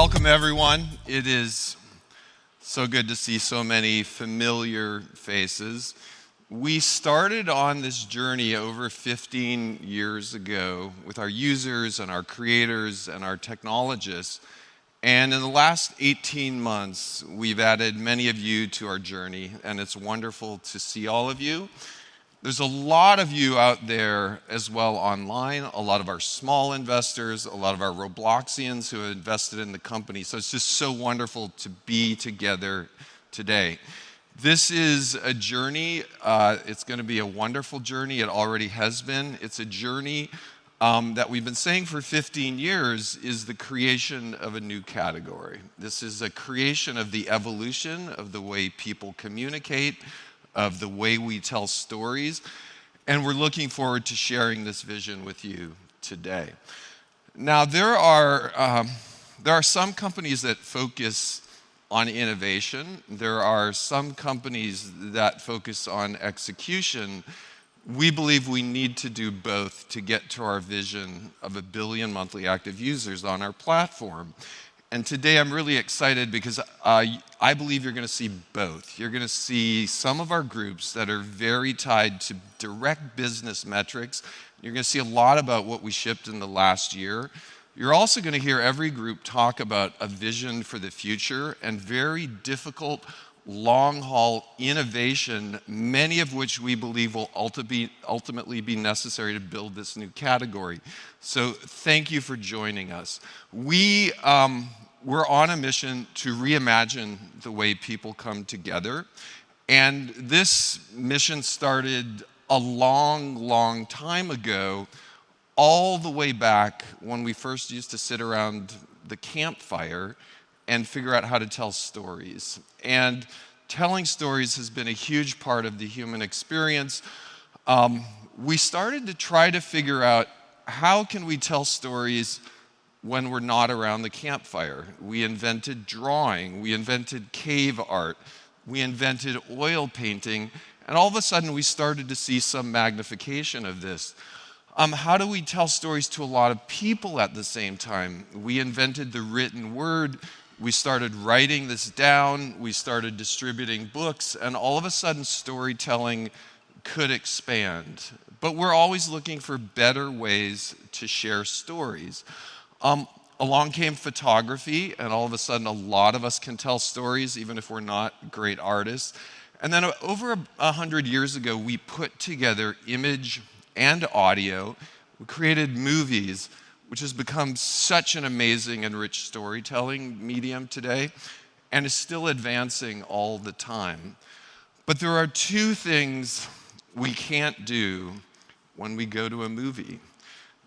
Welcome everyone. It is so good to see so many familiar faces. We started on this journey over 15 years ago with our users and our creators and our technologists, and in the last 18 months, we've added many of you to our journey, and it's wonderful to see all of you. There's a lot of you out there as well online, a lot of our small investors, a lot of our Robloxians who have invested in the company, so it's just so wonderful to be together today. This is a journey. It's gonna be a wonderful journey. It already has been. It's a journey that we've been saying for 15 years is the creation of a new category. This is a creation of the evolution of the way people communicate, of the way we tell stories, and we're looking forward to sharing this vision with you today. Now, there are some companies that focus on innovation. There are some companies that focus on execution. We believe we need to do both to get to our vision of a billion monthly active users on our platform. Today, I'm really excited because I believe you're gonna see both. You're gonna see some of our groups that are very tied to direct business metrics. You're gonna see a lot about what we shipped in the last year. You're also gonna hear every group talk about a vision for the future and very difficult long-haul innovation, many of which we believe will ultimately be necessary to build this new category. Thank you for joining us. We're on a mission to reimagine the way people come together. This mission started a long, long time ago, all the way back when we first used to sit around the campfire and figure out how to tell stories. Telling stories has been a huge part of the human experience. We started to try to figure out, how can we tell stories when we're not around the campfire? We invented drawing, we invented cave art, we invented oil painting, and all of a sudden we started to see some magnification of this. How do we tell stories to a lot of people at the same time? We invented the written word, we started writing this down, we started distributing books, and all of a sudden storytelling could expand. We're always looking for better ways to share stories. Along came photography, and all of a sudden a lot of us can tell stories even if we're not great artists. Over a hundred years ago, we put together image and audio. We created movies, which has become such an amazing and rich storytelling medium today and is still advancing all the time. There are two things we can't do when we go to a movie.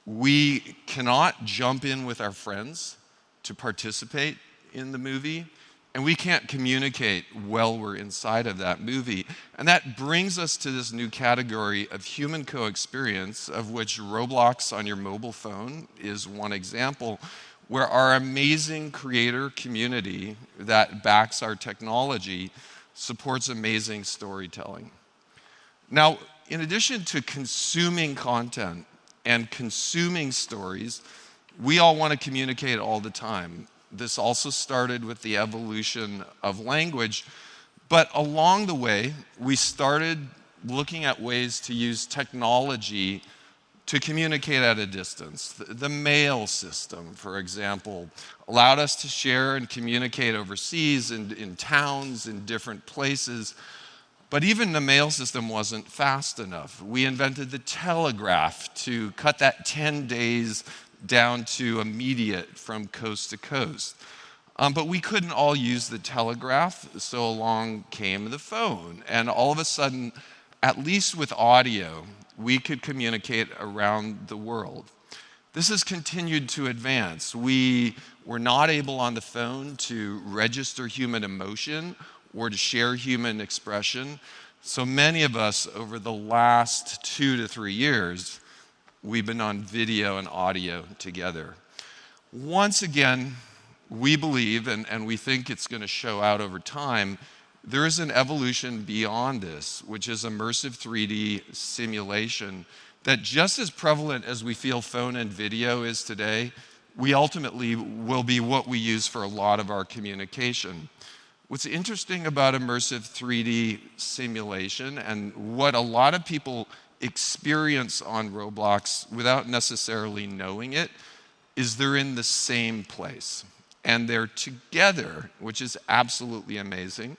We cannot jump in with our friends to participate in the movie, and we can't communicate while we're inside of that movie. That brings us to this new category of human co-experience, of which Roblox on your mobile phone is one example, where our amazing creator community that backs our technology supports amazing storytelling. Now, in addition to consuming content and consuming stories, we all wanna communicate all the time. This also started with the evolution of language. Along the way, we started looking at ways to use technology to communicate at a distance. The mail system, for example, allowed us to share and communicate overseas and in towns, in different places. Even the mail system wasn't fast enough. We invented the telegraph to cut that 10 days down to immediate from coast to coast. We couldn't all use the telegraph, so along came the phone, and all of a sudden, at least with audio, we could communicate around the world. This has continued to advance. We were not able on the phone to register human emotion or to share human expression, so many of us over the last two-three years, we've been on video and audio together. Once again, we believe and we think it's gonna show up over time. There is an evolution beyond this, which is immersive 3D simulation that just as prevalent as we feel phone and video is today. We ultimately will be what we use for a lot of our communication. What's interesting about immersive 3D simulation and what a lot of people experience on Roblox without necessarily knowing it is they're in the same place and they're together, which is absolutely amazing.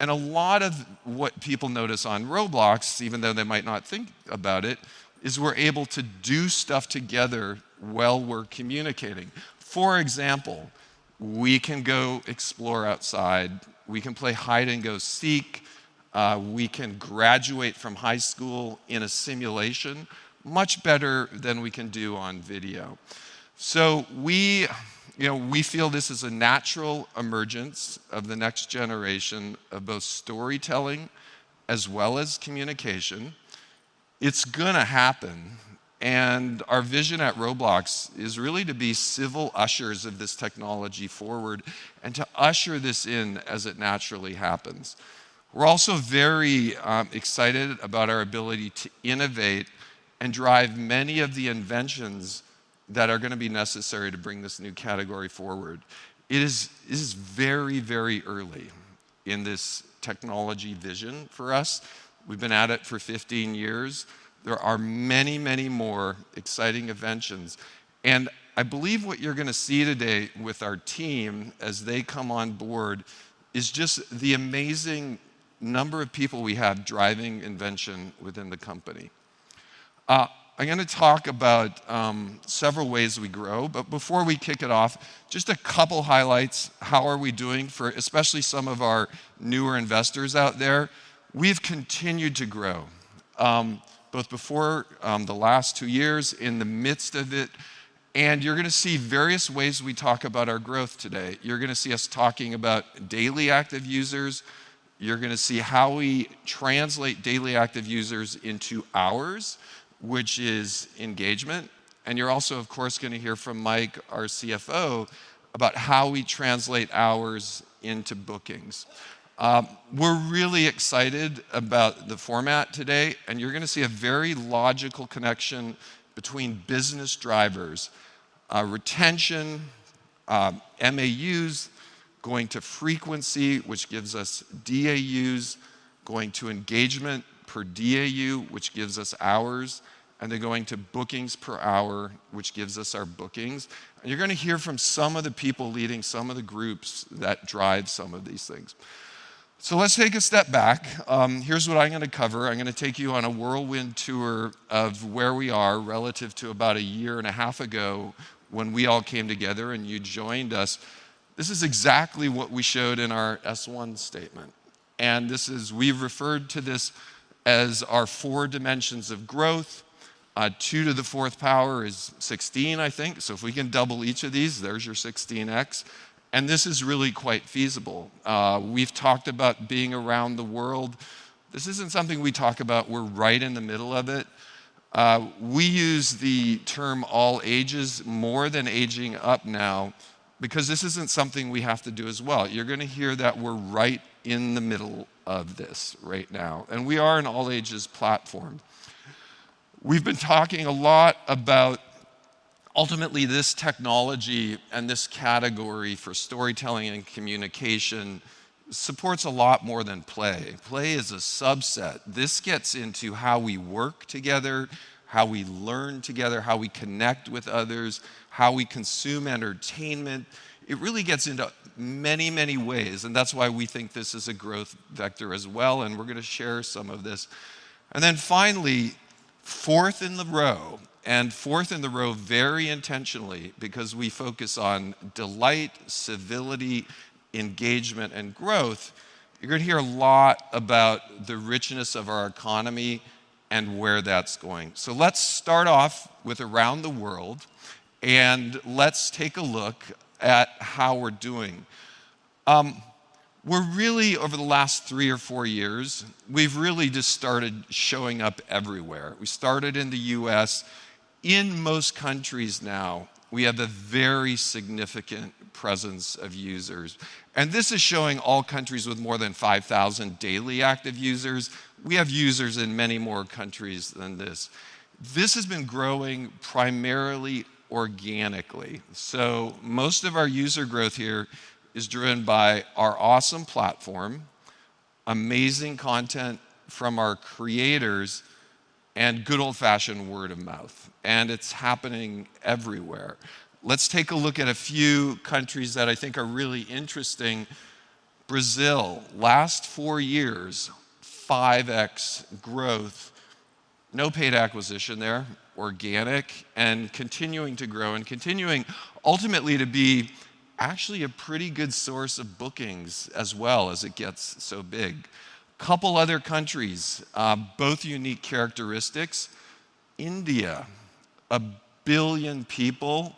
A lot of what people notice on Roblox, even though they might not think about it, is we're able to do stuff together while we're communicating. For example, we can go explore outside, we can play hide and go seek, we can graduate from high school in a simulation much better than we can do on video. We, you know, we feel this is a natural emergence of the next generation of both storytelling as well as communication. It's gonna happen, and our vision at Roblox is really to be civil ushers of this technology forward and to usher this in as it naturally happens. We're also very excited about our ability to innovate and drive many of the inventions that are gonna be necessary to bring this new category forward. This is very, very early. In this technology vision for us, we've been at it for 15 years. There are many, many more exciting inventions. I believe what you're gonna see today with our team as they come on board is just the amazing number of people we have driving invention within the company. I'm gonna talk about several ways we grow. Before we kick it off, just a couple highlights. How are we doing, especially for some of our newer investors out there. We've continued to grow, both before the last two years, in the midst of it, and you're gonna see various ways we talk about our growth today. You're gonna see us talking about daily active users. You're gonna see how we translate daily active users into hours, which is engagement, and you're also, of course, gonna hear from Mike, our CFO, about how we translate hours into bookings. We're really excited about the format today, and you're gonna see a very logical connection between business drivers, retention, MAUs, going to frequency, which gives us DAUs, going to engagement per DAU, which gives us hours, and then going to bookings per hour, which gives us our bookings. You're gonna hear from some of the people leading some of the groups that drive some of these things. Let's take a step back. Here's what I'm gonna cover. I'm gonna take you on a whirlwind tour of where we are relative to about a year and a half ago when we all came together and you joined us. This is exactly what we showed in our S-1 statement. This is. We've referred to this as our four dimensions of growth. Two to the fourth power is 16, I think. If we can double each of these, there's your 16x. This is really quite feasible. We've talked about being around the world. This isn't something we talk about. We're right in the middle of it. We use the term all ages more than aging up now because this isn't something we have to do as well. You're gonna hear that we're right in the middle of this right now, and we are an all-ages platform. We've been talking a lot about ultimately this technology and this category for storytelling and communication supports a lot more than Play. Play is a subset. This gets into how we work together, how we learn together, how we connect with others, how we consume entertainment. It really gets into many, many ways, and that's why we think this is a growth vector as well, and we're gonna share some of this. Then finally, fourth in the row very intentionally because we focus on delight, civility, engagement, and growth. You're gonna hear a lot about the richness of our economy and where that's going. Let's start off with around the world, and let's take a look at how we're doing. We're really, over the last three or four years, we've really just started showing up everywhere. We started in the U.S. In most countries now, we have a very significant presence of users. This is showing all countries with more than 5,000 daily active users. We have users in many more countries than this. This has been growing primarily organically. Most of our user growth here is driven by our awesome platform, amazing content from our creators, and good old-fashioned word of mouth, and it's happening everywhere. Let's take a look at a few countries that I think are really interesting. Brazil, last four years, 5x growth. No paid acquisition there. Organic and continuing to grow and continuing ultimately to be actually a pretty good source of bookings as well as it gets so big. Couple other countries, both unique characteristics. India, one billion people.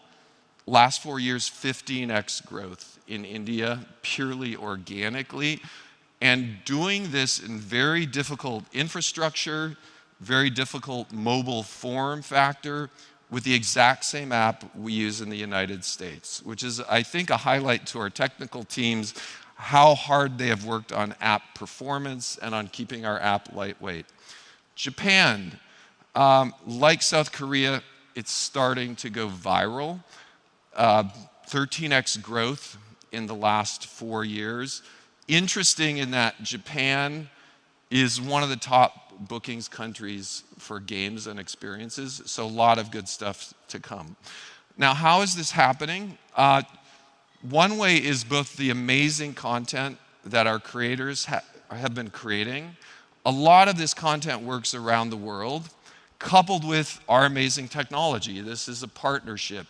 Last four years, 15x growth in India, purely organically, and doing this in very difficult infrastructure, very difficult mobile form factor with the exact same app we use in the United States, which is I think a highlight to our technical teams, how hard they have worked on app performance and on keeping our app lightweight. Japan, like South Korea, it's starting to go viral. 13x growth in the last four years. Interesting in that Japan is one of the top bookings countries for games and experiences, so a lot of good stuff to come. Now, how is this happening? One way is both the amazing content that our creators have been creating. A lot of this content works around the world, coupled with our amazing technology. This is a partnership.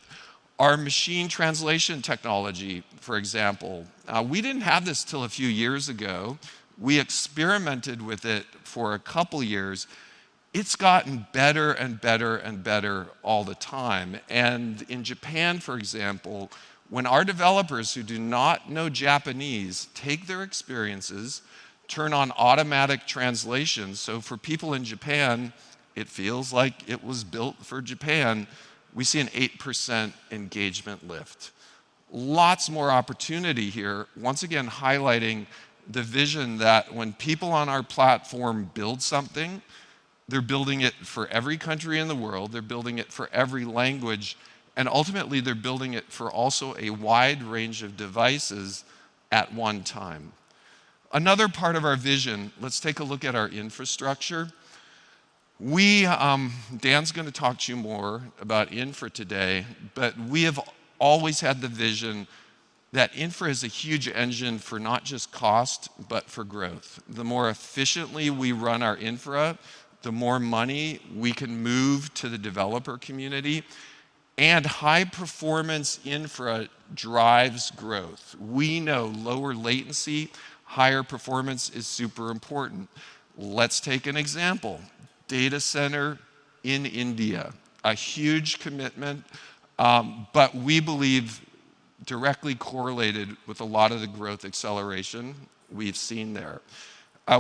Our machine translation technology, for example, we didn't have this till a few years ago. We experimented with it for a couple years. It's gotten better and better and better all the time. In Japan, for example, when our developers who do not know Japanese take their experiences, turn on automatic translation, so for people in Japan it feels like it was built for Japan, we see an 8% engagement lift. Lots more opportunity here, once again highlighting the vision that when people on our platform build something. They're building it for every country in the world, they're building it for every language, and ultimately they're building it for also a wide range of devices at one time. Another part of our vision, let's take a look at our infrastructure. We, Dan's gonna talk to you more about infra today, but we have always had the vision that infra is a huge engine for not just cost, but for growth. The more efficiently we run our infra, the more money we can move to the developer community. High-performance infra drives growth. We know lower latency, higher performance is super important. Let's take an example. Data center in India, a huge commitment, but we believe directly correlated with a lot of the growth acceleration we've seen there.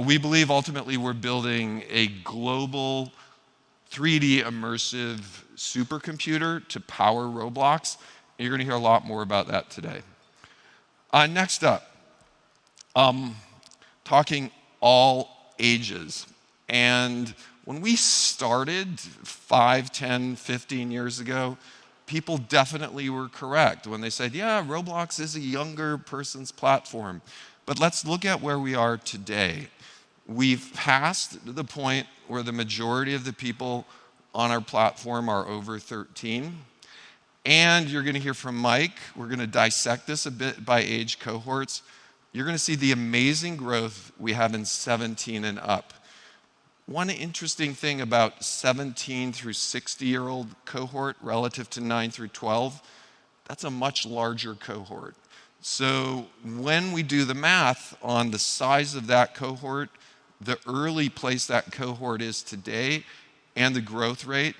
We believe ultimately we're building a global 3D immersive supercomputer to power Roblox, and you're gonna hear a lot more about that today. Next up, talking all ages. When we started five, 10, 15 years ago, people definitely were correct when they said, "Yeah, Roblox is a younger person's platform." But let's look at where we are today. We've passed the point where the majority of the people on our platform are over 13, and you're gonna hear from Mike, we're gonna dissect this a bit by age cohorts. You're gonna see the amazing growth we have in 17 and up. One interesting thing about 17 through 60-year-old cohort relative to nine through 12, that's a much larger cohort. When we do the math on the size of that cohort, the early place that cohort is today, and the growth rate,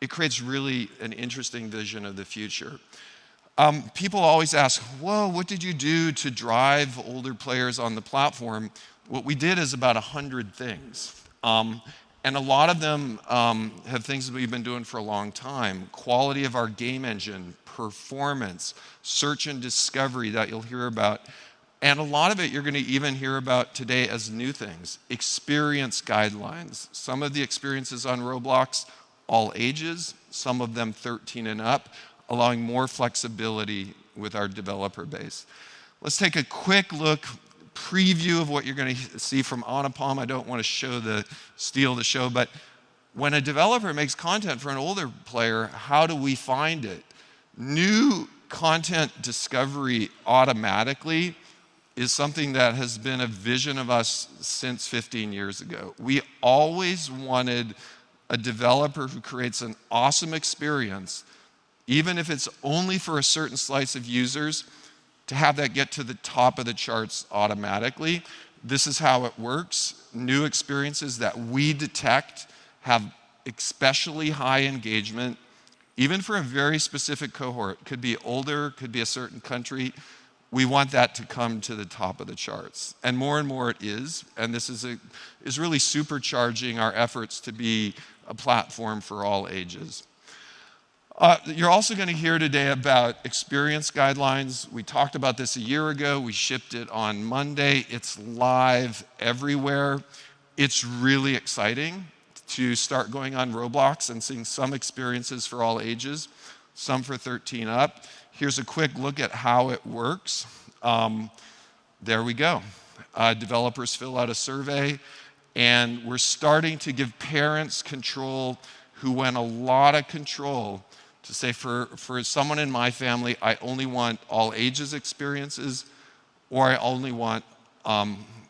it creates really an interesting vision of the future. People always ask, "Whoa, what did you do to drive older players on the platform?" What we did is about 100 things, and a lot of them have things that we've been doing for a long time, quality of our game engine, performance, search and discovery that you'll hear about, and a lot of it you're gonna even hear about today as new things. Experience Guidelines. Some of the experiences on Roblox, all ages, some of them 13 and up, allowing more flexibility with our developer base. Let's take a quick look, preview of what you're gonna see from Anupam. I don't wanna steal the show, but when a developer makes content for an older player, how do we find it? New content discovery automatically is something that has been a vision of us since 15 years ago. We always wanted a developer who creates an awesome experience, even if it's only for a certain slice of users, to have that get to the top of the charts automatically. This is how it works. New experiences that we detect have especially high engagement, even for a very specific cohort, could be older, could be a certain country, we want that to come to the top of the charts, and more and more it is, and this is really supercharging our efforts to be a platform for all ages. You're also gonna hear today about Experience Guidelines. We talked about this a year ago. We shipped it on Monday. It's live everywhere. It's really exciting to start going on Roblox and seeing some experiences for all ages, some for 13 up. Here's a quick look at how it works. Developers fill out a survey, and we're starting to give parents control who want a lot of control to say, "For someone in my family, I only want all ages experiences," or, "I only want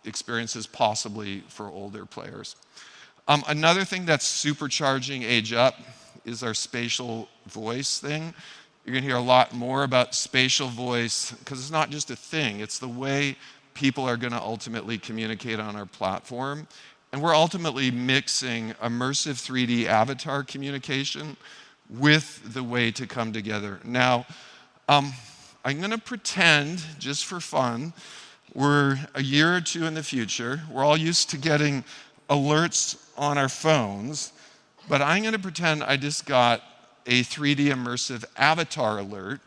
experiences possibly for older players." Another thing that's supercharging age up is our spatial voice thing. You're gonna hear a lot more about spatial voice, 'cause it's not just a thing, it's the way people are gonna ultimately communicate on our platform, and we're ultimately mixing immersive 3D avatar communication with the way to come together. Now, I'm gonna pretend, just for fun, we're a year or two in the future. We're all used to getting alerts on our phones, but I'm gonna pretend I just got a 3D immersive avatar alert,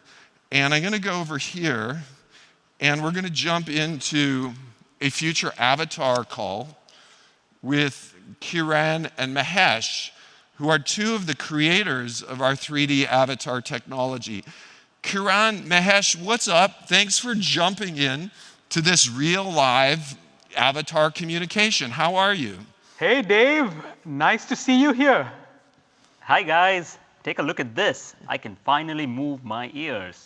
and I'm gonna go over here, and we're gonna jump into a future avatar call with Kiran and Mahesh, who are two of the creators of our 3D avatar technology. Kiran, Mahesh, what's up? Thanks for jumping in to this real live avatar communication. How are you? Hey, Dave. Nice to see you here. Hi, guys. Take a look at this. I can finally move my ears.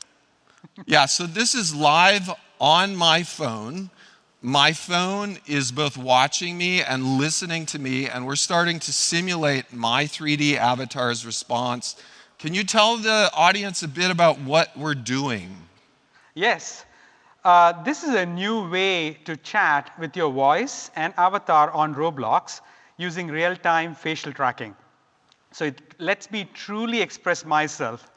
Yeah, this is live on my phone. My phone is both watching me and listening to me, and we're starting to simulate my 3D avatar's response. Can you tell the audience a bit about what we're doing? Yes. This is a new way to chat with your voice and avatar on Roblox using real-time facial tracking. It lets me truly express myself.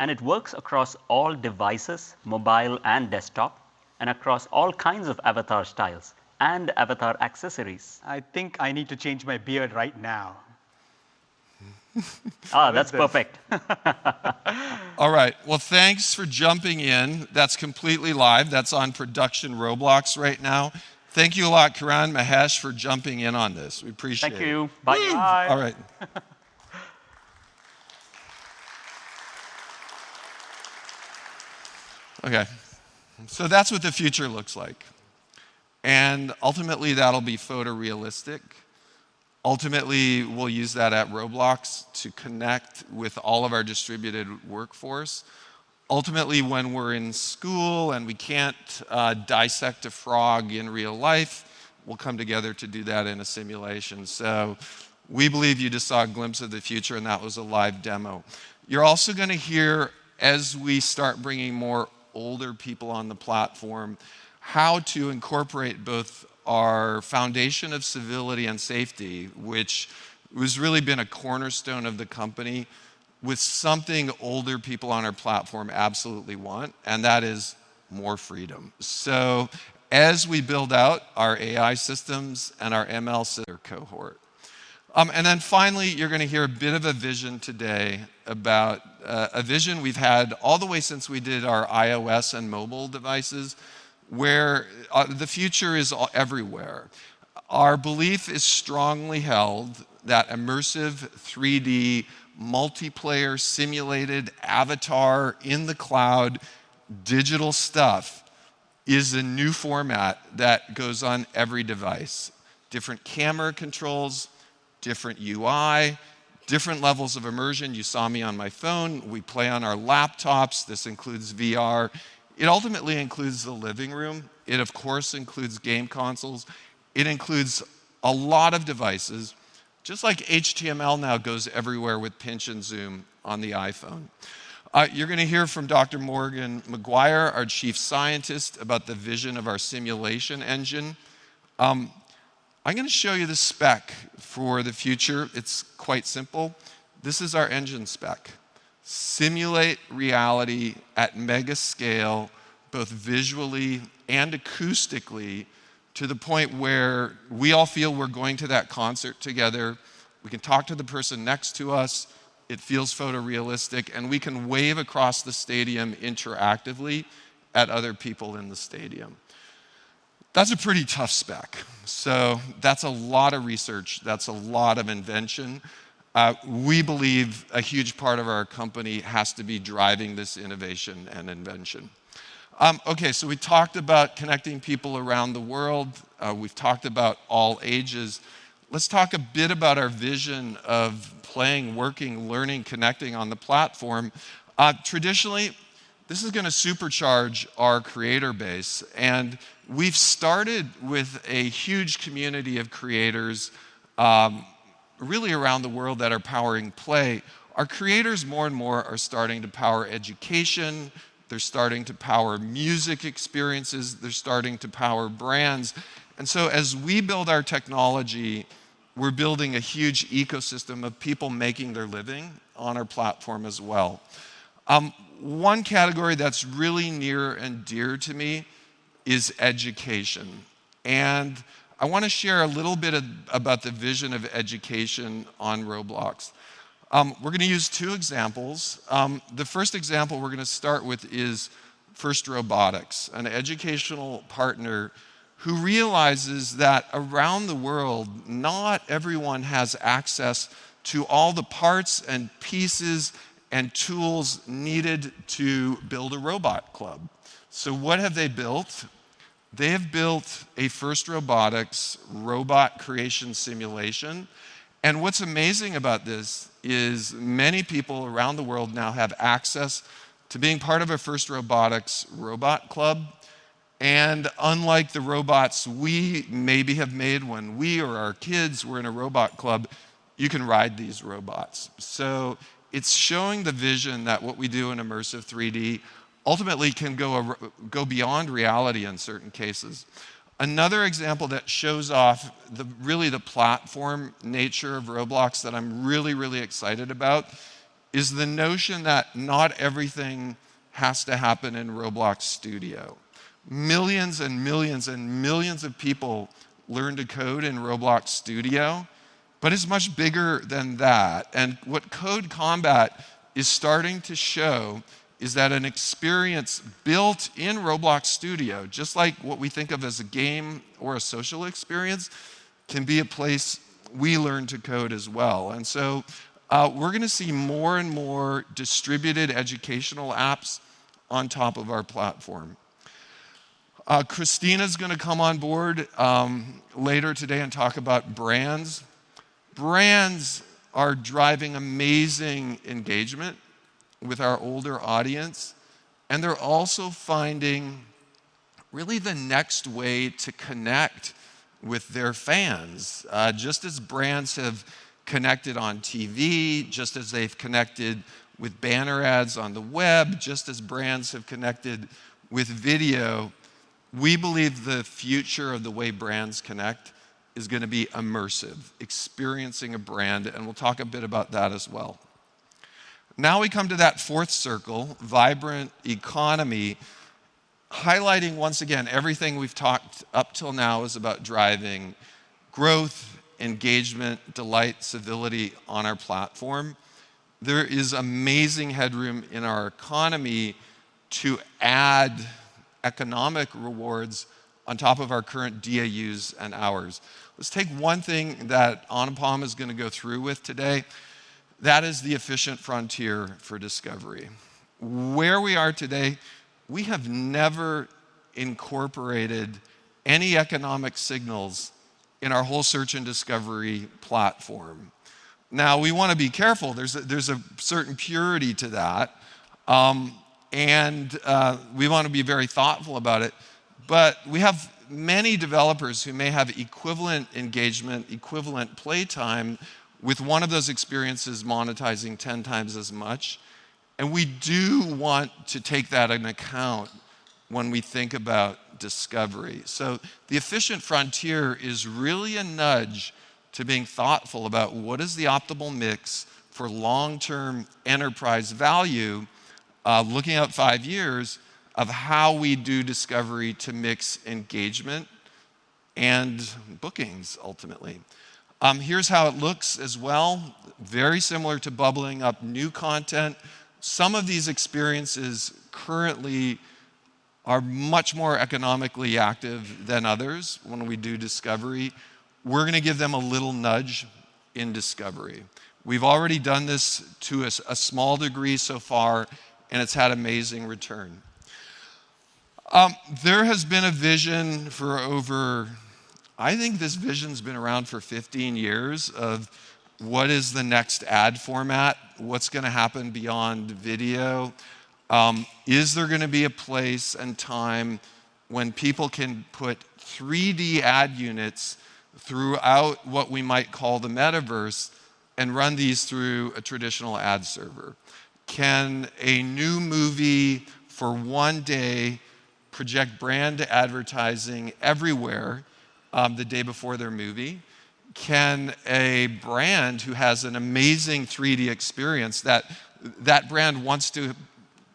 It works across all devices, mobile and desktop, and across all kinds of avatar styles and avatar accessories. I think I need to change my beard right now. That's perfect. All right. Well, thanks for jumping in. That's completely live. That's on production Roblox right now. Thank you a lot, Kiran, Mahesh, for jumping in on this. We appreciate it. Thank you. Bye. All right. Okay. That's what the future looks like, and ultimately that'll be photorealistic. Ultimately, we'll use that at Roblox to connect with all of our distributed workforce. Ultimately, when we're in school, and we can't dissect a frog in real life, we'll come together to do that in a simulation. We believe you just saw a glimpse of the future, and that was a live demo. You're also gonna hear as we start bringing more older people on the platform, how to incorporate both our foundation of civility and safety, which has really been a cornerstone of the company, with something older people on our platform absolutely want, and that is more freedom. As we build out our AI systems and our ML systems and our cohort. Finally, you're gonna hear a bit of a vision today about a vision we've had all the way since we did our iOS and mobile devices, where the future is everywhere. Our belief is strongly held that immersive 3D multiplayer simulated avatar in the cloud digital stuff is a new format that goes on every device. Different camera controls, different UI, different levels of immersion. You saw me on my phone. We play on our laptops. This includes VR. It ultimately includes the living room. It, of course, includes game consoles. It includes a lot of devices, just like HTML now goes everywhere with pinch and zoom on the iPhone. You're gonna hear from Dr. Morgan McGuire, our chief scientist, about the vision of our simulation engine. I'm gonna show you the spec for the future. It's quite simple. This is our engine spec. Simulate reality at mega scale, both visually and acoustically to the point where we all feel we're going to that concert together. We can talk to the person next to us, it feels photorealistic, and we can wave across the stadium interactively at other people in the stadium. That's a pretty tough spec, so that's a lot of research. That's a lot of invention. We believe a huge part of our company has to be driving this innovation and invention. We talked about connecting people around the world. We've talked about all ages. Let's talk a bit about our vision of playing, working, learning, connecting on the platform. Traditionally, this is gonna supercharge our creator base, and we've started with a huge community of creators, really around the world that are powering play. Our creators more and more are starting to power education, they're starting to power music experiences, they're starting to power brands. As we build our technology, we're building a huge ecosystem of people making their living on our platform as well. One category that's really near and dear to me is education, and I wanna share a little bit about the vision of education on Roblox. We're gonna use two examples. The first example we're gonna start with is FIRST Robotics, an educational partner who realizes that around the world, not everyone has access to all the parts and pieces and tools needed to build a robot club. What have they built? They have built a FIRST Robotics robot creation simulation, and what's amazing about this is many people around the world now have access to being part of a FIRST Robotics robot club, and unlike the robots we maybe have made when we or our kids were in a robot club, you can ride these robots. It's showing the vision that what we do in immersive 3D ultimately can go beyond reality in certain cases. Another example that shows off really the platform nature of Roblox that I'm really, really excited about is the notion that not everything has to happen in Roblox Studio. Millions and millions and millions of people learn to code in Roblox Studio, but it's much bigger than that. What CodeCombat is starting to show is that an experience built in Roblox Studio, just like what we think of as a game or a social experience, can be a place we learn to code as well. We're gonna see more and more distributed educational apps on top of our platform. Christina's gonna come on board, later today and talk about brands. Brands are driving amazing engagement with our older audience, and they're also finding really the next way to connect with their fans. Just as brands have connected on TV, just as they've connected with banner ads on the web, just as brands have connected with video, we believe the future of the way brands connect is gonna be immersive, experiencing a brand, and we'll talk a bit about that as well. Now we come to that fourth circle, vibrant economy, highlighting once again everything we've talked up till now is about driving growth, engagement, delight, civility on our platform. There is amazing headroom in our economy to add economic rewards on top of our current DAUs and hours. Let's take one thing that Anupam is gonna go through with today. That is the efficient frontier for discovery. Where we are today, we have never incorporated any economic signals in our whole search and discovery platform. Now, we wanna be careful. There's a certain purity to that, and we wanna be very thoughtful about it. We have many developers who may have equivalent engagement, equivalent playtime with one of those experiences monetizing ten times as much, and we do want to take that into account when we think about discovery. The efficient frontier is really a nudge to being thoughtful about what is the optimal mix for long-term enterprise value, looking out five years of how we do discovery to mix engagement and bookings ultimately. Here's how it looks as well. Very similar to bubbling up new content. Some of these experiences currently are much more economically active than others when we do discovery. We're gonna give them a little nudge in discovery. We've already done this to a small degree so far, and it's had amazing return. There has been a vision for over, I think this vision's been around for 15 years, of what is the next ad format? What's gonna happen beyond video? Is there gonna be a place and time when people can put 3D ad units throughout what we might call the metaverse and run these through a traditional ad server? Can a new movie for one day project brand advertising everywhere, the day before their movie? Can a brand who has an amazing 3D experience that brand wants to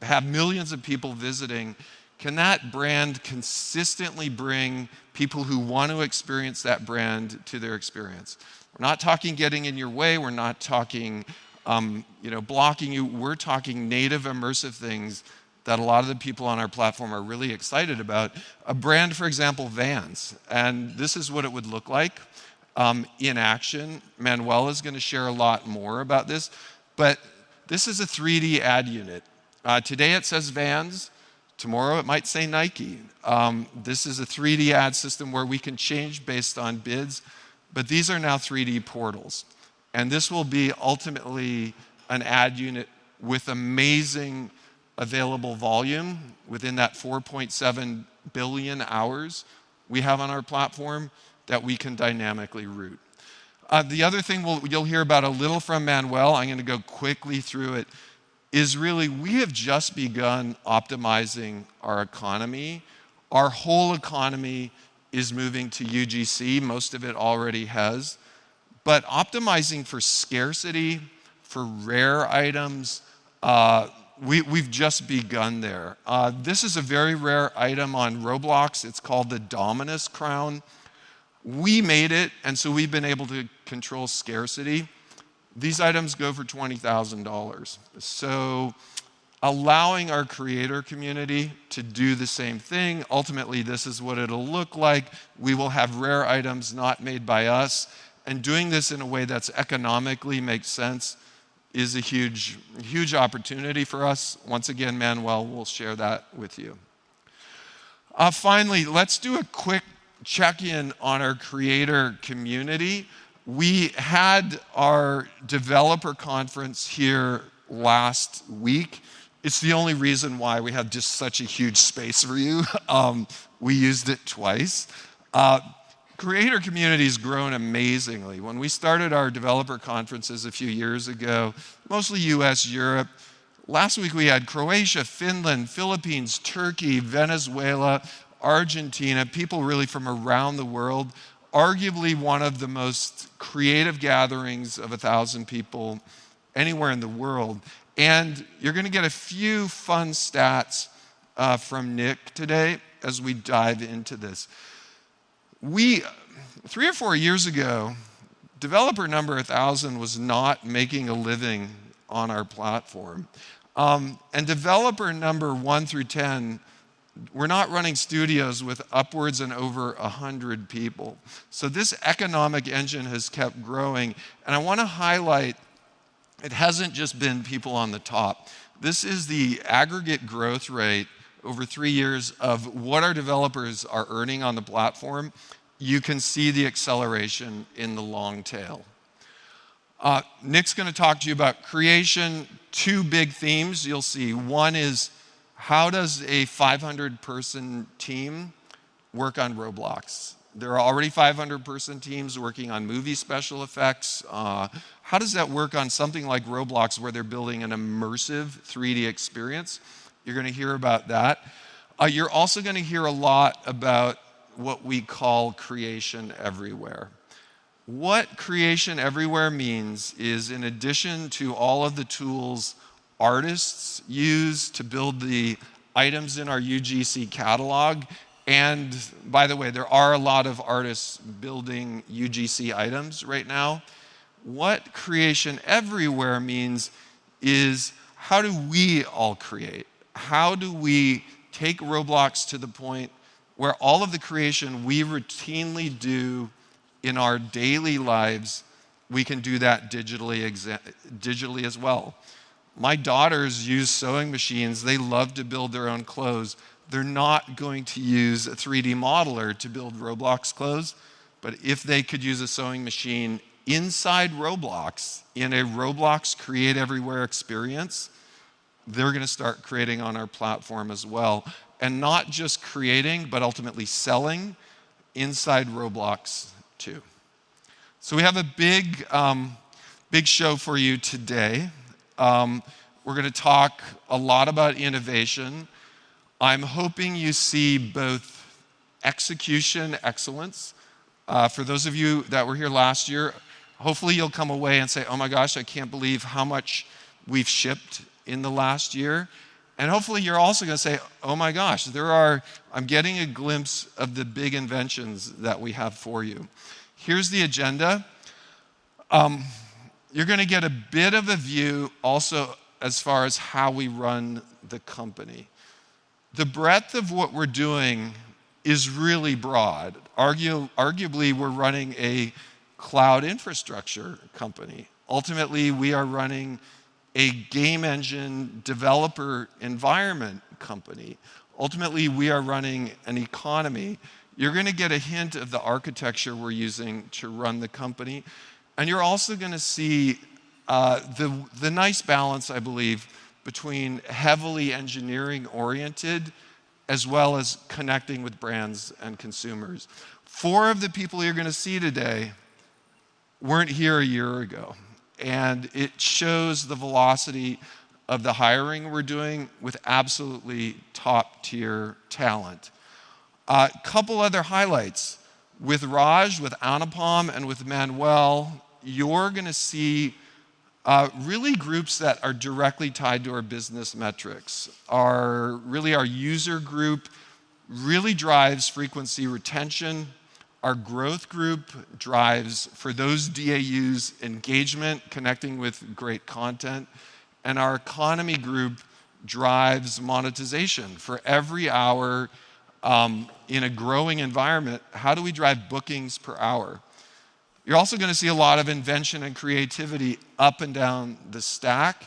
have millions of people visiting, can that brand consistently bring people who want to experience that brand to their experience? We're not talking getting in your way. We're not talking, you know, blocking you. We're talking native immersive things that a lot of the people on our platform are really excited about. A brand, for example, Vans, and this is what it would look like in action. Manuel is gonna share a lot more about this. This is a 3D ad unit. Today it says Vans. Tomorrow it might say Nike. This is a 3D ad system where we can change based on bids, but these are now 3D portals, and this will be ultimately an ad unit with amazing available volume within that 4.7 billion hours we have on our platform that we can dynamically route. The other thing you'll hear about a little from Manuel, I'm gonna go quickly through it, is really we have just begun optimizing our economy. Our whole economy is moving to UGC. Most of it already has. Optimizing for scarcity, for rare items, we've just begun there. This is a very rare item on Roblox. It's called the Domino Crown. We made it, and so we've been able to control scarcity. These items go for $20,000. Allowing our creator community to do the same thing. Ultimately, this is what it'll look like. We will have rare items not made by us, and doing this in a way that's economically makes sense is a huge, huge opportunity for us. Once again, Manuel will share that with you. Finally, let's do a quick check-in on our creator community. We had our developer conference here last week. It's the only reason why we have just such a huge space for you. We used it twice. Creator community's grown amazingly. When we started our developer conferences a few years ago, mostly U.S., Europe. Last week we had Croatia, Finland, Philippines, Turkey, Venezuela, Argentina, people really from around the world. Arguably one of the most creative gatherings of 1,000 people anywhere in the world. You're gonna get a few fun stats from Nick today as we dive into this. We, three or four years ago, developer number 1,000 was not making a living on our platform. Developer number one through 10 were not running studios with upwards and over 100 people. This economic engine has kept growing, and I wanna highlight it hasn't just been people on the top. This is the aggregate growth rate over three years of what our developers are earning on the platform. You can see the acceleration in the long tail. Nick's gonna talk to you about creation. Two big themes you'll see. One is how does a 500-person team work on Roblox? There are already 500-person teams working on movie special effects. How does that work on something like Roblox, where they're building an immersive 3D experience? You're gonna hear about that. You're also gonna hear a lot about what we call creation everywhere. What creation everywhere means is in addition to all of the tools artists use to build the items in our UGC catalog, and by the way, there are a lot of artists building UGC items right now. What creation everywhere means is how do we all create? How do we take Roblox to the point where all of the creation we routinely do in our daily lives, we can do that digitally as well? My daughters use sewing machines. They love to build their own clothes. They're not going to use a 3D modeler to build Roblox clothes, but if they could use a sewing machine inside Roblox in a Roblox create everywhere experience, they're gonna start creating on our platform as well, and not just creating, but ultimately selling inside Roblox too. We have a big show for you today. We're gonna talk a lot about innovation. I'm hoping you see both execution excellence for those of you that were here last year, hopefully you'll come away and say, "Oh my gosh, I can't believe how much we've shipped in the last year." Hopefully you're also gonna say, "Oh my gosh, there are I'm getting a glimpse of the big inventions that we have for you." Here's the agenda. You're gonna get a bit of a view also as far as how we run the company. The breadth of what we're doing is really broad. Arguably, we're running a cloud infrastructure company. Ultimately, we are running a game engine developer environment company. Ultimately, we are running an economy. You're gonna get a hint of the architecture we're using to run the company, and you're also gonna see the nice balance, I believe, between heavily engineering-oriented as well as connecting with brands and consumers. Four of the people you're gonna see today weren't here a year ago, and it shows the velocity of the hiring we're doing with absolutely top-tier talent. A couple other highlights. With Raj, with Anupam, and with Manuel, you're gonna see really groups that are directly tied to our business metrics. Our user group really drives frequency retention. Our growth group drives, for those DAUs, engagement, connecting with great content. Our economy group drives monetization. For every hour in a growing environment, how do we drive bookings per hour? You're also gonna see a lot of invention and creativity up and down the stack,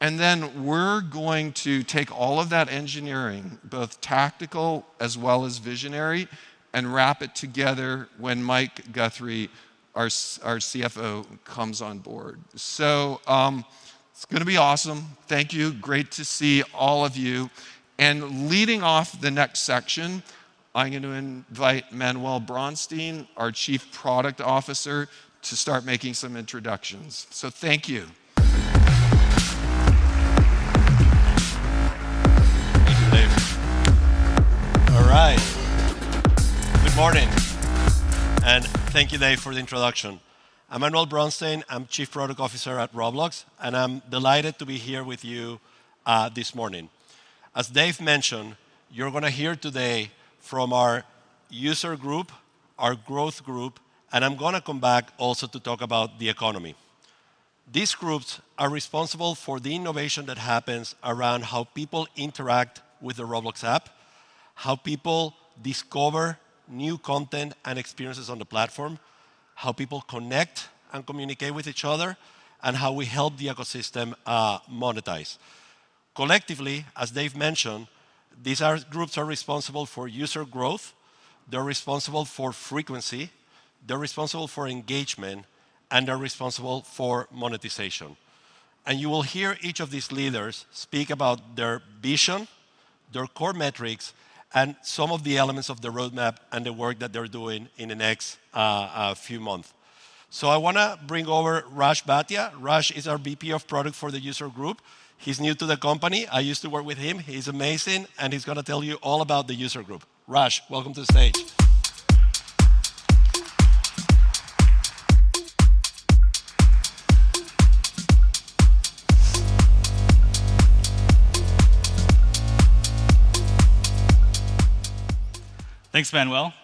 and then we're going to take all of that engineering, both tactical as well as visionary, and wrap it together when Mike Guthrie, our CFO, comes on board. It's gonna be awesome. Thank you. Great to see all of you. Leading off the next section, I'm going to invite Manuel Bronstein, our Chief Product Officer, to start making some introductions. Thank you. Thank you, Dave. All right. Good morning, and thank you Dave for the introduction. I'm Manuel Bronstein, I'm Chief Product Officer at Roblox, and I'm delighted to be here with you, this morning. As Dave mentioned, you're gonna hear today from our user group, our growth group, and I'm gonna come back also to talk about the economy. These groups are responsible for the innovation that happens around how people interact with the Roblox app, how people discover new content and experiences on the platform, how people connect and communicate with each other, and how we help the ecosystem, monetize. Collectively, as Dave mentioned, these groups are responsible for user growth, they're responsible for frequency, they're responsible for engagement, and they're responsible for monetization. You will hear each of these leaders speak about their vision, their core metrics, and some of the elements of the roadmap and the work that they're doing in the next few months. I wanna bring over Rajiv Bhatia. Raj is our VP of Product for the user group. He's new to the company. I used to work with him. He's amazing, and he's gonna tell you all about the user group. Raj, welcome to the stage. Thanks, Manuel.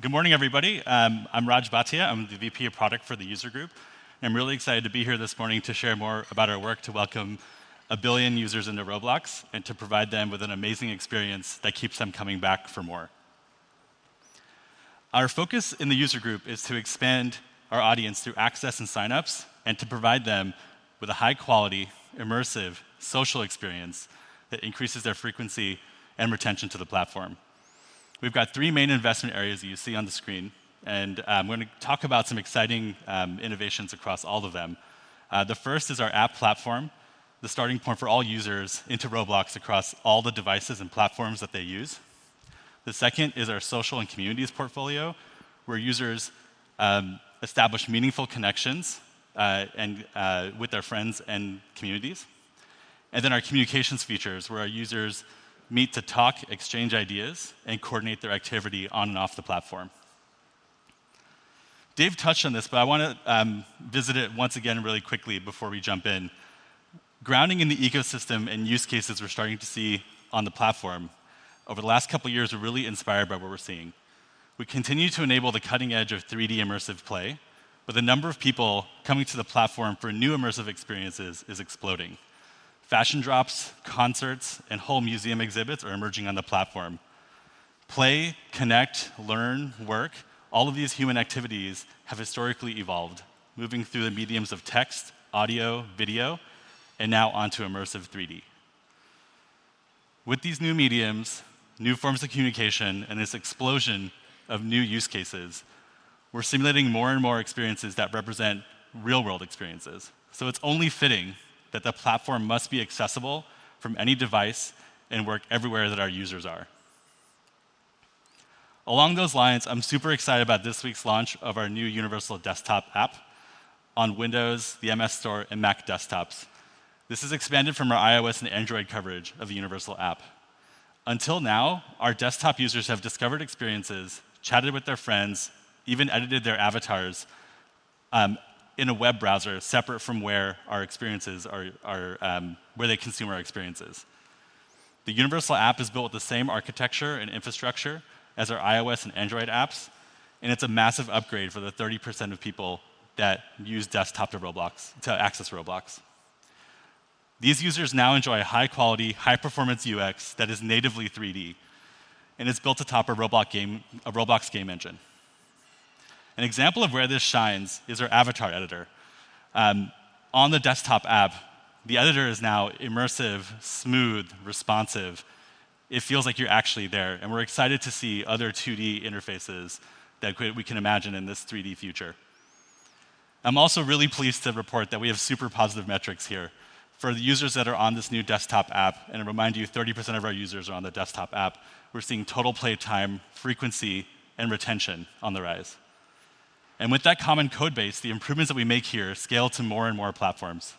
Good morning, everybody. I'm Rajiv Bhatia. I'm the VP of Product for the user group. I'm really excited to be here this morning to share more about our work to welcome a billion users into Roblox and to provide them with an amazing experience that keeps them coming back for more. Our focus in the user group is to expand our audience through access and signups and to provide them with a high-quality, immersive social experience that increases their frequency and retention to the platform. We've got three main investment areas that you see on the screen, and we're gonna talk about some exciting innovations across all of them. The first is our app platform, the starting point for all users into Roblox across all the devices and platforms that they use. The second is our social and communities portfolio, where users establish meaningful connections with their friends and communities. Our communications features, where our users meet to talk, exchange ideas, and coordinate their activity on and off the platform. Dave touched on this, but I wanna visit it once again really quickly before we jump in. Grounding in the ecosystem and use cases we're starting to see on the platform, over the last couple years, we're really inspired by what we're seeing. We continue to enable the cutting edge of 3D immersive play, but the number of people coming to the platform for new immersive experiences is exploding. Fashion drops, concerts, and whole museum exhibits are emerging on the platform. Play, connect, learn, work, all of these human activities have historically evolved, moving through the mediums of text, audio, video, and now onto immersive 3D. With these new mediums, new forms of communication, and this explosion of new use cases, we're simulating more and more experiences that represent real-world experiences. It's only fitting that the platform must be accessible from any device and work everywhere that our users are. Along those lines, I'm super excited about this week's launch of our new universal desktop app on Windows, the Microsoft Store, and Mac desktops. This is expanded from our iOS and Android coverage of the universal app. Until now, our desktop users have discovered experiences, chatted with their friends, even edited their avatars, in a web browser separate from where our experiences are, where they consume our experiences. The universal app is built with the same architecture and infrastructure as our iOS and Android apps, and it's a massive upgrade for the 30% of people that use desktop to access Roblox. These users now enjoy a high-quality, high-performance UX that is natively 3D, and it's built atop a Roblox game, a Roblox game engine. An example of where this shines is our avatar editor. On the desktop app, the editor is now immersive, smooth, responsive. It feels like you're actually there, and we're excited to see other 2D interfaces that we can imagine in this 3D future. I'm also really pleased to report that we have super positive metrics here. For the users that are on this new desktop app, and to remind you, 30% of our users are on the desktop app, we're seeing total play time, frequency, and retention on the rise. With that common code base, the improvements that we make here scale to more and more platforms.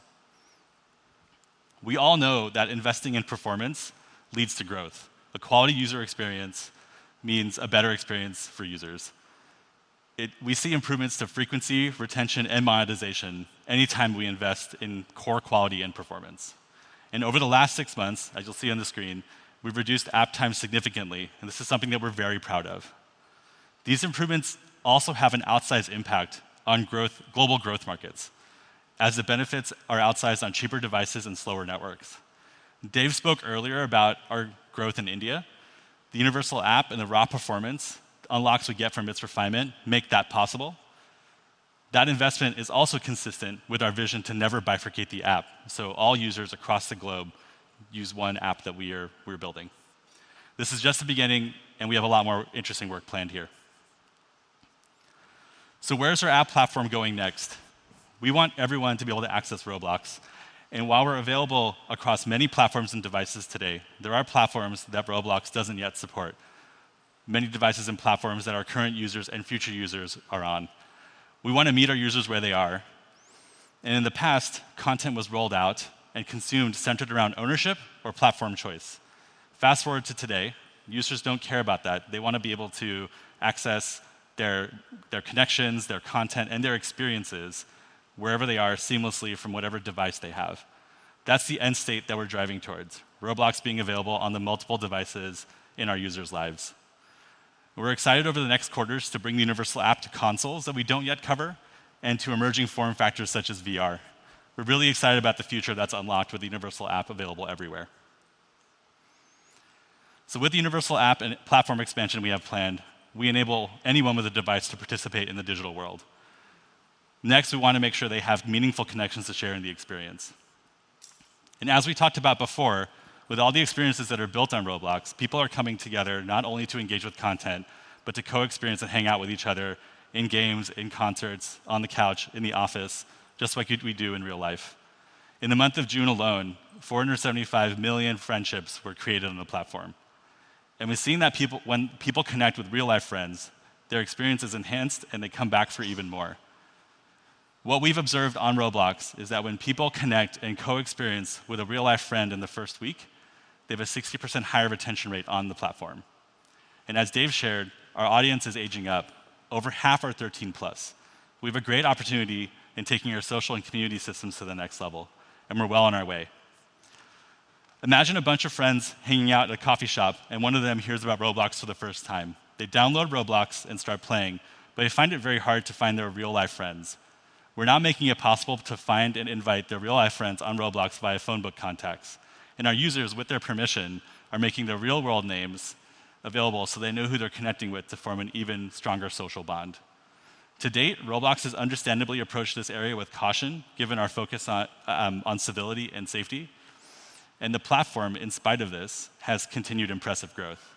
We all know that investing in performance leads to growth. A quality user experience means a better experience for users. We see improvements to frequency, retention, and monetization anytime we invest in core quality and performance. Over the last six months, as you'll see on the screen, we've reduced app time significantly, and this is something that we're very proud of. These improvements also have an outsized impact on growth, global growth markets, as the benefits are outsized on cheaper devices and slower networks. Dave spoke earlier about our growth in India. The universal app and the raw performance unlocks we get from its refinement make that possible. That investment is also consistent with our vision to never bifurcate the app, so all users across the globe use one app that we're building. This is just the beginning, and we have a lot more interesting work planned here. So where's our app platform going next? We want everyone to be able to access Roblox, and while we're available across many platforms and devices today, there are platforms that Roblox doesn't yet support, many devices and platforms that our current users and future users are on. We wanna meet our users where they are. In the past, content was rolled out and consumed centered around ownership or platform choice. Fast-forward to today, users don't care about that. They wanna be able to access their connections, their content, and their experiences wherever they are seamlessly from whatever device they have. That's the end state that we're driving towards, Roblox being available on the multiple devices in our users' lives. We're excited over the next quarters to bring the universal app to consoles that we don't yet cover and to emerging form factors such as VR. We're really excited about the future that's unlocked with the universal app available everywhere. With the universal app and platform expansion we have planned, we enable anyone with a device to participate in the digital world. Next, we wanna make sure they have meaningful connections to share in the experience. As we talked about before, with all the experiences that are built on Roblox, people are coming together not only to engage with content, but to co-experience and hang out with each other in games, in concerts, on the couch, in the office, just like we do in real life. In the month of June alone, 475 million friendships were created on the platform. We've seen that when people connect with real-life friends, their experience is enhanced, and they come back for even more. What we've observed on Roblox is that when people connect and co-experience with a real-life friend in the first week, they have a 60% higher retention rate on the platform. As Dave shared, our audience is aging up. Over half are 13+. We have a great opportunity in taking our social and community systems to the next level, and we're well on our way. Imagine a bunch of friends hanging out at a coffee shop, and one of them hears about Roblox for the first time. They download Roblox and start playing, but they find it very hard to find their real-life friends. We're now making it possible to find and invite their real-life friends on Roblox via phone book contacts. Our users, with their permission, are making their real-world names available, so they know who they're connecting with to form an even stronger social bond. To date, Roblox has understandably approached this area with caution, given our focus on civility and safety. The platform, in spite of this, has continued impressive growth.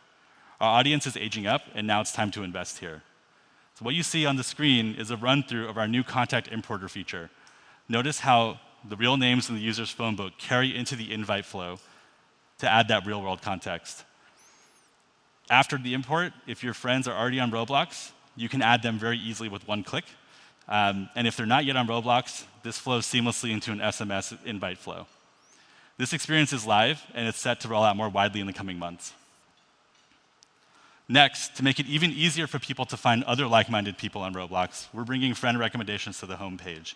Our audience is aging up, and now it's time to invest here. What you see on the screen is a run-through of our new contact importer feature. Notice how the real names in the user's phone book carry into the invite flow to add that real-world context. After the import, if your friends are already on Roblox, you can add them very easily with one click. If they're not yet on Roblox, this flows seamlessly into an SMS invite flow. This experience is live, and it's set to roll out more widely in the coming months. Next, to make it even easier for people to find other like-minded people on Roblox, we're bringing friend recommendations to the homepage.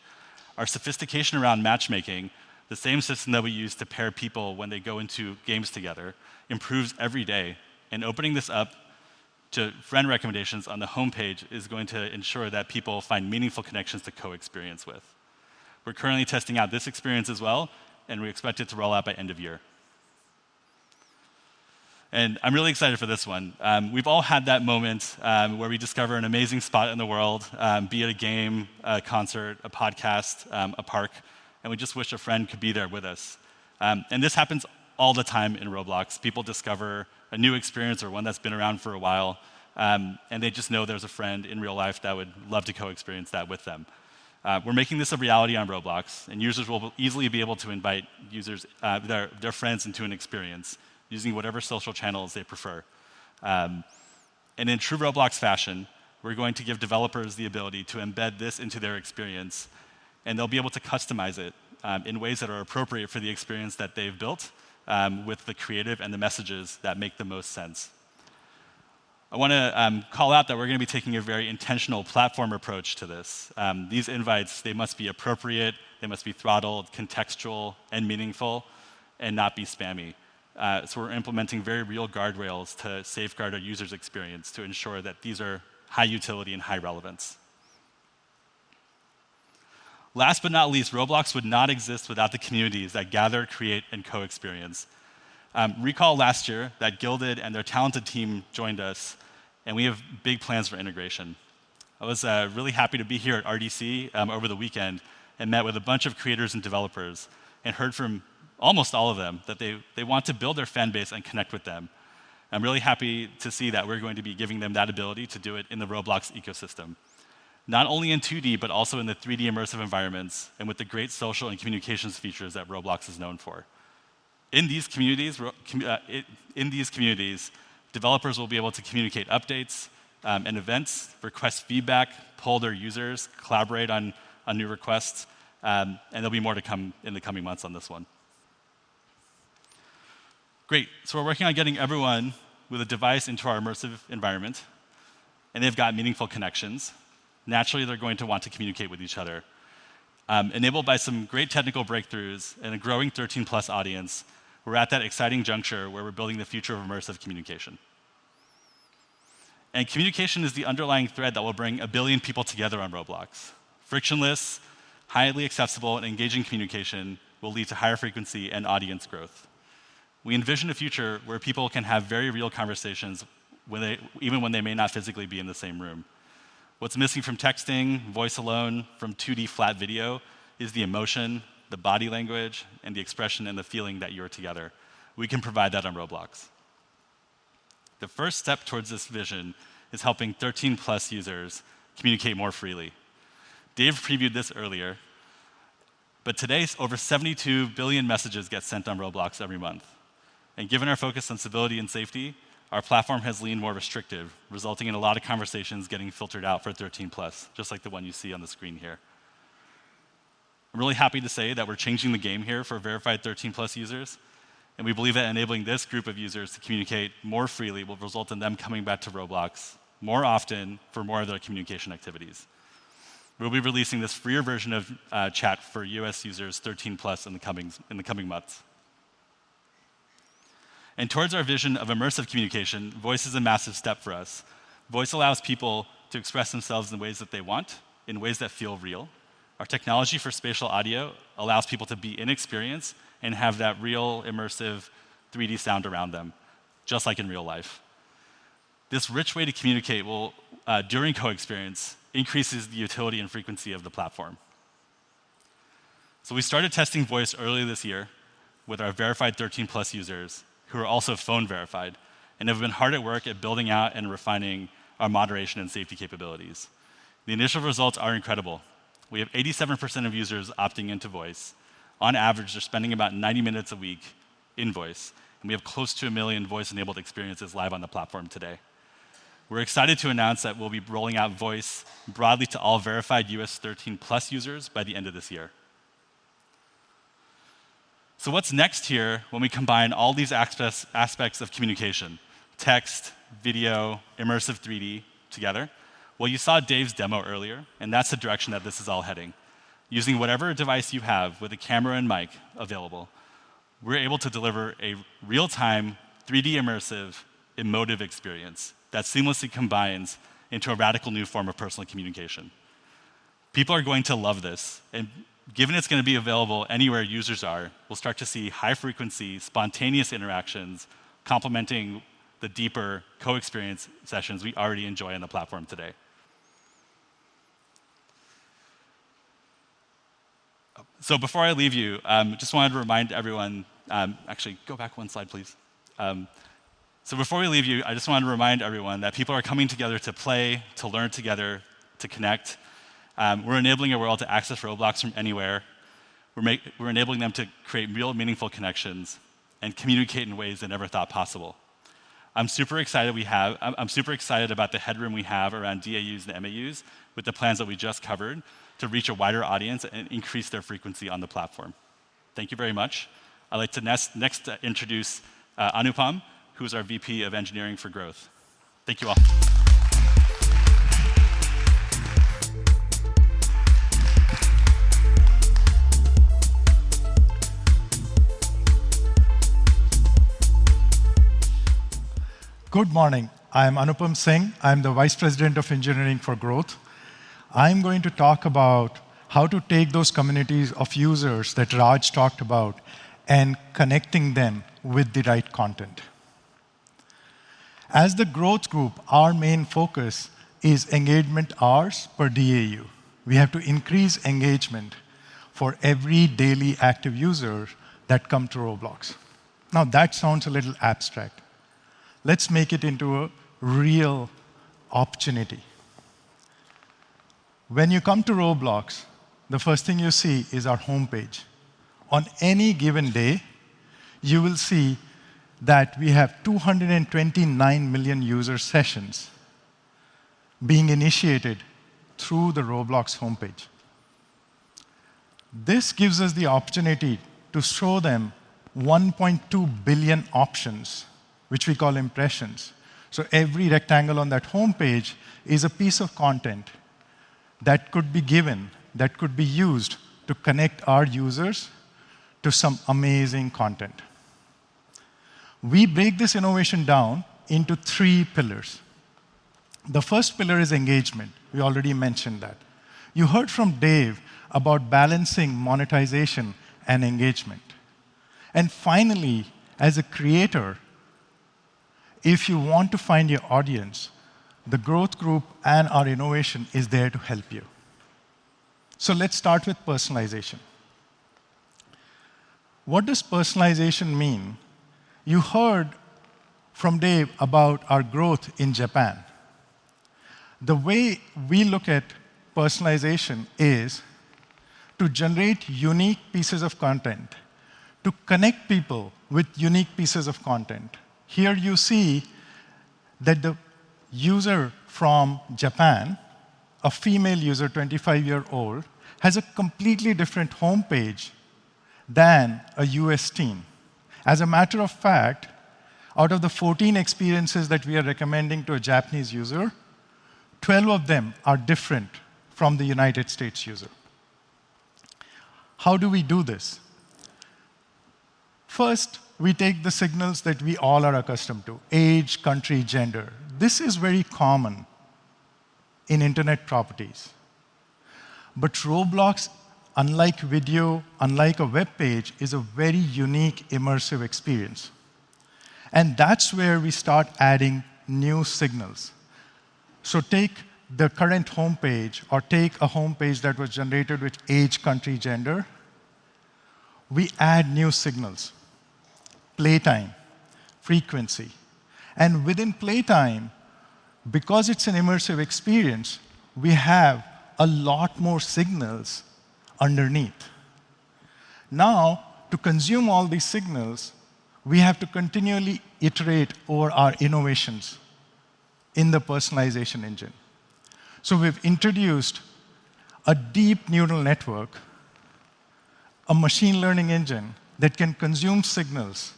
Our sophistication around matchmaking, the same system that we use to pair people when they go into games together, improves every day, and opening this up to friend recommendations on the homepage is going to ensure that people find meaningful connections to co-experience with. We're currently testing out this experience as well, and we expect it to roll out by end of year. I'm really excited for this one. We've all had that moment, where we discover an amazing spot in the world, be it a game, a concert, a podcast, a park, and we just wish a friend could be there with us. This happens all the time in Roblox. People discover a new experience or one that's been around for a while, and they just know there's a friend in real life that would love to co-experience that with them. We're making this a reality on Roblox, and users will easily be able to invite their friends into an experience using whatever social channels they prefer. In true Roblox fashion, we're going to give developers the ability to embed this into their experience, and they'll be able to customize it in ways that are appropriate for the experience that they've built with the creative and the messages that make the most sense. I wanna call out that we're gonna be taking a very intentional platform approach to this. These invites must be appropriate, they must be throttled, contextual, and meaningful and not be spammy. We're implementing very real guardrails to safeguard our users' experience to ensure that these are high utility and high relevance. Last but not least, Roblox would not exist without the communities that gather, create, and co-experience. Recall last year that Guilded and their talented team joined us, and we have big plans for integration. I was really happy to be here at RDC over the weekend and met with a bunch of creators and developers and heard from almost all of them that they want to build their fan base and connect with them. I'm really happy to see that we're going to be giving them that ability to do it in the Roblox ecosystem, not only in 2D but also in the 3D immersive environments and with the great social and communications features that Roblox is known for. In these communities, developers will be able to communicate updates, and events, request feedback, poll their users, collaborate on new requests, and there'll be more to come in the coming months on this one. Great. We're working on getting everyone with a device into our immersive environment, and they've got meaningful connections. Naturally, they're going to want to communicate with each other. Enabled by some great technical breakthroughs and a growing 13+ audience, we're at that exciting juncture where we're building the future of immersive communication. Communication is the underlying thread that will bring a billion people together on Roblox. Frictionless, highly accessible, and engaging communication will lead to higher frequency and audience growth. We envision a future where people can have very real conversations even when they may not physically be in the same room. What's missing from texting, voice alone, from 2D flat video is the emotion, the body language, and the expression and the feeling that you're together. We can provide that on Roblox. The first step towards this vision is helping 13+ users communicate more freely. Dave previewed this earlier, but today over 72 billion messages get sent on Roblox every month. Given our focus on civility and safety, our platform has leaned more restrictive, resulting in a lot of conversations getting filtered out for 13+, just like the one you see on the screen here. I'm really happy to say that we're changing the game here for verified 13+ users, and we believe that enabling this group of users to communicate more freely will result in them coming back to Roblox more often for more of their communication activities. We'll be releasing this freer version of chat for US users 13+ in the coming months. Toward our vision of immersive communication, voice is a massive step for us. Voice allows people to express themselves in ways that they want, in ways that feel real. Our technology for spatial audio allows people to experience that real immersive 3D sound around them, just like in real life. This rich way to communicate will during co-experience increase the utility and frequency of the platform. We started testing voice earlier this year with our verified 13+ users who are also phone-verified and have been hard at work at building out and refining our moderation and safety capabilities. The initial results are incredible. We have 87% of users opting into voice. On average, they're spending about 90 minutes a week in voice, and we have close to one million voice-enabled experiences live on the platform today. We're excited to announce that we'll be rolling out voice broadly to all verified U.S. 13+ users by the end of this year. What's next here when we combine all these access, aspects of communication, text, video, immersive 3D together? Well, you saw Dave's demo earlier, and that's the direction that this is all heading. Using whatever device you have with a camera and mic available, we're able to deliver a real-time, 3D immersive, emotive experience that seamlessly combines into a radical new form of personal communication. People are going to love this, and given it's gonna be available anywhere users are, we'll start to see high-frequency, spontaneous interactions complementing the deeper co-experience sessions we already enjoy on the platform today. Before we leave you, I just wanted to remind everyone that people are coming together to play, to learn together, to connect. We're enabling a world to access Roblox from anywhere. We're enabling them to create real meaningful connections and communicate in ways they never thought possible. I'm super excited about the headroom we have around DAUs and MAUs with the plans that we just covered to reach a wider audience and increase their frequency on the platform. Thank you very much. I'd like to next introduce Anupam, who's our VP of Engineering for Growth. Thank you all. Good morning. I'm Anupam Singh. I'm the Vice President of Engineering for Growth. I'm going to talk about how to take those communities of users that Raj talked about and connecting them with the right content. As the growth group, our main focus is engagement hours per DAU. We have to increase engagement for every daily active user that come to Roblox. Now, that sounds a little abstract. Let's make it into a real opportunity. When you come to Roblox, the first thing you see is our homepage. On any given day, you will see that we have 229 million user sessions being initiated through the Roblox homepage. This gives us the opportunity to show them 1.2 billion options, which we call impressions. Every rectangle on that homepage is a piece of content that could be given, that could be used to connect our users to some amazing content. We break this innovation down into three pillars. The first pillar is engagement. We already mentioned that. You heard from Dave about balancing monetization and engagement. Finally, as a creator, if you want to find your audience, the growth group and our innovation is there to help you. Let's start with personalization. What does personalization mean? You heard from Dave about our growth in Japan. The way we look at personalization is to generate unique pieces of content, to connect people with unique pieces of content. Here you see that the user from Japan, a female user, 25-year-old, has a completely different homepage than a U.S. teen. As a matter of fact, out of the 14 experiences that we are recommending to a Japanese user, 12 of them are different from the United States user. How do we do this? First, we take the signals that we all are accustomed to, age, country, gender. This is very common in internet properties. But Roblox, unlike video, unlike a webpage, is a very unique, immersive experience, and that's where we start adding new signals. So take the current homepage, or take a homepage that was generated with age, country, gender. We add new signals, playtime, frequency. And within playtime, because it's an immersive experience, we have a lot more signals underneath. Now, to consume all these signals, we have to continually iterate over our innovations in the personalization engine. We've introduced a deep neural network, a machine learning engine that can consume signals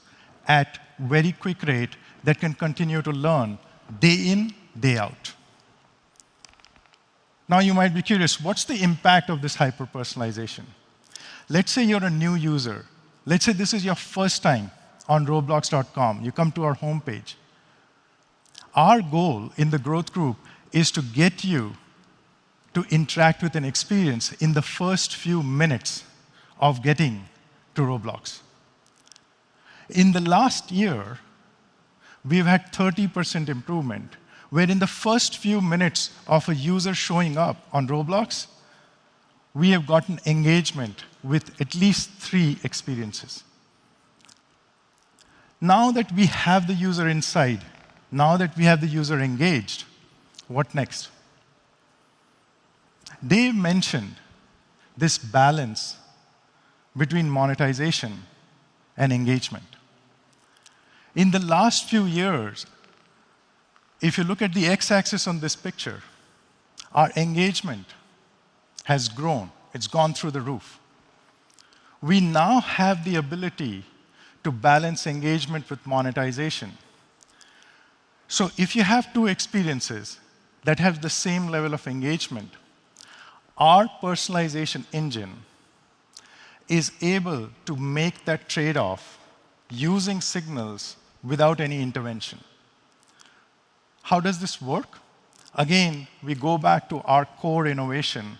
at very quick rate, that can continue to learn day in, day out. Now, you might be curious, what's the impact of this hyper-personalization? Let's say you're a new user. Let's say this is your first time on Roblox.com. You come to our homepage. Our goal in the growth group is to get you to interact with an experience in the first few minutes of getting to Roblox. In the last year, we've had 30% improvement, where in the first few minutes of a user showing up on Roblox, we have gotten engagement with at least three experiences. Now that we have the user inside, now that we have the user engaged, what next? Dave mentioned this balance between monetization and engagement. In the last few years, if you look at the X-axis on this picture, our engagement has grown. It's gone through the roof. We now have the ability to balance engagement with monetization. If you have two experiences that have the same level of engagement, our personalization engine is able to make that trade-off using signals without any intervention. How does this work? Again, we go back to our core innovation,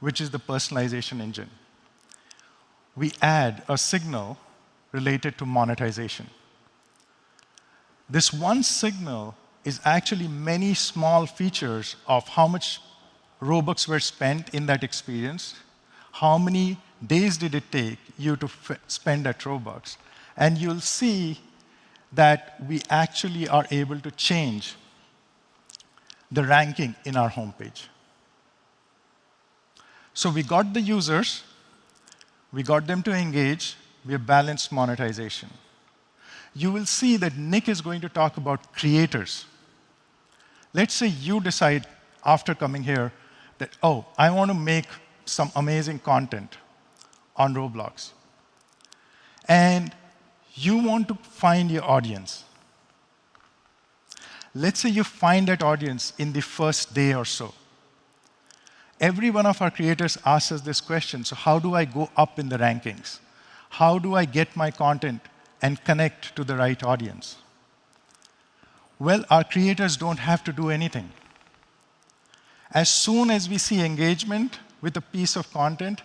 which is the personalization engine. We add a signal related to monetization. This one signal is actually many small features of how much Robux were spent in that experience. How many days did it take you to spend that Robux? You'll see that we actually are able to change the ranking in our homepage. We got the users, we got them to engage, we have balanced monetization. You will see that Nick is going to talk about creators. Let's say you decide after coming here that, "Oh, I wanna make some amazing content on Roblox," and you want to find your audience. Let's say you find that audience in the first day or so. Every one of our creators asks us this question, "So how do I go up in the rankings? How do I get my content and connect to the right audience?" Well, our creators don't have to do anything. As soon as we see engagement with a piece of content,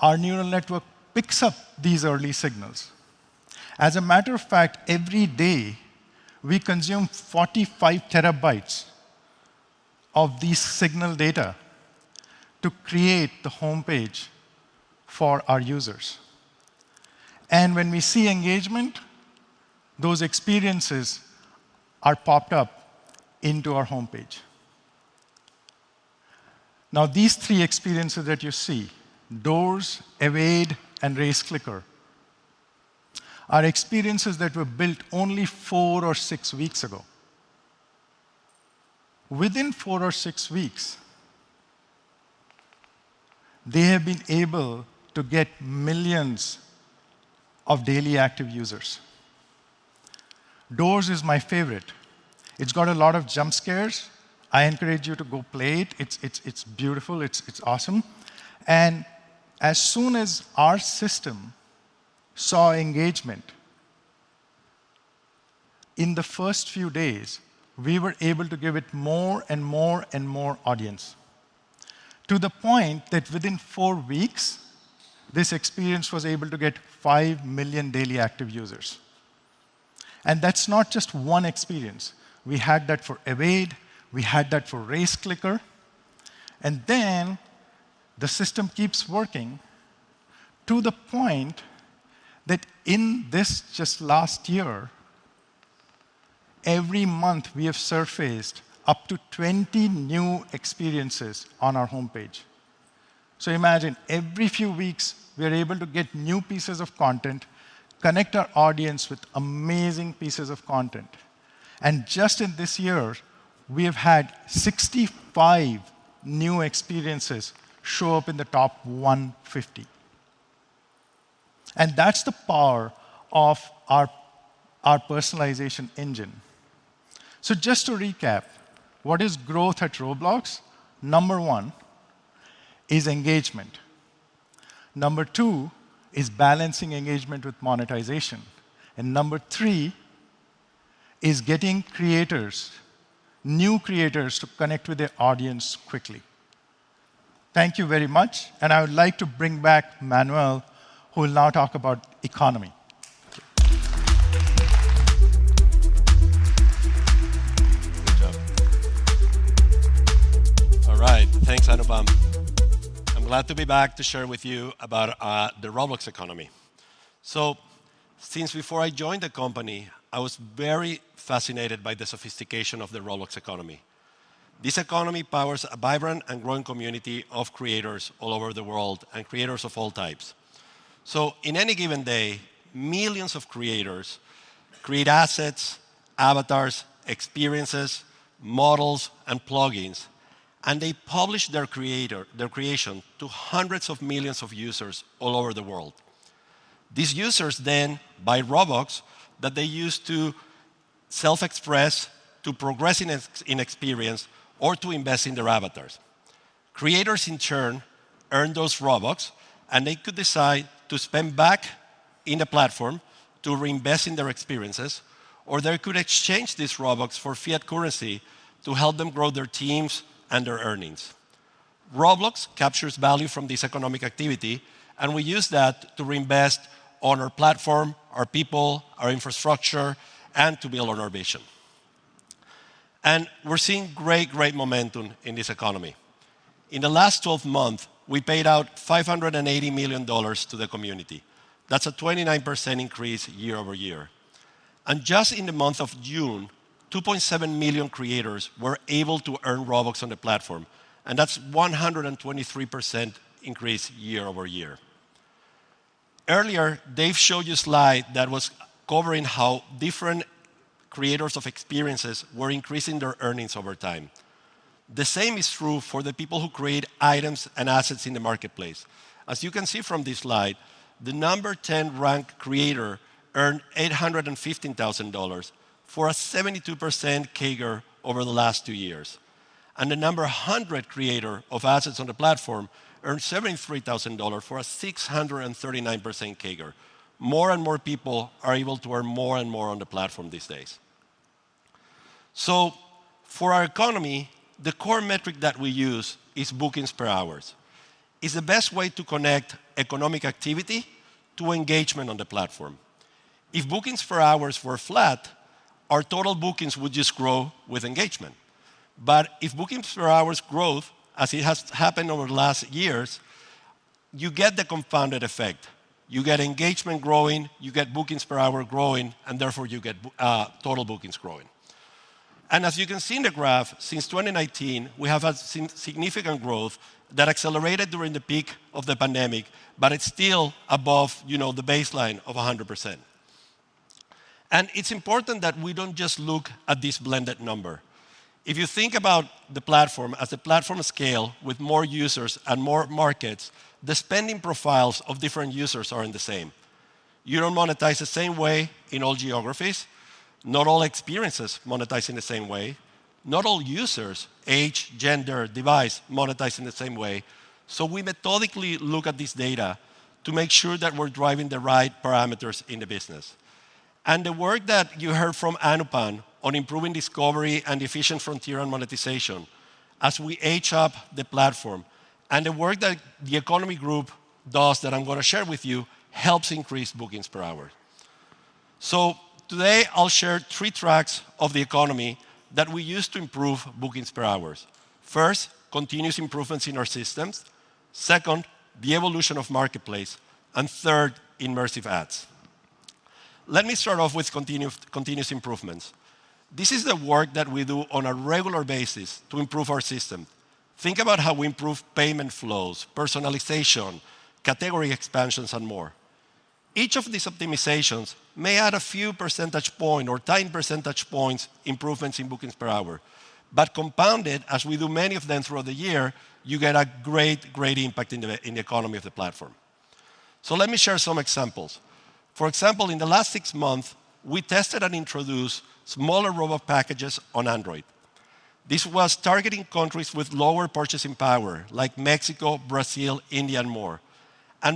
our neural network picks up these early signals. As a matter of fact, every day we consume 45 TB of this signal data to create the homepage for our users. When we see engagement, those experiences are popped up into our homepage. Now, these three experiences that you see, DOORS, Evade, and Race Clicker, are experiences that were built only four or six weeks ago. Within four or six weeks, they have been able to get millions of daily active users. DOORS is my favorite. It's got a lot of jump scares. I encourage you to go play it. It's beautiful. It's awesome. As soon as our system saw engagement, in the first few days, we were able to give it more and more and more audience, to the point that within four weeks, this experience was able to get five million daily active users. That's not just one experience. We had that for Evade, we had that for Race Clicker, and then the system keeps working to the point that in this just last year, every month we have surfaced up to 20 new experiences on our homepage. Imagine every few weeks we're able to get new pieces of content, connect our audience with amazing pieces of content. Just in this year, we have had 65 new experiences show up in the top 150. That's the power of our personalization engine. Just to recap, what is growth at Roblox? Number one is engagement. Number two is balancing engagement with monetization. Number three is getting creators, new creators to connect with their audience quickly. Thank you very much, and I would like to bring back Manuel, who will now talk about economy. Good job. All right. Thanks, Anupam. I'm glad to be back to share with you about the Roblox economy. Since before I joined the company, I was very fascinated by the sophistication of the Roblox economy. This economy powers a vibrant and growing community of creators all over the world, and creators of all types. In any given day, millions of creators create assets, avatars, experiences, models, and plugins, and they publish their creations to hundreds of millions of users all over the world. These users then buy Robux that they use to self-express, to progress in experience, or to invest in their avatars. Creators, in turn, earn those Robux, and they could decide to spend back in the platform to reinvest in their experiences, or they could exchange these Robux for fiat currency to help them grow their teams and their earnings. Roblox captures value from this economic activity, and we use that to reinvest on our platform, our people, our infrastructure, and to build on our vision. We're seeing great momentum in this economy. In the last 12 months, we paid out $580 million to the community. That's a 29% increase year-over-year. Just in the month of June, 2.7 million creators were able to earn Robux on the platform, and that's a 123% increase year-over-year. Earlier, Dave showed you a slide that was covering how different creators of experiences were increasing their earnings over time. The same is true for the people who create items and assets in the marketplace. As you can see from this slide, the number 10 ranked creator earned $815,000 for a 72% CAGR over the last two years. The number 100 creator of assets on the platform earned $73,000 for a 639% CAGR. More and more people are able to earn more and more on the platform these days. For our economy, the core metric that we use is bookings per hour. It's the best way to connect economic activity to engagement on the platform. If bookings per hour were flat, our total bookings would just grow with engagement. If bookings per hour growth, as it has happened over the last years, you get the compounded effect. You get engagement growing, you get bookings per hour growing, and therefore you get total bookings growing. As you can see in the graph, since 2019, we have had significant growth that accelerated during the peak of the pandemic, but it's still above, you know, the baseline of 100%. It's important that we don't just look at this blended number. If you think about the platform, as the platform scales with more users and more markets, the spending profiles of different users aren't the same. You don't monetize the same way in all geographies. Not all experiences monetize in the same way. Not all users, age, gender, device, monetize in the same way. So we methodically look at this data to make sure that we're driving the right parameters in the business. The work that you heard from Anupam on improving discovery and efficient frontier and monetization, as we age up the platform and the work that the economy group does that I'm gonna share with you, helps increase bookings per hour. Today, I'll share three tracks of the economy that we use to improve bookings per hours. First, continuous improvements in our systems. Second, the evolution of Marketplace. Third, immersive ads. Let me start off with continuous improvements. This is the work that we do on a regular basis to improve our system. Think about how we improve payment flows, personalization, category expansions, and more. Each of these optimizations may add a few percentage points or 10 percentage points improvements in bookings per hour, but compounded, as we do many of them throughout the year, you get a great impact in the economy of the platform. Let me share some examples. For example, in the last six months, we tested and introduced smaller Robux packages on Android. This was targeting countries with lower purchasing power, like Mexico, Brazil, India, and more.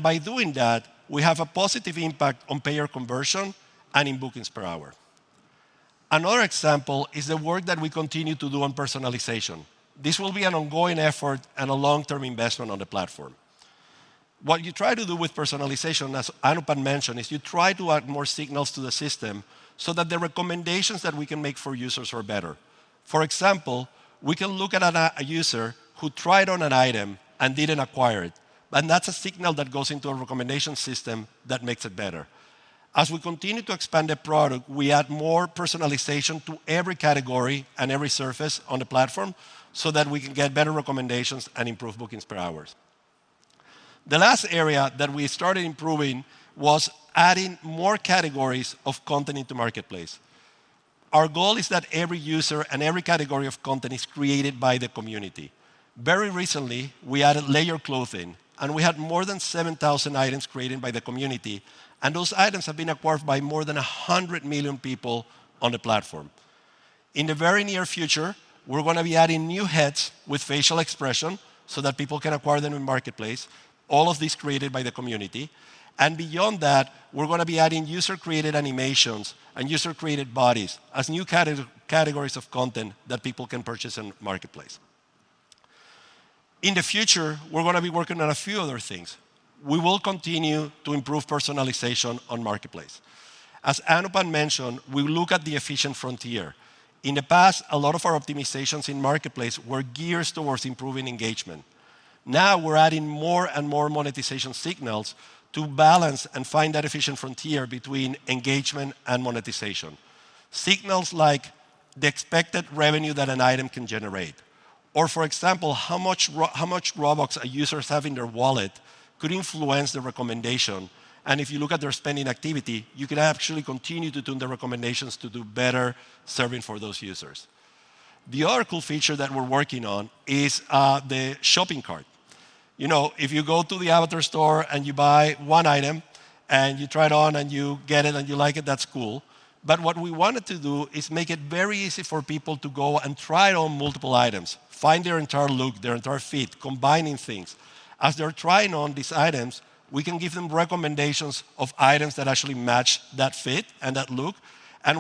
By doing that, we have a positive impact on payer conversion and in bookings per hour. Another example is the work that we continue to do on personalization. This will be an ongoing effort and a long-term investment on the platform. What you try to do with personalization, as Anupam mentioned, is you try to add more signals to the system so that the recommendations that we can make for users are better. For example, we can look at a user who tried on an item and didn't acquire it, and that's a signal that goes into a recommendation system that makes it better. As we continue to expand the product, we add more personalization to every category and every surface on the platform so that we can get better recommendations and improve bookings per hours. The last area that we started improving was adding more categories of content into Marketplace. Our goal is that every user and every category of content is created by the community. Very recently, we added layered clothing, and we had more than 7,000 items created by the community, and those items have been acquired by more than 100 million people on the platform. In the very near future, we're gonna be adding new heads with facial expression so that people can acquire them in Marketplace, all of these created by the community. Beyond that, we're gonna be adding user-created animations and user-created bodies as new categories of content that people can purchase in Marketplace. In the future, we're gonna be working on a few other things. We will continue to improve personalization on Marketplace. As Anupam mentioned, we look at the efficient frontier. In the past, a lot of our optimizations in Marketplace were geared towards improving engagement. Now we're adding more and more monetization signals to balance and find that efficient frontier between engagement and monetization. Signals like the expected revenue that an item can generate, or for example, how much Robux a user has in their wallet could influence the recommendation. If you look at their spending activity, you can actually continue to tune the recommendations to do better serving for those users. The other cool feature that we're working on is the shopping cart. You know, if you go to the Avatar Store, and you buy one item, and you try it on, and you get it, and you like it, that's cool. But what we wanted to do is make it very easy for people to go and try on multiple items, find their entire look, their entire fit, combining things. As they're trying on these items, we can give them recommendations of items that actually match that fit and that look.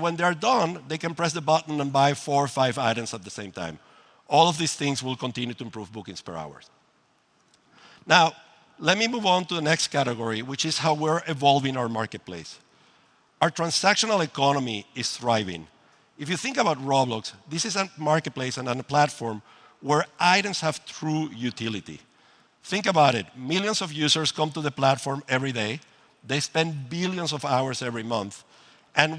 When they're done, they can press the button and buy four or five items at the same time. All of these things will continue to improve bookings per hour. Now, let me move on to the next category, which is how we're evolving our Marketplace. Our transactional economy is thriving. If you think about Roblox, this is a marketplace and a platform where items have true utility. Think about it. Millions of users come to the platform every day. They spend billions of hours every month.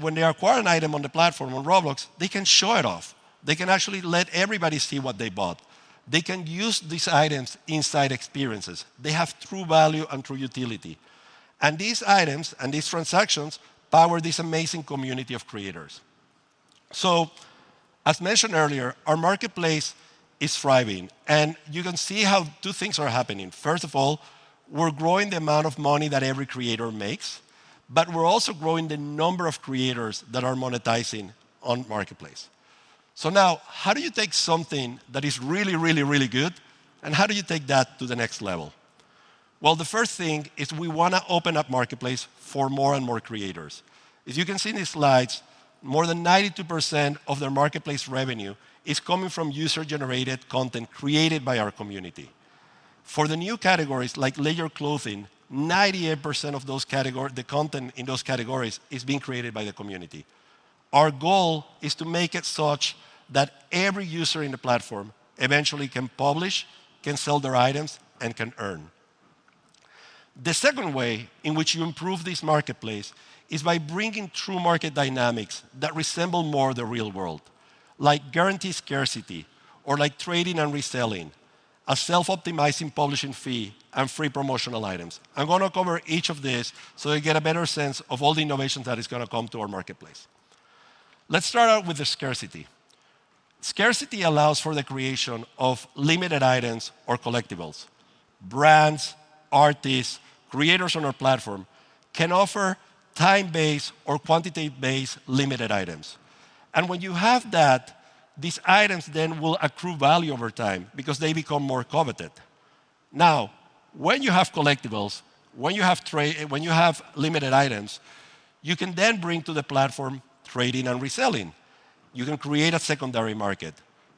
When they acquire an item on the platform on Roblox, they can show it off. They can actually let everybody see what they bought. They can use these items inside experiences. They have true value and true utility. These items and these transactions power this amazing community of creators. As mentioned earlier, our Marketplace is thriving, and you can see how two things are happening. First of all, we're growing the amount of money that every creator makes, but we're also growing the number of creators that are monetizing on Marketplace. Now, how do you take something that is really good, and how do you take that to the next level? Well, the first thing is we wanna open up Marketplace for more and more creators. As you can see in these slides, more than 92% of the Marketplace revenue is coming from user-generated content created by our community. For the new categories, like layered clothing, 98% of those the content in those categories is being created by the community. Our goal is to make it such that every user in the platform eventually can publish, can sell their items, and can earn. The second way in which you improve this Marketplace is by bringing true market dynamics that resemble more the real world, like guaranteed scarcity or like trading and reselling, a self-optimizing publishing fee, and free promotional items. I'm gonna cover each of these so you get a better sense of all the innovation that is gonna come to our Marketplace. Let's start out with the scarcity. Scarcity allows for the creation of limited items or collectibles. Brands, artists, creators on our platform can offer time-based or quantity-based limited items. When you have that, these items then will accrue value over time because they become more coveted. Now, when you have collectibles, when you have limited items, you can then bring to the platform trading and reselling. You can create a secondary market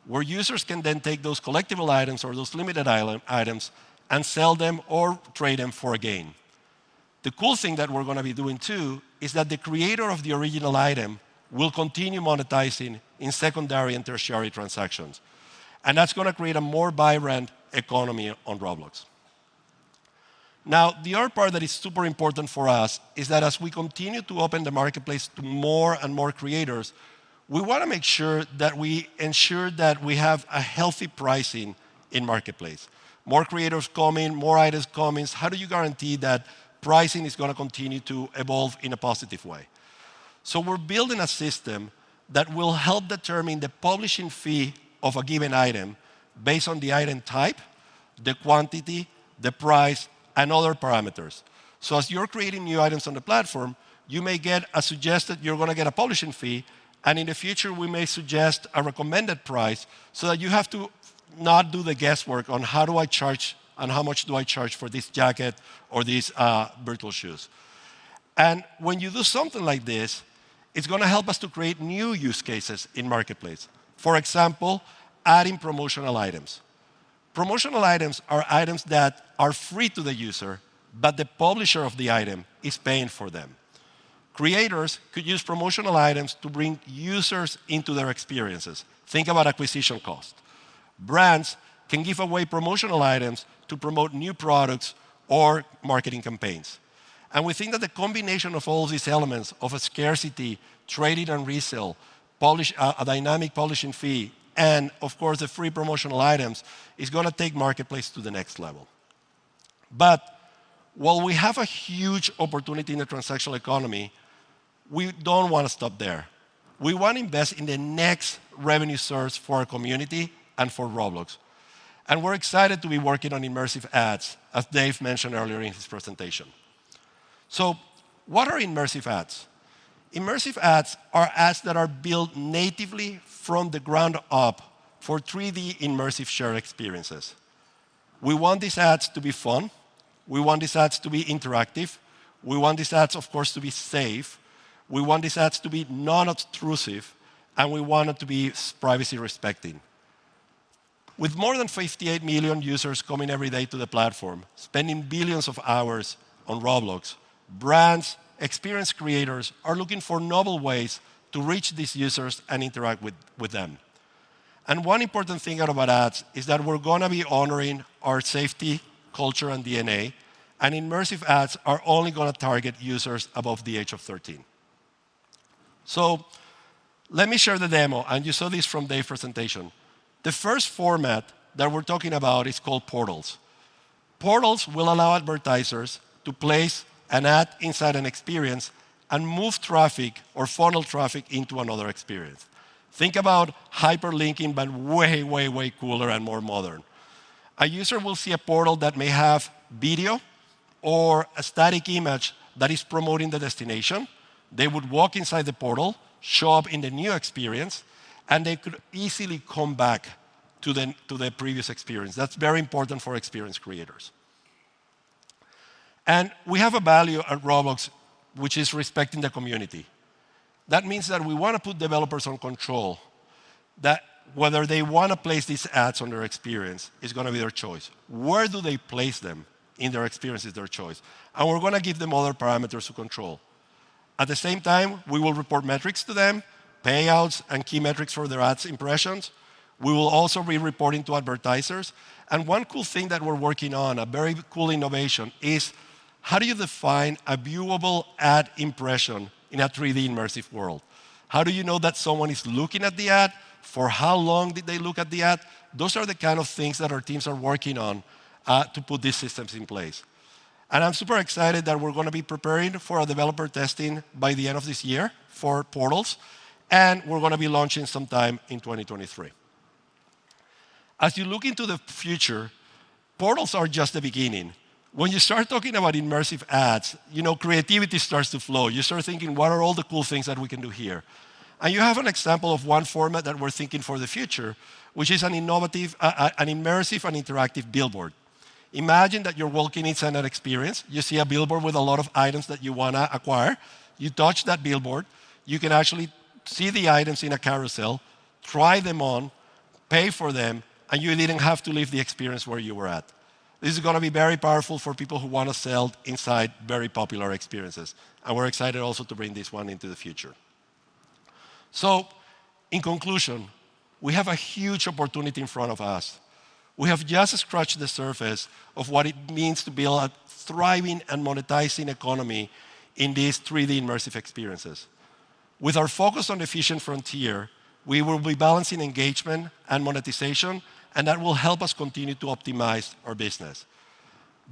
where users can then take those collectible items or those limited island items and sell them or trade them for a gain. The cool thing that we're gonna be doing too is that the creator of the original item will continue monetizing in secondary and tertiary transactions, and that's gonna create a more vibrant economy on Roblox. Now, the other part that is super important for us is that as we continue to open the Marketplace to more and more creators, we wanna make sure that we ensure that we have a healthy pricing in Marketplace. More creators come in, more items come in. How do you guarantee that pricing is gonna continue to evolve in a positive way? We're building a system that will help determine the publishing fee of a given item based on the item type, the quantity, the price, and other parameters. As you're creating new items on the platform, you're gonna get a publishing fee, and in the future, we may suggest a recommended price so that you have to not do the guesswork on how do I charge and how much do I charge for this jacket or these virtual shoes. When you do something like this, it's gonna help us to create new use cases in Marketplace. For example, adding promotional items. Promotional items are items that are free to the user, but the publisher of the item is paying for them. Creators could use promotional items to bring users into their experiences. Think about acquisition cost. Brands can give away promotional items to promote new products or marketing campaigns. We think that the combination of all these elements, of a scarcity, trading and resale, publish, a dynamic publishing fee, and of course, the free promotional items, is gonna take Marketplace to the next level. While we have a huge opportunity in the transactional economy, we don't wanna stop there. We want to invest in the next revenue source for our community and for Roblox, and we're excited to be working on immersive ads, as Dave mentioned earlier in his presentation. What are immersive ads? Immersive ads are ads that are built natively from the ground up for 3D immersive shared experiences. We want these ads to be fun. We want these ads to be interactive. We want these ads, of course, to be safe. We want these ads to be non-obtrusive, and we want them to be privacy-respecting. With more than 58 million users coming every day to the platform, spending billions of hours on Roblox, brands, experience creators are looking for novel ways to reach these users and interact with them. One important thing about ads is that we're gonna be honoring our safety, culture, and DNA, and immersive ads are only gonna target users above the age of 13. Let me share the demo, and you saw this from Dave's presentation. The first format that we're talking about is called Portals. Portals will allow advertisers to place an ad inside an experience and move traffic or funnel traffic into another experience. Think about hyperlinking but way, way cooler and more modern. A user will see a portal that may have video or a static image that is promoting the destination. They would walk inside the portal, show up in the new experience, and they could easily come back to their previous experience. That's very important for experience creators. We have a value at Roblox, which is respecting the community. That means that we wanna put developers in control, that whether they wanna place these ads on their experience is gonna be their choice. Where do they place them in their experience is their choice, and we're gonna give them other parameters to control. At the same time, we will report metrics to them, payouts and key metrics for their ad impressions. We will also be reporting to advertisers. One cool thing that we're working on, a very cool innovation is, how do you define a viewable ad impression in a 3D immersive world? How do you know that someone is looking at the ad? For how long did they look at the ad? Those are the kind of things that our teams are working on to put these systems in place. I'm super excited that we're gonna be preparing for a developer testing by the end of this year for Portals, and we're gonna be launching sometime in 2023. As you look into the future, Portals are just the beginning. When you start talking about immersive ads, you know, creativity starts to flow. You start thinking, "What are all the cool things that we can do here?" You have an example of one format that we're thinking for the future, which is an innovative, an immersive and interactive billboard. Imagine that you're walking inside an experience. You see a billboard with a lot of items that you wanna acquire. You touch that billboard. You can actually see the items in a carousel, try them on. Pay for them, and you didn't have to leave the experience where you were at. This is gonna be very powerful for people who wanna sell inside very popular experiences, and we're excited also to bring this one into the future. In conclusion, we have a huge opportunity in front of us. We have just scratched the surface of what it means to build a thriving and monetizing economy in these three-dimensional immersive experiences. With our focus on efficient frontier, we will be balancing engagement and monetization, and that will help us continue to optimize our business.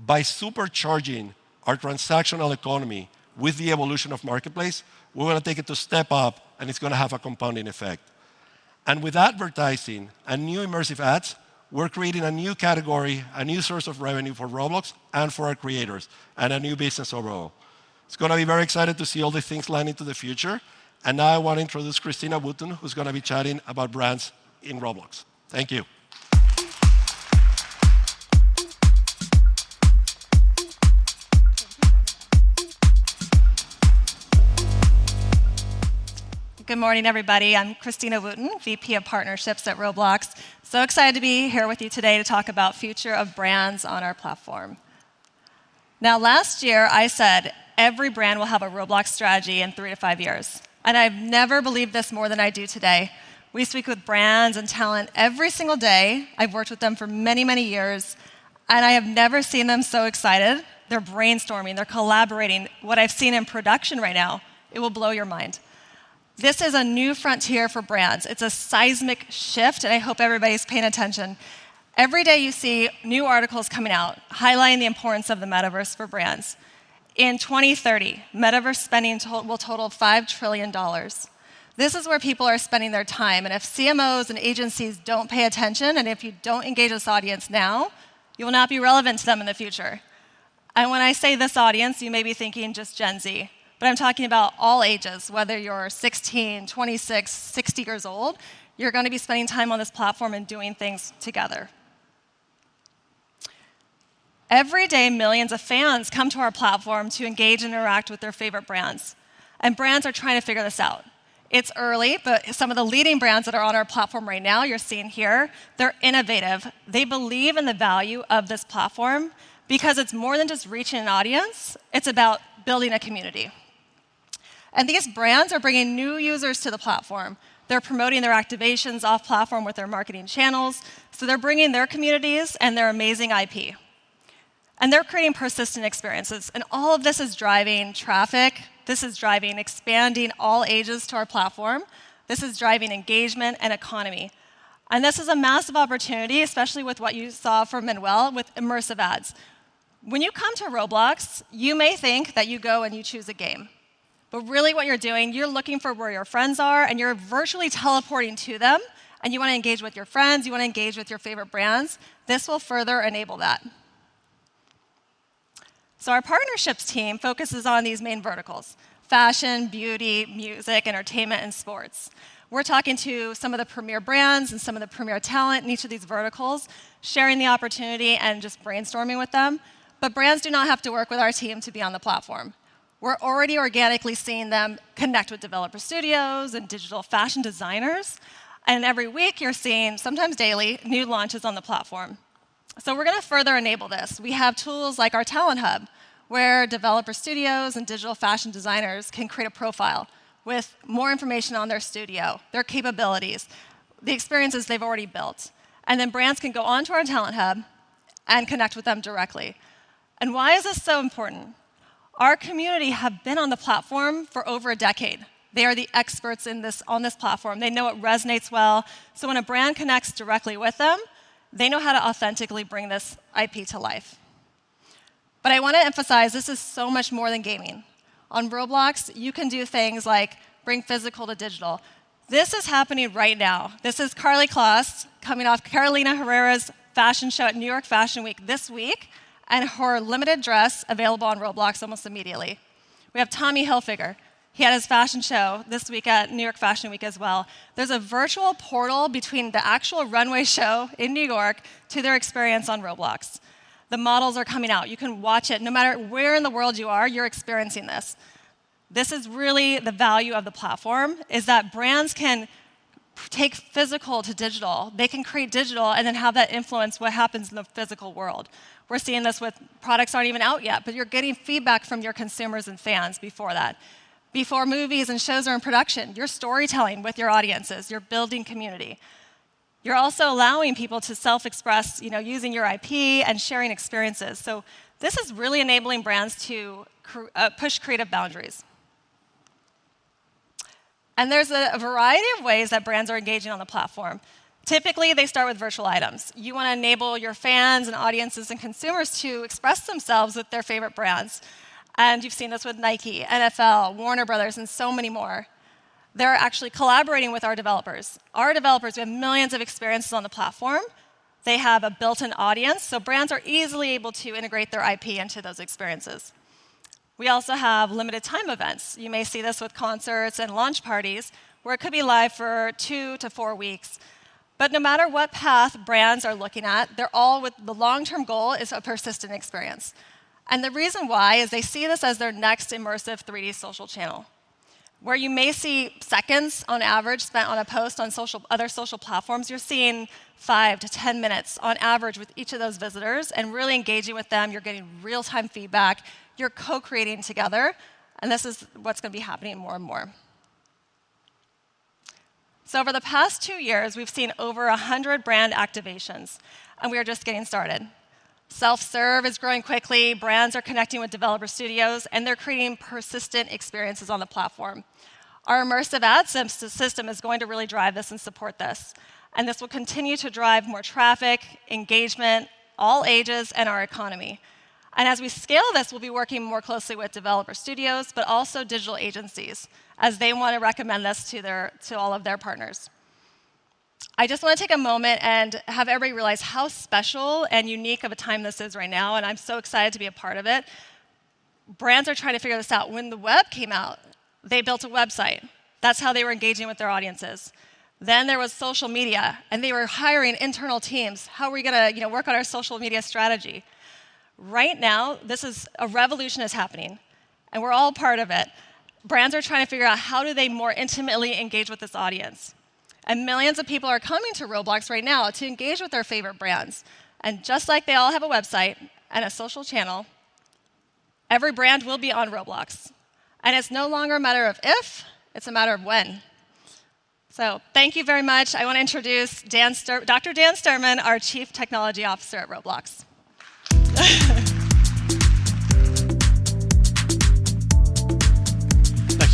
By supercharging our transactional economy with the evolution of Marketplace, we're gonna take it to step up, and it's gonna have a compounding effect. With advertising and new immersive ads, we're creating a new category, a new source of revenue for Roblox and for our creators, and a new business overall. It's gonna be very excited to see all these things line into the future. Now I want to introduce Christina Wootton, who's gonna be chatting about brands in Roblox. Thank you. Good morning, everybody. I'm Christina Wootton, VP of Partnerships at Roblox. Excited to be here with you today to talk about future of brands on our platform. Now, last year, I said every brand will have a Roblox strategy in three to five years, and I've never believed this more than I do today. We speak with brands and talent every single day. I've worked with them for many, many years, and I have never seen them so excited. They're brainstorming, they're collaborating. What I've seen in production right now, it will blow your mind. This is a new frontier for brands. It's a seismic shift, and I hope everybody's paying attention. Every day you see new articles coming out highlighting the importance of the metaverse for brands. In 2030, metaverse spending will total $5 trillion. This is where people are spending their time, and if CMOs and agencies don't pay attention, and if you don't engage this audience now, you will not be relevant to them in the future. When I say this audience, you may be thinking just Gen Z, but I'm talking about all ages, whether you're 16, 26, 60 years old, you're gonna be spending time on this platform and doing things together. Every day, millions of fans come to our platform to engage and interact with their favorite brands, and brands are trying to figure this out. It's early, but some of the leading brands that are on our platform right now, you're seeing here, they're innovative. They believe in the value of this platform because it's more than just reaching an audience, it's about building a community. These brands are bringing new users to the platform. They're promoting their activations off-platform with their marketing channels, so they're bringing their communities and their amazing IP, and they're creating persistent experiences. All of this is driving traffic. This is driving expansion across all ages to our platform. This is driving engagement and economy. This is a massive opportunity, especially with what you saw from Manuel with immersive ads. When you come to Roblox, you may think that you go and you choose a game, but really what you're doing, you're looking for where your friends are, and you're virtually teleporting to them, and you wanna engage with your friends, you wanna engage with your favorite brands. This will further enable that. Our partnerships team focuses on these main verticals. Fashion, beauty, music, entertainment, and sports. We're talking to some of the premier brands and some of the premier talent in each of these verticals, sharing the opportunity and just brainstorming with them. Brands do not have to work with our team to be on the platform. We're already organically seeing them connect with developer studios and digital fashion designers, and every week you're seeing, sometimes daily, new launches on the platform. We're gonna further enable this. We have tools like our Talent Hub, where developer studios and digital fashion designers can create a profile with more information on their studio, their capabilities, the experiences they've already built. Why is this so important? Our community have been on the platform for over a decade. They are the experts in this, on this platform. They know what resonates well. When a brand connects directly with them, they know how to authentically bring this IP to life. I wanna emphasize this is so much more than gaming. On Roblox, you can do things like bring physical to digital. This is happening right now. This is Karlie Kloss coming off Carolina Herrera's fashion show at New York Fashion Week this week, and her limited dress available on Roblox almost immediately. We have Tommy Hilfiger. He had his fashion show this week at New York Fashion Week as well. There's a virtual portal between the actual runway show in New York to their experience on Roblox. The models are coming out. You can watch it. No matter where in the world you are, you're experiencing this. This is really the value of the platform, is that brands can take physical to digital. They can create digital and then have that influence what happens in the physical world. We're seeing this with products aren't even out yet, but you're getting feedback from your consumers and fans before that. Before movies and shows are in production, you're storytelling with your audiences, you're building community. You're also allowing people to self-express, you know, using your IP and sharing experiences. This is really enabling brands to push creative boundaries. There's a variety of ways that brands are engaging on the platform. Typically, they start with virtual items. You wanna enable your fans and audiences and consumers to express themselves with their favorite brands, and you've seen this with Nike, NFL, Warner Bros., and so many more. They're actually collaborating with our developers. Our developers, we have millions of experiences on the platform. They have a built-in audience, so brands are easily able to integrate their IP into those experiences. We also have limited time events. You may see this with concerts and launch parties, where it could be live for two-four weeks. But no matter what path brands are looking at, they're all with the long-term goal is a persistent experience. The reason why is they see this as their next immersive three-dimensional social channel. Where you may see seconds on average spent on a post on social, other social platforms, you're seeing five-10 minutes on average with each of those visitors, and really engaging with them. You're getting real-time feedback, you're co-creating together, and this is what's gonna be happening more and more. Over the past two years, we've seen over 100 brand activations, and we are just getting started. Self-serve is growing quickly. Brands are connecting with developer studios, and they're creating persistent experiences on the platform. Our immersive ad ecosystem is going to really drive this and support this, and this will continue to drive more traffic, engagement, all ages, and our economy. As we scale this, we'll be working more closely with developer studios, but also digital agencies, as they wanna recommend us to their, to all of their partners. I just wanna take a moment and have everybody realize how special and unique of a time this is right now, and I'm so excited to be a part of it. Brands are trying to figure this out. When the web came out, they built a website. That's how they were engaging with their audiences. There was social media, and they were hiring internal teams. How are we gonna, you know, work on our social media strategy?" Right now, this is a revolution is happening, and we're all part of it. Brands are trying to figure out how do they more intimately engage with this audience, and millions of people are coming to Roblox right now to engage with their favorite brands. Just like they all have a website and a social channel, every brand will be on Roblox, and it's no longer a matter of if, it's a matter of when. Thank you very much. I wanna introduce Dr. Dan Sturman, our Chief Technology Officer at Roblox. Nice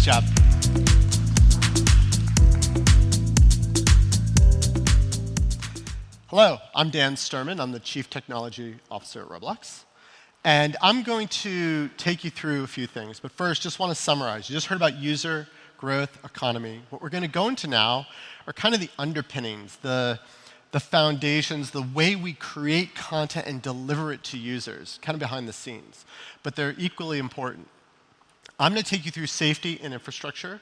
job. Hello, I'm Dan Sturman. I'm the Chief Technology Officer at Roblox, and I'm going to take you through a few things. First, just wanna summarize. You just heard about user growth economy. What we're gonna go into now are kinda the underpinnings, the foundations, the way we create content and deliver it to users, kinda behind the scenes, but they're equally important. I'm gonna take you through safety and infrastructure.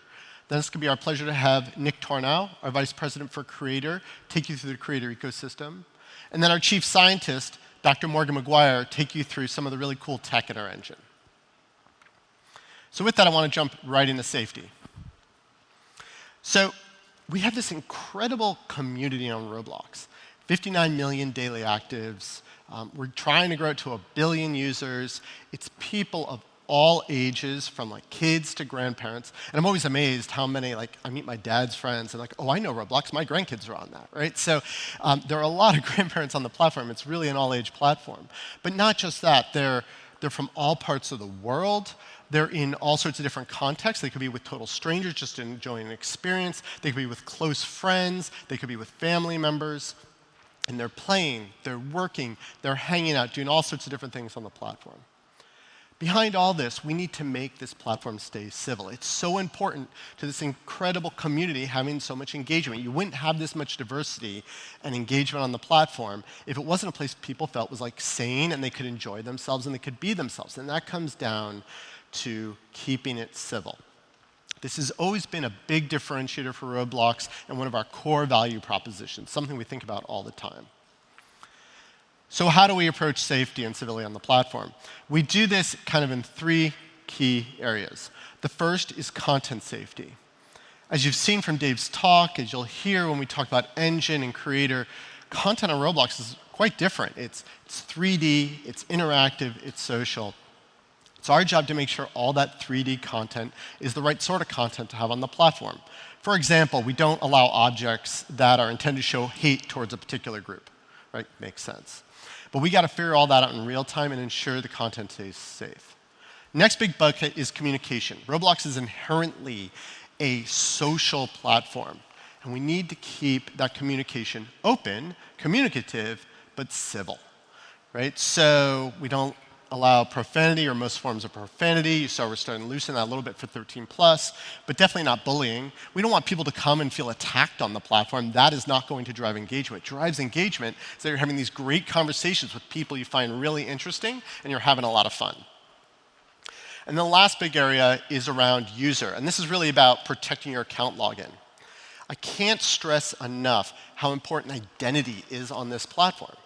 It's gonna be our pleasure to have Nick Tornow, our vice president for creator, take you through the creator ecosystem. Our Chief Scientist, Dr. Morgan McGuire, take you through some of the really cool tech in our engine. With that, I wanna jump right into safety. We have this incredible community on Roblox, 59 million daily actives. We're trying to grow to a billion users. It's people of all ages from, like, kids to grandparents, and I'm always amazed how many. Like, I meet my dad's friends. They're like, "Oh, I know Roblox. My grandkids are on that," right? There are a lot of grandparents on the platform. It's really an all-age platform. Not just that, they're from all parts of the world. They're in all sorts of different contexts. They could be with total strangers just enjoying an experience. They could be with close friends. They could be with family members. They're playing, they're working, they're hanging out, doing all sorts of different things on the platform. Behind all this, we need to make this platform stay civil. It's so important to this incredible community having so much engagement. You wouldn't have this much diversity and engagement on the platform if it wasn't a place people felt was, like, sane and they could enjoy themselves and they could be themselves, and that comes down to keeping it civil. This has always been a big differentiator for Roblox and one of our core value propositions, something we think about all the time. How do we approach safety and civility on the platform? We do this kind of in three key areas. The first is content safety. As you've seen from Dave's talk, as you'll hear when we talk about engine and creator, content on Roblox is quite different. It's 3D, it's interactive, it's social. It's our job to make sure all that 3D content is the right sort of content to have on the platform. For example, we don't allow objects that are intended to show hate towards a particular group, right? Makes sense. We gotta figure all that out in real time and ensure the content stays safe. Next big bucket is communication. Roblox is inherently a social platform, and we need to keep that communication open, communicative, but civil, right? We don't allow profanity or most forms of profanity, so we're starting to loosen that a little bit for 13+, but definitely not bullying. We don't want people to come and feel attacked on the platform. That is not going to drive engagement. What drives engagement is that you're having these great conversations with people you find really interesting, and you're having a lot of fun. The last big area is around user, and this is really about protecting your account login. I can't stress enough how important identity is on this platform,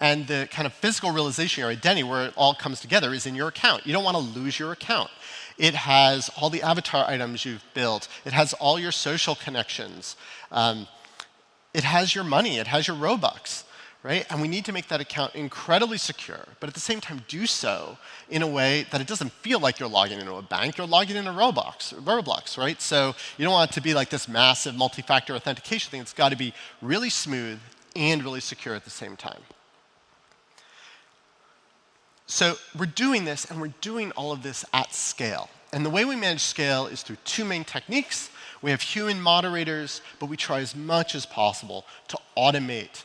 and the kind of physical realization or identity where it all comes together is in your account. You don't wanna lose your account. It has all the avatar items you've built. It has all your social connections. It has your money. It has your Robux, right? We need to make that account incredibly secure, but at the same time, do so in a way that it doesn't feel like you're logging into a bank. You're logging into Roblox, right? You don't want it to be like this massive multi-factor authentication thing. It's gotta be really smooth and really secure at the same time. We're doing this, and we're doing all of this at scale, and the way we manage scale is through two main techniques. We have human moderators, but we try as much as possible to automate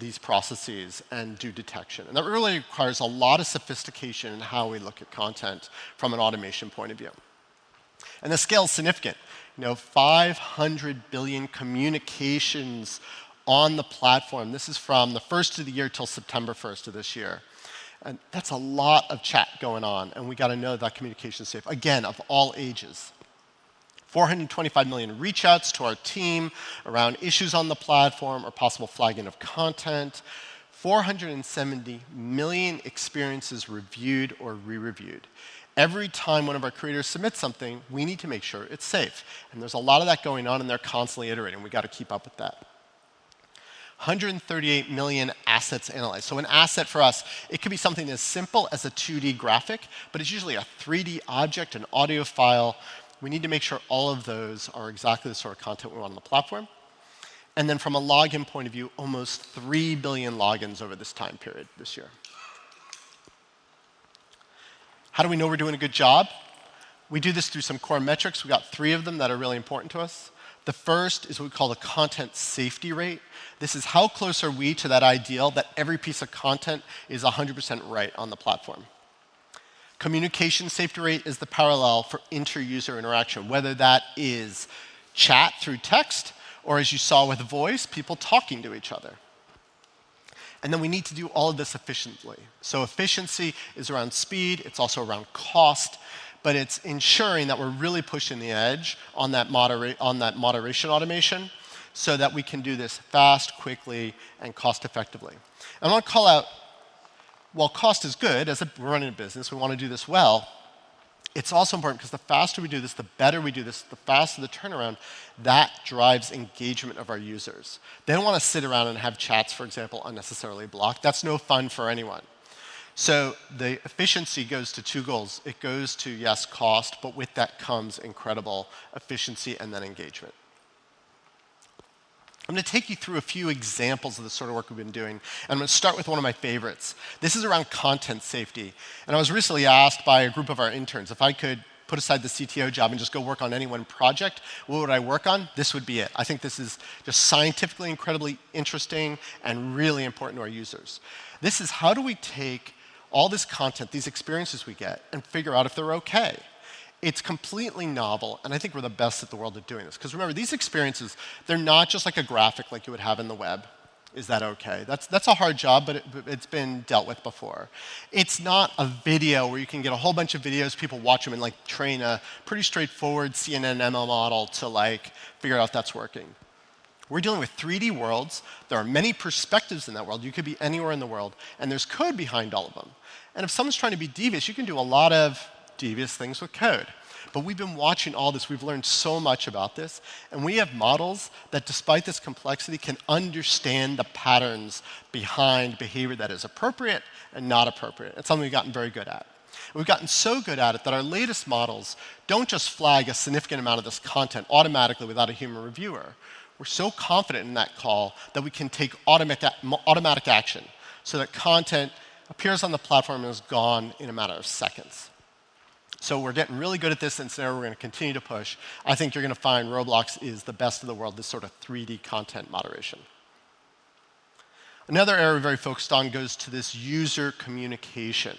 these processes and do detection, and that really requires a lot of sophistication in how we look at content from an automation point of view. The scale is significant. You know, 500 billion communications on the platform. This is from the first of the year till September first of this year. That's a lot of chat going on, and we gotta know that communication's safe, again, of all ages. 425 million reach outs to our team around issues on the platform or possible flagging of content. 470 million experiences reviewed or re-reviewed. Every time one of our creators submits something, we need to make sure it's safe, and there's a lot of that going on, and they're constantly iterating. We gotta keep up with that. 138 million assets analyzed. So an asset for us, it could be something as simple as a 2D graphic, but it's usually a 3D object, an audio file. We need to make sure all of those are exactly the sort of content we want on the platform. From a login point of view, almost three billion logins over this time period this year. How do we know we're doing a good job? We do this through some core metrics. We got three of them that are really important to us. The first is what we call the content safety rate. This is how close are we to that ideal that every piece of content is 100% right on the platform. Communication safety rate is the parallel for inter user interaction, whether that is chat through text or as you saw with voice, people talking to each other. We need to do all of this efficiently. Efficiency is around speed, it's also around cost, but it's ensuring that we're really pushing the edge on that moderation automation so that we can do this fast, quickly, and cost effectively. I wanna call out, while cost is good, as a running business, we wanna do this well, it's also important 'cause the faster we do this, the better we do this, the faster the turnaround, that drives engagement of our users. They don't wanna sit around and have chats, for example, unnecessarily blocked. That's no fun for anyone. The efficiency goes to two goals. It goes to, yes, cost, but with that comes incredible efficiency and then engagement. I'm gonna take you through a few examples of the sort of work we've been doing, and I'm gonna start with one of my favorites. This is around content safety. I was recently asked by a group of our interns if I could put aside the CTO job and just go work on any one project, what would I work on? This would be it. I think this is just scientifically incredibly interesting and really important to our users. This is how do we take all this content, these experiences we get, and figure out if they're okay. It's completely novel, and I think we're the best in the world at doing this. 'Cause remember, these experiences, they're not just like a graphic like you would have in the web. Is that okay? That's a hard job, but it's been dealt with before. It's not a video where you can get a whole bunch of videos, people watch them and like train a pretty straightforward CNN ML model to like figure out if that's working. We're dealing with 3D worlds. There are many perspectives in that world. You could be anywhere in the world, and there's code behind all of them. If someone's trying to be devious, you can do a lot of devious things with code. We've been watching all this. We've learned so much about this, and we have models that despite this complexity, can understand the patterns behind behavior that is appropriate and not appropriate. It's something we've gotten very good at. We've gotten so good at it that our latest models don't just flag a significant amount of this content automatically without a human reviewer. We're so confident in that call that we can take automatic action so that content appears on the platform and is gone in a matter of seconds. We're getting really good at this, and so we're gonna continue to push. I think you're gonna find Roblox is the best in the world at this sort of 3D content moderation. Another area we're very focused on goes to this user communication.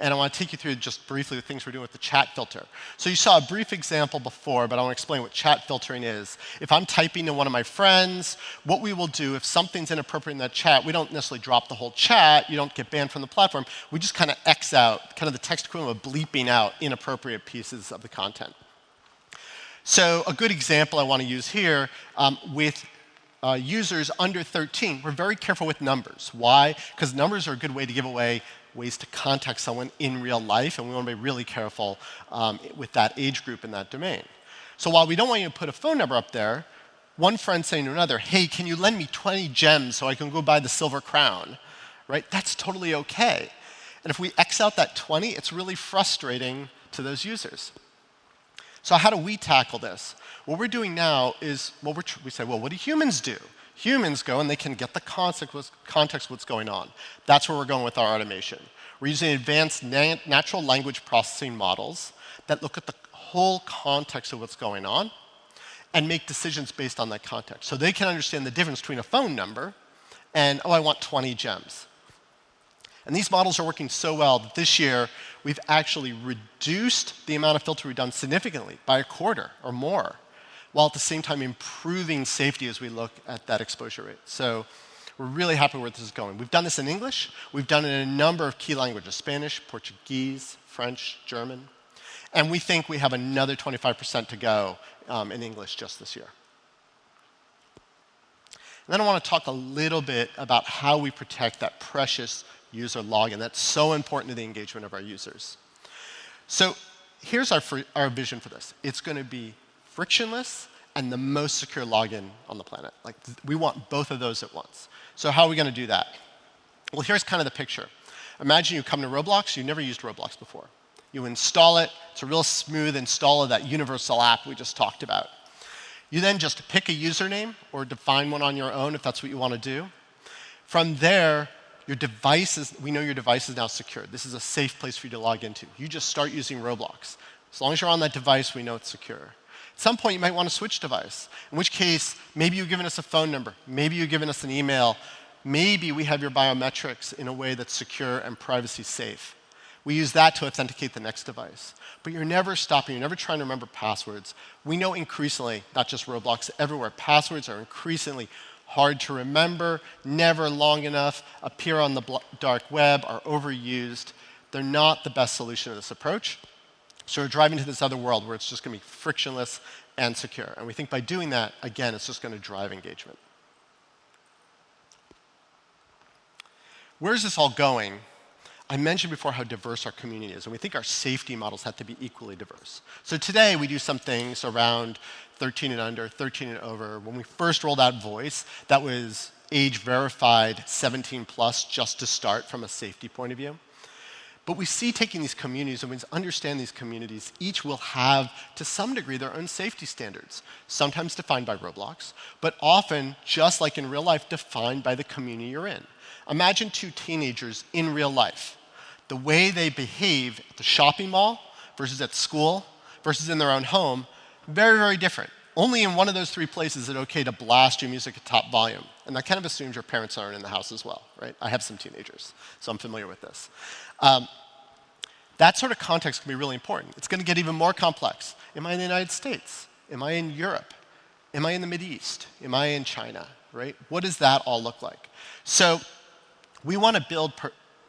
I wanna take you through just briefly the things we're doing with the chat filter. You saw a brief example before, but I wanna explain what chat filtering is. If I'm typing to one of my friends, what we will do, if something's inappropriate in that chat, we don't necessarily drop the whole chat. You don't get banned from the platform. We just kind of X out, kind of the text equivalent of bleeping out inappropriate pieces of the content. A good example I wanna use here, with users under 13. We're very careful with numbers. Why? 'Cause numbers are a good way to give away ways to contact someone in real life, and we wanna be really careful, with that age group and that domain. While we don't want you to put a phone number up there, one friend saying to another, "Hey, can you lend me 20 gems so I can go buy the silver crown?" Right? That's totally okay. If we X out that 20, it's really frustrating to those users. How do we tackle this? What we're doing now is, well, we say, "Well, what do humans do?" Humans go, and they can get the context of what's going on. That's where we're going with our automation. We're using advanced natural language processing models that look at the whole context of what's going on and make decisions based on that context. They can understand the difference between a phone number and, "Oh, I want 20 gems." These models are working so well that this year we've actually reduced the amount of filtering we've done significantly by a quarter or more, while at the same time improving safety as we look at that exposure rate. We're really happy where this is going. We've done this in English. We've done it in a number of key languages, Spanish, Portuguese, French, German. We think we have another 25% to go in English just this year. I wanna talk a little bit about how we protect that precious user login that's so important to the engagement of our users. Here's our vision for this. It's gonna be frictionless and the most secure login on the planet. Like, we want both of those at once. How are we gonna do that? Well, here's kinda the picture. Imagine you come to Roblox, you've never used Roblox before. You install it. It's a real smooth install of that universal app we just talked about. You then just pick a username or define one on your own if that's what you wanna do. From there, we know your device is now secure. This is a safe place for you to log into. You just start using Roblox. As long as you're on that device, we know it's secure. At some point, you might wanna switch device, in which case maybe you've given us a phone number, maybe you've given us an email, maybe we have your biometrics in a way that's secure and privacy safe. We use that to authenticate the next device. You're never stopping. You're never trying to remember passwords. We know increasingly, not just Roblox, everywhere, passwords are increasingly hard to remember, never long enough, appear on the dark web, are overused. They're not the best solution to this approach. We're driving to this other world where it's just gonna be frictionless and secure. We think by doing that, again, it's just gonna drive engagement. Where is this all going? I mentioned before how diverse our community is, and we think our safety models have to be equally diverse. Today, we do some things around 13 and under, 13 and over. When we first rolled out Voice, that was age-verified 17+ just to start from a safety point of view. We see taking these communities and we understand these communities, each will have, to some degree, their own safety standards, sometimes defined by Roblox, but often, just like in real life, defined by the community you're in. Imagine two teenagers in real life. The way they behave at the shopping mall versus at school versus in their own home, very, very different. Only in one of those three places is it okay to blast your music at top volume, and that kind of assumes your parents aren't in the house as well, right? I have some teenagers, so I'm familiar with this. That sort of context can be really important. It's gonna get even more complex. Am I in the United States? Am I in Europe? Am I in the Middle East? Am I in China, right? What does that all look like? We wanna build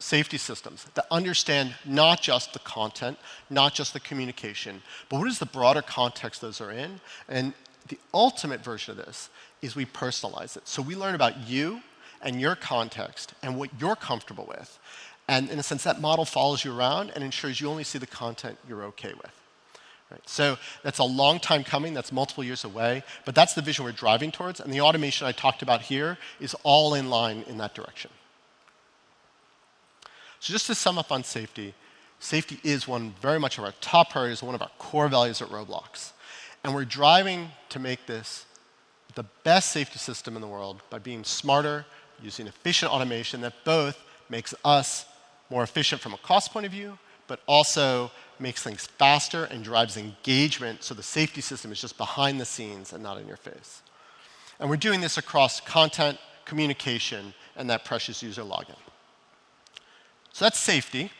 personalized safety systems that understand not just the content, not just the communication, but what is the broader context those are in, and the ultimate version of this is we personalize it. We learn about you and your context and what you're comfortable with, and in a sense, that model follows you around and ensures you only see the content you're okay with, right? That's a long time coming. That's multiple years away, but that's the vision we're driving towards, and the automation I talked about here is all in line with that direction. Just to sum up on safety is one very much of our top priorities and one of our core values at Roblox, and we're driving to make this the best safety system in the world by being smarter, using efficient automation that both makes us more efficient from a cost point of view, but also makes things faster and drives engagement, so the safety system is just behind the scenes and not in your face. We're doing this across content, communication, and that precious user login. That's safety.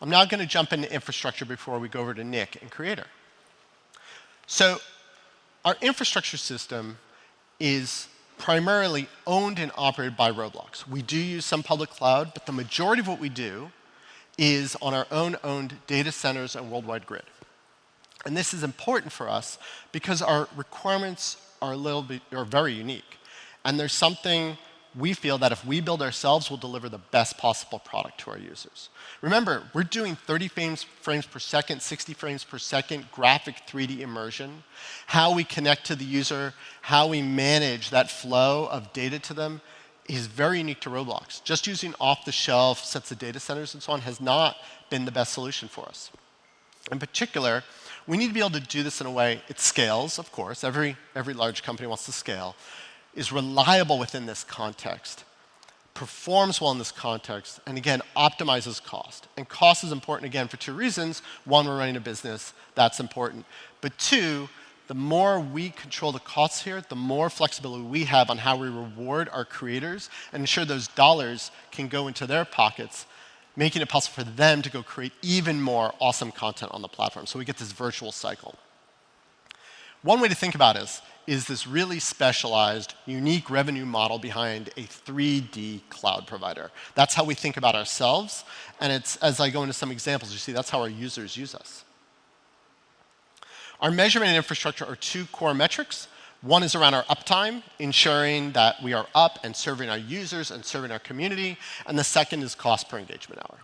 I'm now gonna jump into infrastructure before we go over to Nick and Creator. Our infrastructure system is primarily owned and operated by Roblox. We do use some public cloud, but the majority of what we do is on our own data centers and worldwide grid. This is important for us because our requirements are very unique, and they're something we feel that if we build ourselves, we'll deliver the best possible product to our users. Remember, we're doing 30 frames per second, 60 frames per second graphic 3D immersion. How we connect to the user, how we manage that flow of data to them is very unique to Roblox. Just using off-the-shelf sets of data centers and so on has not been the best solution for us. In particular, we need to be able to do this in a way it scales, of course, every large company wants to scale, is reliable within this context, performs well in this context, and again, optimizes cost. Cost is important again for two reasons. One, we're running a business. That's important. Two, the more we control the costs here, the more flexibility we have on how we reward our creators and ensure those dollars can go into their pockets, making it possible for them to go create even more awesome content on the platform, so we get this virtuous cycle. One way to think about us is this really specialized, unique revenue model behind a 3D cloud provider. That's how we think about ourselves, and it's, as I go into some examples, you'll see that's how our users use us. Our measurement and infrastructure are two core metrics. One is around our uptime, ensuring that we are up and serving our users and serving our community, and the second is cost per engagement hour.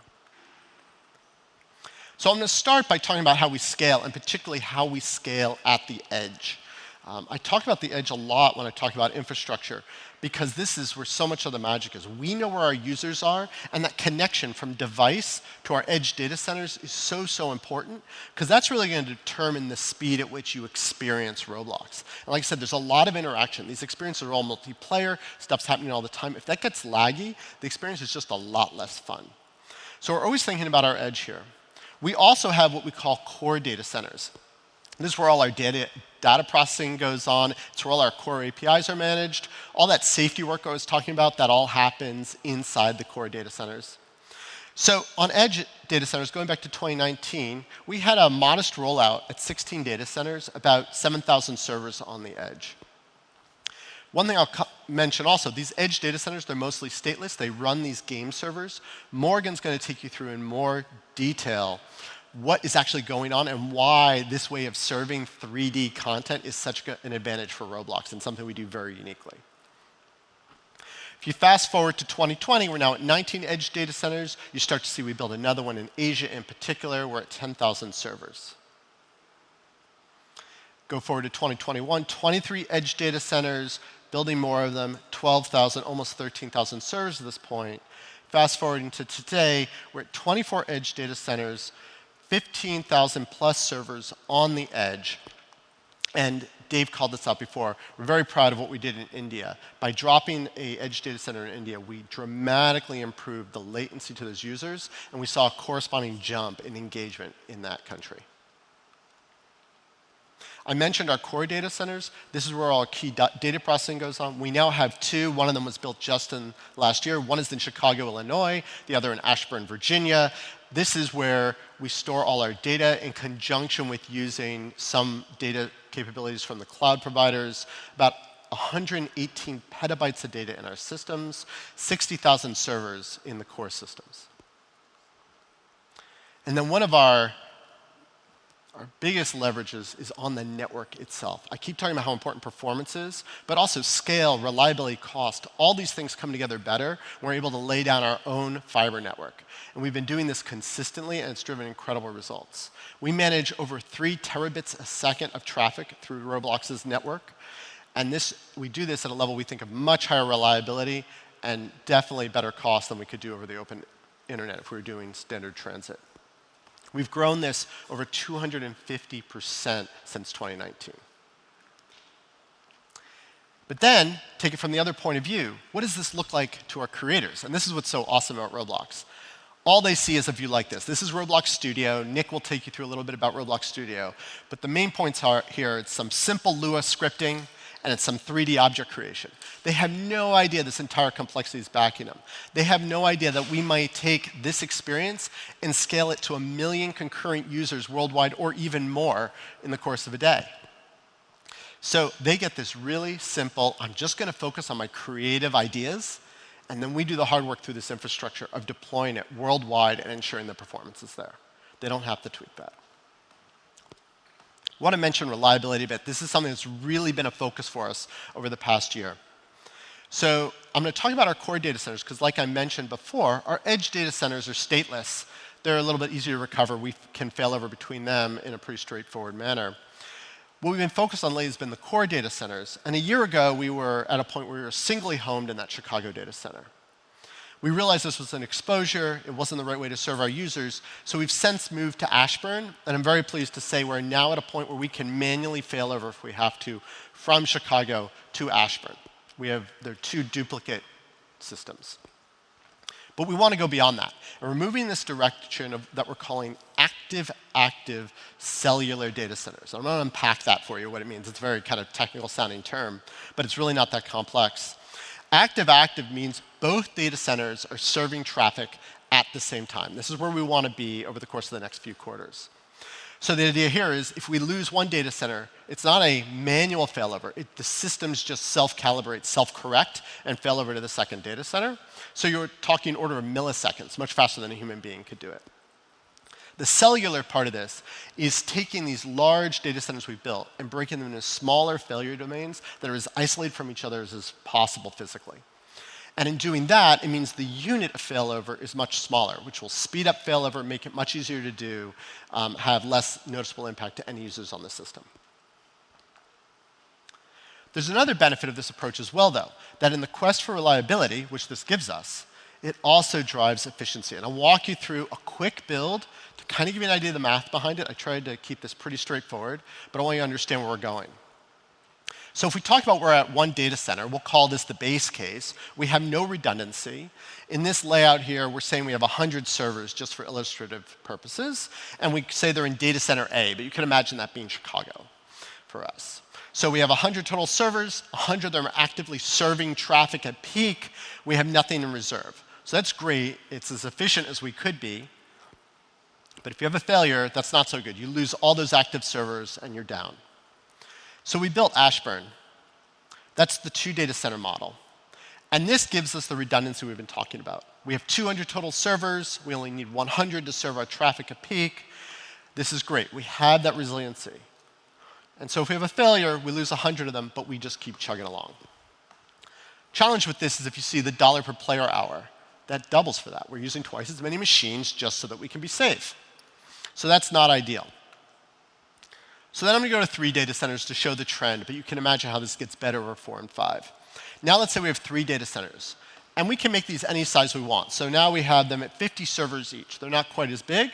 I'm gonna start by talking about how we scale, and particularly how we scale at the edge. I talk about the edge a lot when I talk about infrastructure because this is where so much of the magic is. We know where our users are, and that connection from device to our edge data centers is so important 'cause that's really gonna determine the speed at which you experience Roblox. Like I said, there's a lot of interaction. These experiences are all multiplayer. Stuff's happening all the time. If that gets laggy, the experience is just a lot less fun. We're always thinking about our edge here. We also have what we call core data centers, and this is where all our data processing goes on. It's where all our core APIs are managed. All that safety work I was talking about, that all happens inside the core data centers. On edge data centers, going back to 2019, we had a modest rollout at 16 data centers, about 7,000 servers on the edge. One thing I'll mention also, these edge data centers, they're mostly stateless. They run these game servers. Morgan's gonna take you through in more detail what is actually going on and why this way of serving 3D content is such an advantage for Roblox and something we do very uniquely. If you fast-forward to 2020, we're now at 19 edge data centers. You start to see we build another one in Asia in particular. We're at 10,000 servers. Go forward to 2021, 23 edge data centers, building more of them, 12,000, almost 13,000 servers at this point. Fast-forwarding to today, we're at 24 edge data centers, 15,000+ servers on the edge, and Dave called this out before. We're very proud of what we did in India. By dropping an edge data center in India, we dramatically improved the latency to those users, and we saw a corresponding jump in engagement in that country. I mentioned our core data centers. This is where all our key data processing goes on. We now have two. One of them was built just last year. One is in Chicago, Illinois, the other in Ashburn, Virginia. This is where we store all our data in conjunction with using some data capabilities from the cloud providers. About 118 PB of data in our systems. 60,000 servers in the core systems. Then one of our biggest leverages is on the network itself. I keep talking about how important performance is, but also scale, reliability, cost. All these things come together better when we're able to lay down our own fiber network. We've been doing this consistently, and it's driven incredible results. We manage over 3 Tbps of traffic through Roblox's network, and this, we do this at a level we think of much higher reliability and definitely better cost than we could do over the open internet if we were doing standard transit. We've grown this over 250% since 2019. Take it from the other point of view. What does this look like to our creators? This is what's so awesome about Roblox. All they see is a view like this. This is Roblox Studio. Nick will take you through a little bit about Roblox Studio, but the main points are here. It's some simple Lua scripting, and it's some 3D object creation. They have no idea this entire complexity is backing them. They have no idea that we might take this experience and scale it to one million concurrent users worldwide or even more in the course of a day. They get this really simple, "I'm just gonna focus on my creative ideas," and then we do the hard work through this infrastructure of deploying it worldwide and ensuring the performance is there. They don't have to tweak that. Wanna mention reliability a bit. This is something that's really been a focus for us over the past year. I'm gonna talk about our core data centers 'cause like I mentioned before, our edge data centers are stateless. They're a little bit easier to recover. We can failover between them in a pretty straightforward manner. What we've been focused on lately has been the core data centers, and a year ago, we were at a point where we were singly homed in that Chicago data center. We realized this was an exposure. It wasn't the right way to serve our users. We've since moved to Ashburn, and I'm very pleased to say we're now at a point where we can manually failover if we have to from Chicago to Ashburn. We have. They're two duplicate systems. We wanna go beyond that. We're moving this direction of, that we're calling active-active cellular data centers. I'm gonna unpack that for you, what it means. It's a very kind of technical-sounding term, but it's really not that complex. Active-active means both data centers are serving traffic at the same time. This is where we wanna be over the course of the next few quarters. So the idea here is if we lose one data center, it's not a manual failover. The systems just self-calibrate, self-correct and failover to the second data center. So you're talking order of milliseconds, much faster than a human being could do it. The cellular part of this is taking these large data centers we've built and breaking them into smaller failure domains that are as isolated from each other as is possible physically. In doing that, it means the unit of failover is much smaller, which will speed up failover, make it much easier to do, have less noticeable impact to end users on the system. There's another benefit of this approach as well, though, that in the quest for reliability, which this gives us, it also drives efficiency. I'll walk you through a quick build to kinda give you an idea of the math behind it. I tried to keep this pretty straightforward, but only to understand where we're going. If we talk about where we're at one data center, we'll call this the base case. We have no redundancy. In this layout here, we're saying we have 100 servers just for illustrative purposes, and we say they're in data center A, but you can imagine that being Chicago for us. We have 100 total servers. 100 of them are actively serving traffic at peak. We have nothing in reserve. That's great. It's as efficient as we could be. If you have a failure, that's not so good. You lose all those active servers, and you're down. We built Ashburn. That's the two-data-center model, and this gives us the redundancy we've been talking about. We have 200 total servers. We only need 100 to serve our traffic at peak. This is great. We have that resiliency. If we have a failure, we lose 100 of them, but we just keep chugging along. Challenge with this is if you see the dollar per player hour, that doubles for that. We're using twice as many machines just so that we can be safe. That's not ideal. I'm gonna go to three data centers to show the trend, but you can imagine how this gets better over four and five. Now let's say we have three data centers, and we can make these any size we want. Now we have them at 50 servers each. They're not quite as big.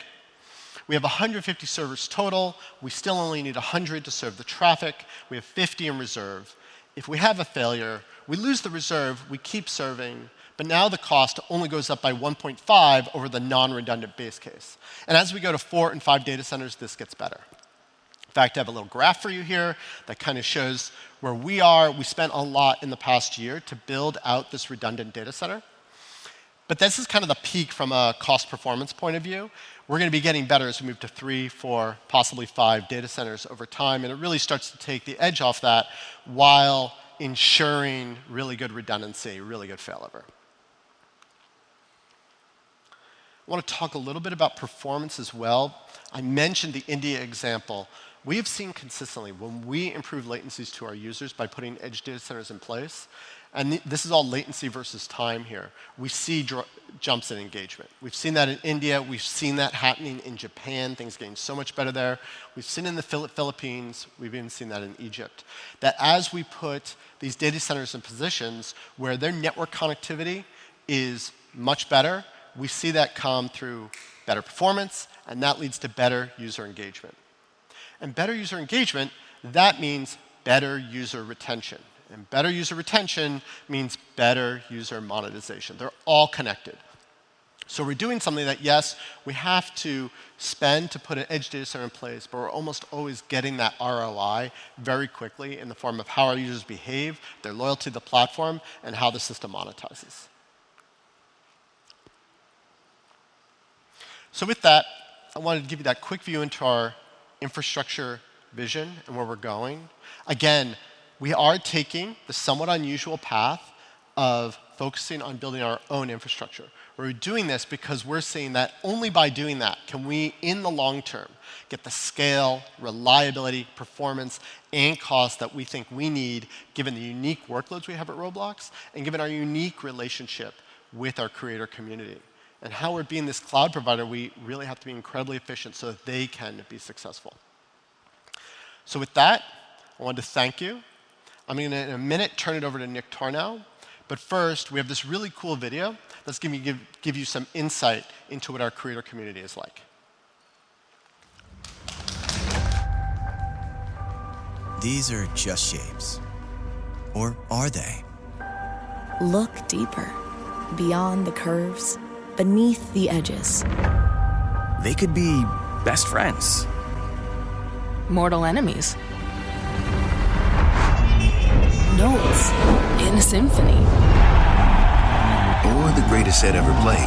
We have 150 servers total. We still only need 100 to serve the traffic. We have 50 in reserve. If we have a failure, we lose the reserve, we keep serving, but now the cost only goes up by 1.5 over the non-redundant base case. As we go to four and five data centers, this gets better. In fact, I have a little graph for you here that kind of shows where we are. We spent a lot in the past year to build out this redundant data center. This is kind of the peak from a cost-performance point of view. We're gonna be getting better as we move to three, four, possibly five data centers over time, and it really starts to take the edge off that while ensuring really good redundancy, really good failover. Wanna talk a little bit about performance as well. I mentioned the India example. We have seen consistently when we improve latencies to our users by putting edge data centers in place, and this is all latency versus time here, we see jumps in engagement. We've seen that in India. We've seen that happening in Japan, things getting so much better there. We've seen it in the Philippines. We've even seen that in Egypt, that as we put these data centers in positions where their network connectivity is much better, we see that come through better performance, and that leads to better user engagement. Better user engagement, that means better user retention, and better user retention means better user monetization. They're all connected. We're doing something that, yes, we have to spend to put an edge data center in place, but we're almost always getting that ROI very quickly in the form of how our users behave, their loyalty to the platform, and how the system monetizes. With that, I wanted to give you that quick view into our infrastructure vision and where we're going. Again, we are taking the somewhat unusual path of focusing on building our own infrastructure. We're doing this because we're seeing that only by doing that can we, in the long term, get the scale, reliability, performance, and cost that we think we need given the unique workloads we have at Roblox, and given our unique relationship with our creator community. How we're being this cloud provider, we really have to be incredibly efficient so that they can be successful. With that, I want to thank you. I'm gonna in a minute turn it over to Nick Tornow. First, we have this really cool video that's gonna give you some insight into what our creator community is like. These are just shapes. Or are they? Look deeper. Beyond the curves, beneath the edges. They could be best friends. Mortal enemies. Notes in a symphony. The greatest set ever played.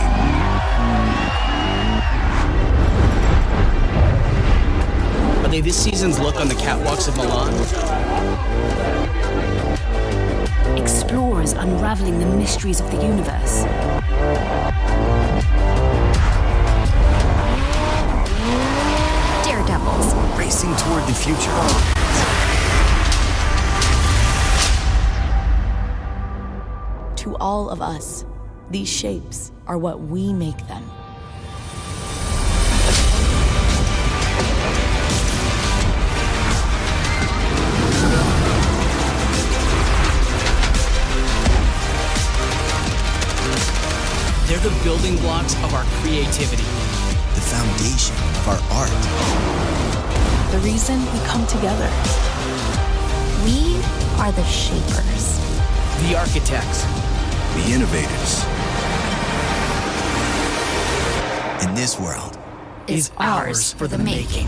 Are they this season's look on the catwalks of Milan? Explorers unraveling the mysteries of the universe. Daredevils. Racing toward the future. To all of us, these shapes are what we make them. They're the building blocks of our creativity. The foundation of our art. The reason we come together. We are the shapers. The architects. The innovators. Is ours for the making.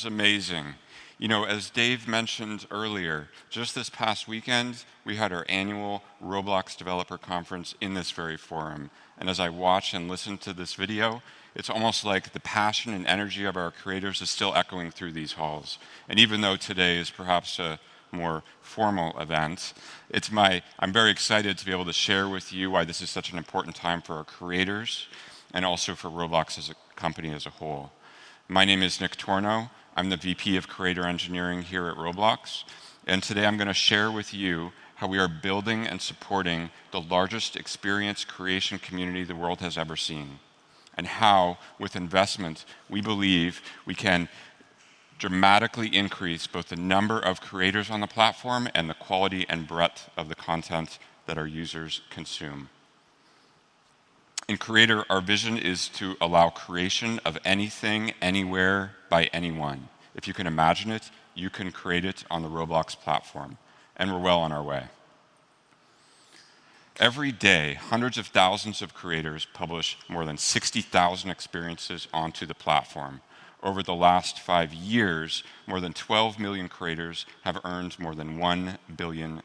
Wow, that was amazing. You know, as Dave mentioned earlier, just this past weekend, we had our annual Roblox Developers Conference in this very forum, and as I watch and listen to this video, it's almost like the passion and energy of our creators is still echoing through these halls. Even though today is perhaps a more formal event, I'm very excited to be able to share with you why this is such an important time for our creators and also for Roblox as a company as a whole. My name is Nick Tornow. I'm the VP of Creator Engineering here at Roblox, and today I'm gonna share with you how we are building and supporting the largest experience creation community the world has ever seen, and how, with investment, we believe we can dramatically increase both the number of creators on the platform and the quality and breadth of the content that our users consume. In Creator, our vision is to allow creation of anything, anywhere, by anyone. If you can imagine it, you can create it on the Roblox platform, and we're well on our way. Every day, hundreds of thousands of creators publish more than 60,000 experiences onto the platform. Over the last five years, more than 12 million creators have earned more than $1 billion.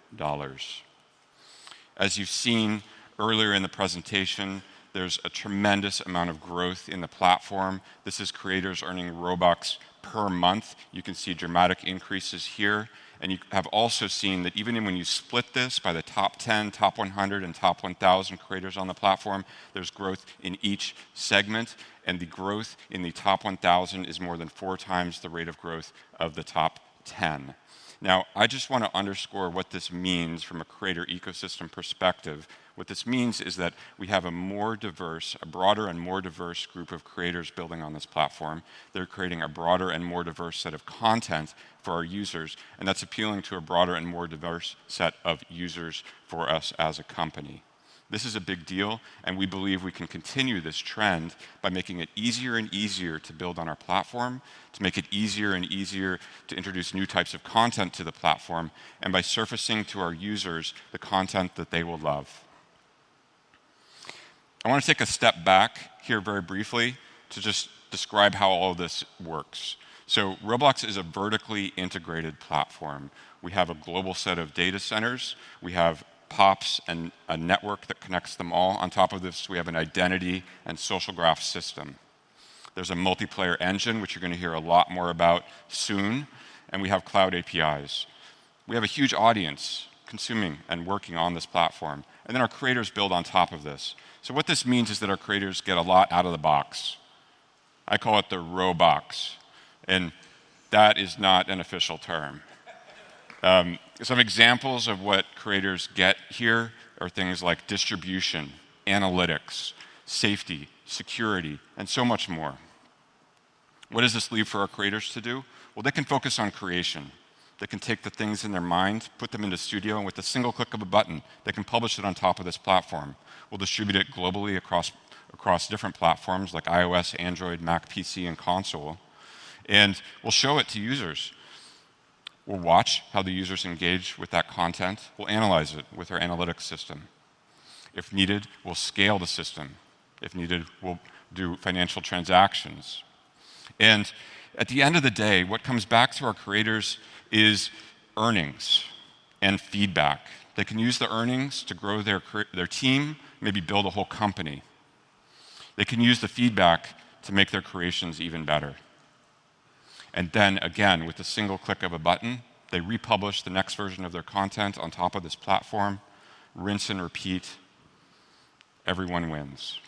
As you've seen earlier in the presentation, there's a tremendous amount of growth in the platform. This is creators earning Robux per month. You can see dramatic increases here. You have also seen that even when you split this by the top 10, top 100, and top 1,000 creators on the platform, there's growth in each segment, and the growth in the top 1,000 is more than 4 times the rate of growth of the top 10. Now, I just wanna underscore what this means from a creator ecosystem perspective. What this means is that we have a more diverse, a broader and more diverse group of creators building on this platform. They're creating a broader and more diverse set of content for our users, and that's appealing to a broader and more diverse set of users for us as a company. This is a big deal, and we believe we can continue this trend by making it easier and easier to build on our platform, to make it easier and easier to introduce new types of content to the platform, and by surfacing to our users the content that they will love. I wanna take a step back here very briefly to just describe how all this works. Roblox is a vertically integrated platform. We have a global set of data centers. We have POPs and a network that connects them all. On top of this, we have an identity and social graph system. There's a multiplayer engine, which you're gonna hear a lot more about soon, and we have cloud APIs. We have a huge audience consuming and working on this platform, and then our creators build on top of this. What this means is that our creators get a lot out of the box. I call it the Robox, and that is not an official term. Some examples of what creators get here are things like distribution, analytics, safety, security, and so much more. What does this leave for our creators to do? Well, they can focus on creation. They can take the things in their mind, put them into Studio, and with a single click of a button, they can publish it on top of this platform. We'll distribute it globally across different platforms like iOS, Android, Mac, PC, and console, and we'll show it to users. We'll watch how the users engage with that content. We'll analyze it with our analytics system. If needed, we'll scale the system. If needed, we'll do financial transactions. At the end of the day, what comes back to our creators is earnings and feedback. They can use the earnings to grow their team, maybe build a whole company. They can use the feedback to make their creations even better. Again, with the single click of a button, they republish the next version of their content on top of this platform, rinse and repeat. Everyone wins.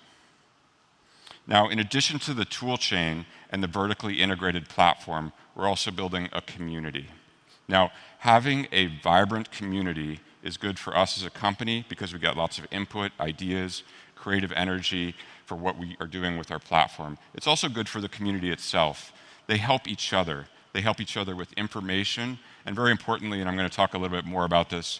Now, in addition to the tool chain and the vertically integrated platform, we're also building a community. Now, having a vibrant community is good for us as a company because we get lots of input, ideas, creative energy for what we are doing with our platform. It's also good for the community itself. They help each other. They help each other with information, and very importantly, and I'm gonna talk a little bit more about this,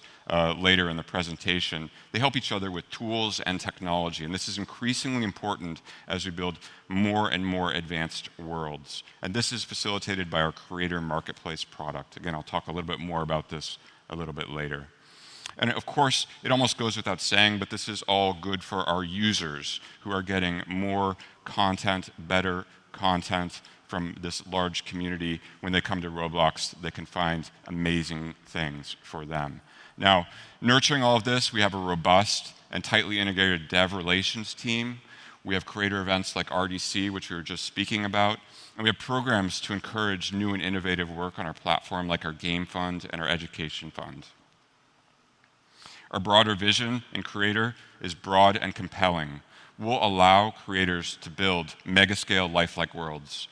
later in the presentation, they help each other with tools and technology, and this is increasingly important as we build more and more advanced worlds. This is facilitated by our Creator Marketplace product. Again, I'll talk a little bit more about this a little bit later. Of course, it almost goes without saying, but this is all good for our users who are getting more content, better content from this large community. When they come to Roblox, they can find amazing things for them. Now, nurturing all of this, we have a robust and tightly integrated dev relations team. We have creator events like RDC, which we were just speaking about, and we have programs to encourage new and innovative work on our platform, like our Game Fund and our Education Fund. Our broader vision in Creator is broad and compelling, will allow creators to build mega-scale lifelike worlds,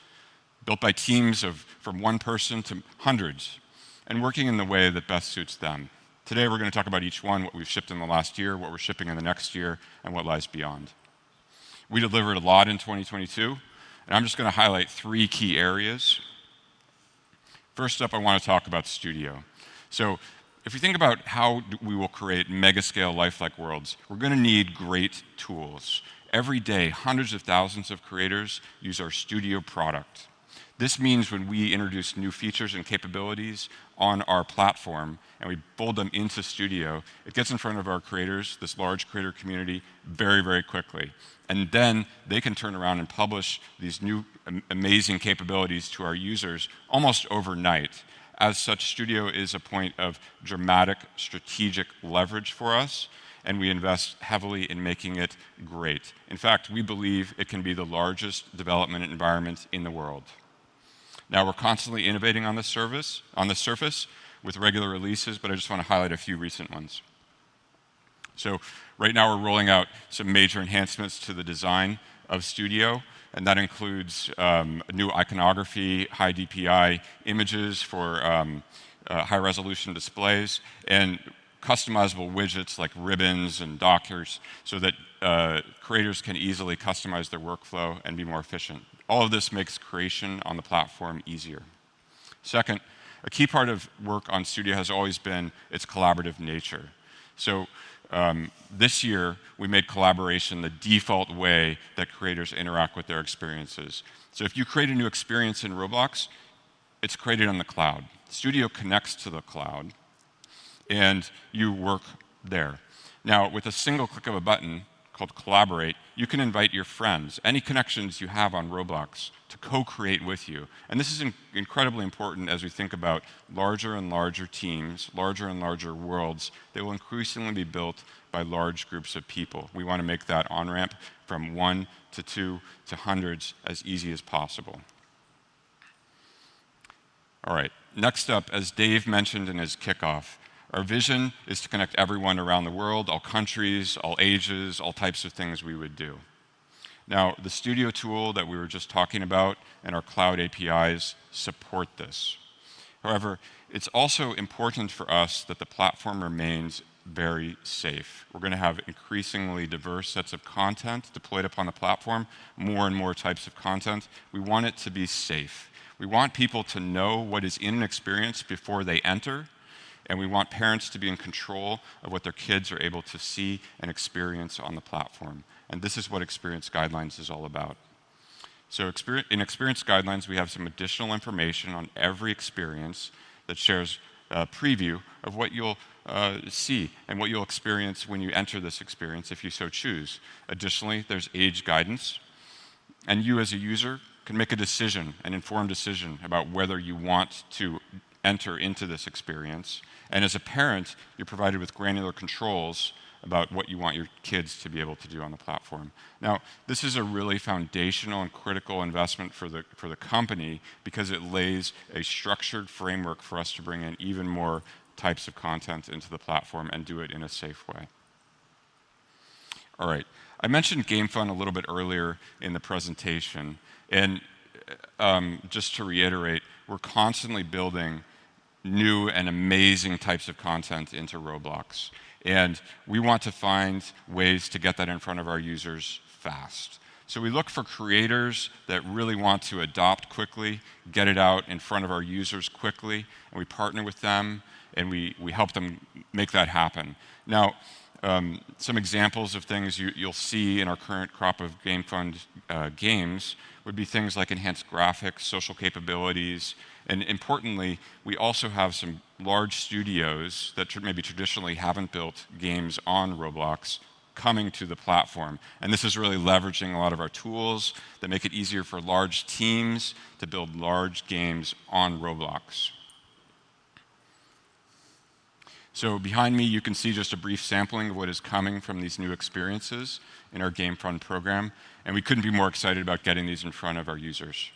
built by teams of from one person to hundreds, and working in the way that best suits them. Today, we're gonna talk about each one, what we've shipped in the last year, what we're shipping in the next year, and what lies beyond. We delivered a lot in 2022, and I'm just gonna highlight three key areas. First up, I wanna talk about Studio. So if you think about how we will create mega-scale lifelike worlds, we're gonna need great tools. Every day, hundreds of thousands of creators use our Studio product. This means when we introduce new features and capabilities on our platform, and we build them into Studio, it gets in front of our creators, this large creator community, very, very quickly. They can turn around and publish these new amazing capabilities to our users almost overnight. As such, Studio is a point of dramatic strategic leverage for us, and we invest heavily in making it great. In fact, we believe it can be the largest development environment in the world. Now, we're constantly innovating on the service, on the surface with regular releases, but I just wanna highlight a few recent ones. Right now, we're rolling out some major enhancements to the design of Studio, and that includes new iconography, high-DPI images for high-resolution displays, and customizable widgets like ribbons and dockers so that creators can easily customize their workflow and be more efficient. All of this makes creation on the platform easier. Second, a key part of work on Studio has always been its collaborative nature. This year, we made collaboration the default way that creators interact with their experiences. If you create a new experience in Roblox, it's created on the cloud. Studio connects to the cloud, and you work there. Now, with a single click of a button called Collaborate, you can invite your friends, any connections you have on Roblox, to co-create with you. This is incredibly important as we think about larger and larger teams, larger and larger worlds that will increasingly be built by large groups of people. We wanna make that on-ramp from one to two to hundreds as easy as possible. All right. Next up, as Dave mentioned in his kickoff, our vision is to connect everyone around the world, all countries, all ages, all types of things we would do. Now, the Studio tool that we were just talking about and our cloud APIs support this. However, it's also important for us that the platform remains very safe. We're gonna have increasingly diverse sets of content deployed upon the platform, more and more types of content. We want it to be safe. We want people to know what is in an experience before they enter, and we want parents to be in control of what their kids are able to see and experience on the platform. This is what Experience Guidelines is all about. In Experience Guidelines, we have some additional information on every experience that shares a preview of what you'll see and what you'll experience when you enter this experience, if you so choose. Additionally, there's age guidance, and you as a user can make a decision, an informed decision about whether you want to enter into this experience. As a parent, you're provided with granular controls about what you want your kids to be able to do on the platform. Now, this is a really foundational and critical investment for the company because it lays a structured framework for us to bring in even more types of content into the platform and do it in a safe way. All right. I mentioned Game Fund a little bit earlier in the presentation, and just to reiterate, we're constantly building new and amazing types of content into Roblox, and we want to find ways to get that in front of our users fast. We look for creators that really want to adopt quickly, get it out in front of our users quickly, and we partner with them, and we help them make that happen. Now, some examples of things you'll see in our current crop of Game Fund games would be things like enhanced graphics, social capabilities, and importantly, we also have some large studios that maybe traditionally haven't built games on Roblox coming to the platform. This is really leveraging a lot of our tools that make it easier for large teams to build large games on Roblox. Behind me, you can see just a brief sampling of what is coming from these new experiences in our Game Fund program, and we couldn't be more excited about getting these in front of our users.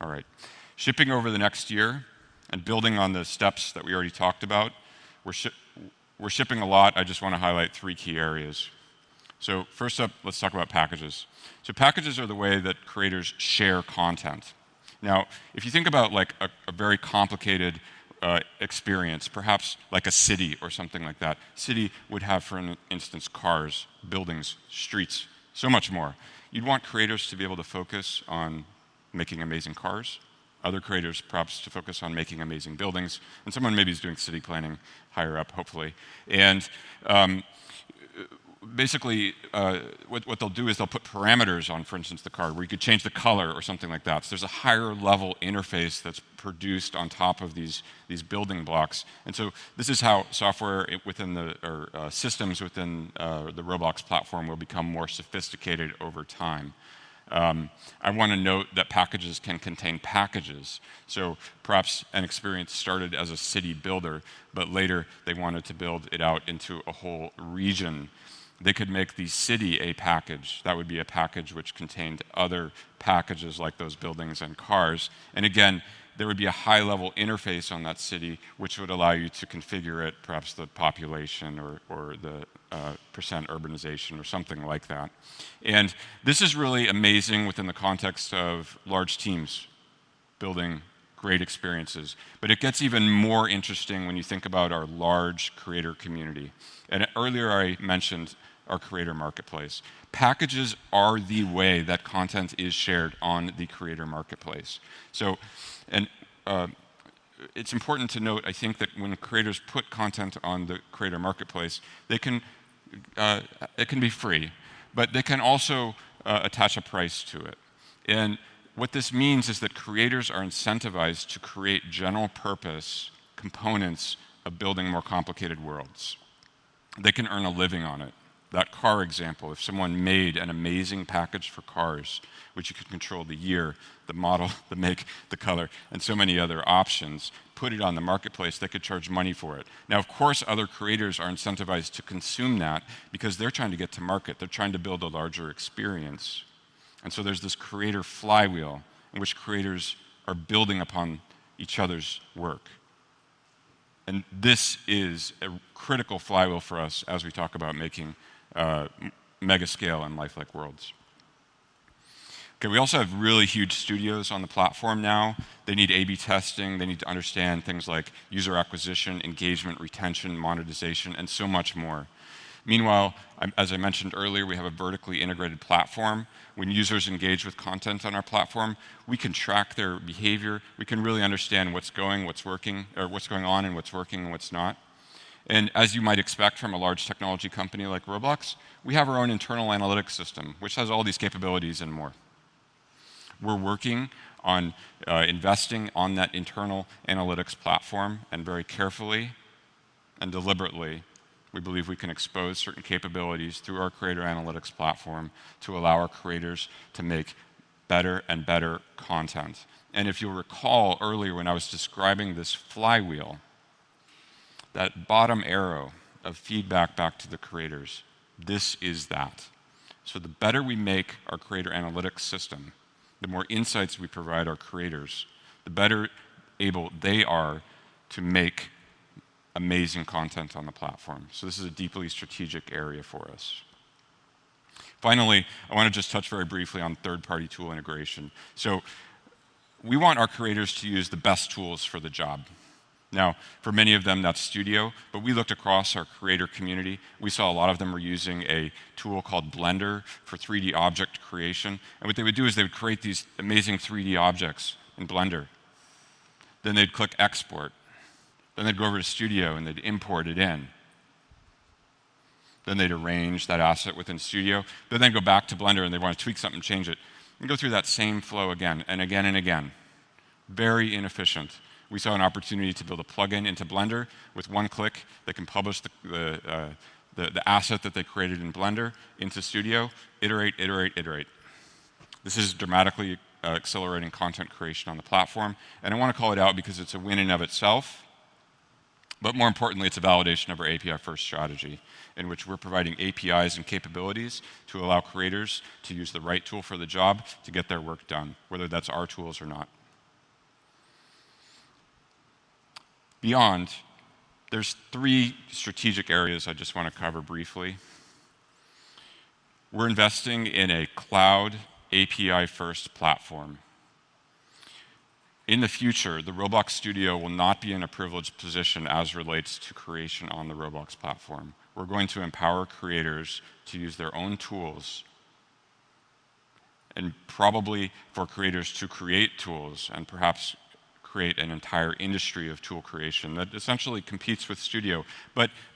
All right. Shipping over the next year and building on the steps that we already talked about, we're shipping a lot. I just wanna highlight three key areas. First up, let's talk about packages. Packages are the way that creators share content. Now, if you think about like a very complicated experience, perhaps like a city or something like that, city would have, for instance, cars, buildings, streets, so much more. You'd want creators to be able to focus on making amazing cars, other creators perhaps to focus on making amazing buildings, and someone maybe is doing city planning higher up, hopefully. Basically, what they'll do is they'll put parameters on, for instance, the car where you could change the color or something like that. There's a higher level interface that's produced on top of these building blocks. This is how systems within the Roblox platform will become more sophisticated over time. I wanna note that packages can contain packages. Perhaps an experience started as a city builder, but later they wanted to build it out into a whole region. They could make the city a package. That would be a package which contained other packages like those buildings and cars. Again, there would be a high-level interface on that city, which would allow you to configure it, perhaps the population or percent urbanization or something like that. This is really amazing within the context of large teams building great experiences. It gets even more interesting when you think about our large creator community. Earlier, I mentioned our Creator Marketplace. Packages are the way that content is shared on the Creator Marketplace. It's important to note, I think, that when creators put content on the Creator Marketplace, they can. It can be free, but they can also attach a price to it. What this means is that creators are incentivized to create general-purpose components of building more complicated worlds. They can earn a living on it. That car example, if someone made an amazing package for cars, which you could control the year, the model, the make, the color, and so many other options, put it on the marketplace, they could charge money for it. Now, of course, other creators are incentivized to consume that because they're trying to get to market. They're trying to build a larger experience. There's this creator flywheel in which creators are building upon each other's work. This is a critical flywheel for us as we talk about making mega scale and lifelike worlds. Okay. We also have really huge studios on the platform now. They need A/B testing. They need to understand things like user acquisition, engagement, retention, monetization, and so much more. Meanwhile, as I mentioned earlier, we have a vertically integrated platform. When users engage with content on our platform, we can track their behavior. We can really understand what's going on and what's working and what's not. As you might expect from a large technology company like Roblox, we have our own internal analytics system, which has all these capabilities and more. We're working on investing on that internal analytics platform, and very carefully and deliberately, we believe we can expose certain capabilities through our creator analytics platform to allow our creators to make better and better content. If you'll recall earlier when I was describing this flywheel, that bottom arrow of feedback back to the creators, this is that. The better we make our creator analytics system, the more insights we provide our creators, the better able they are to make amazing content on the platform. This is a deeply strategic area for us. Finally, I wanna just touch very briefly on third-party tool integration. We want our creators to use the best tools for the job. Now, for many of them, that's Studio, but we looked across our creator community. We saw a lot of them were using a tool called Blender for 3D object creation, and what they would do is they would create these amazing 3D objects in Blender, then they'd click Export, then they'd go over to Studio, and they'd import it in. They'd arrange that asset within Studio. They'd go back to Blender, and they'd wanna tweak something, change it, and go through that same flow again and again and again. Very inefficient. We saw an opportunity to build a plugin into Blender. With one click, they can publish the asset that they created in Blender into Studio, iterate, iterate. This is dramatically accelerating content creation on the platform, and I wanna call it out because it's a win in and of itself, but more importantly, it's a validation of our API-first strategy in which we're providing APIs and capabilities to allow creators to use the right tool for the job to get their work done, whether that's our tools or not. Beyond, there are three strategic areas I just wanna cover briefly. We're investing in a cloud API-first platform. In the future, the Roblox Studio will not be in a privileged position as relates to creation on the Roblox platform. We're going to empower creators to use their own tools and probably for creators to create tools and perhaps create an entire industry of tool creation that essentially competes with Studio.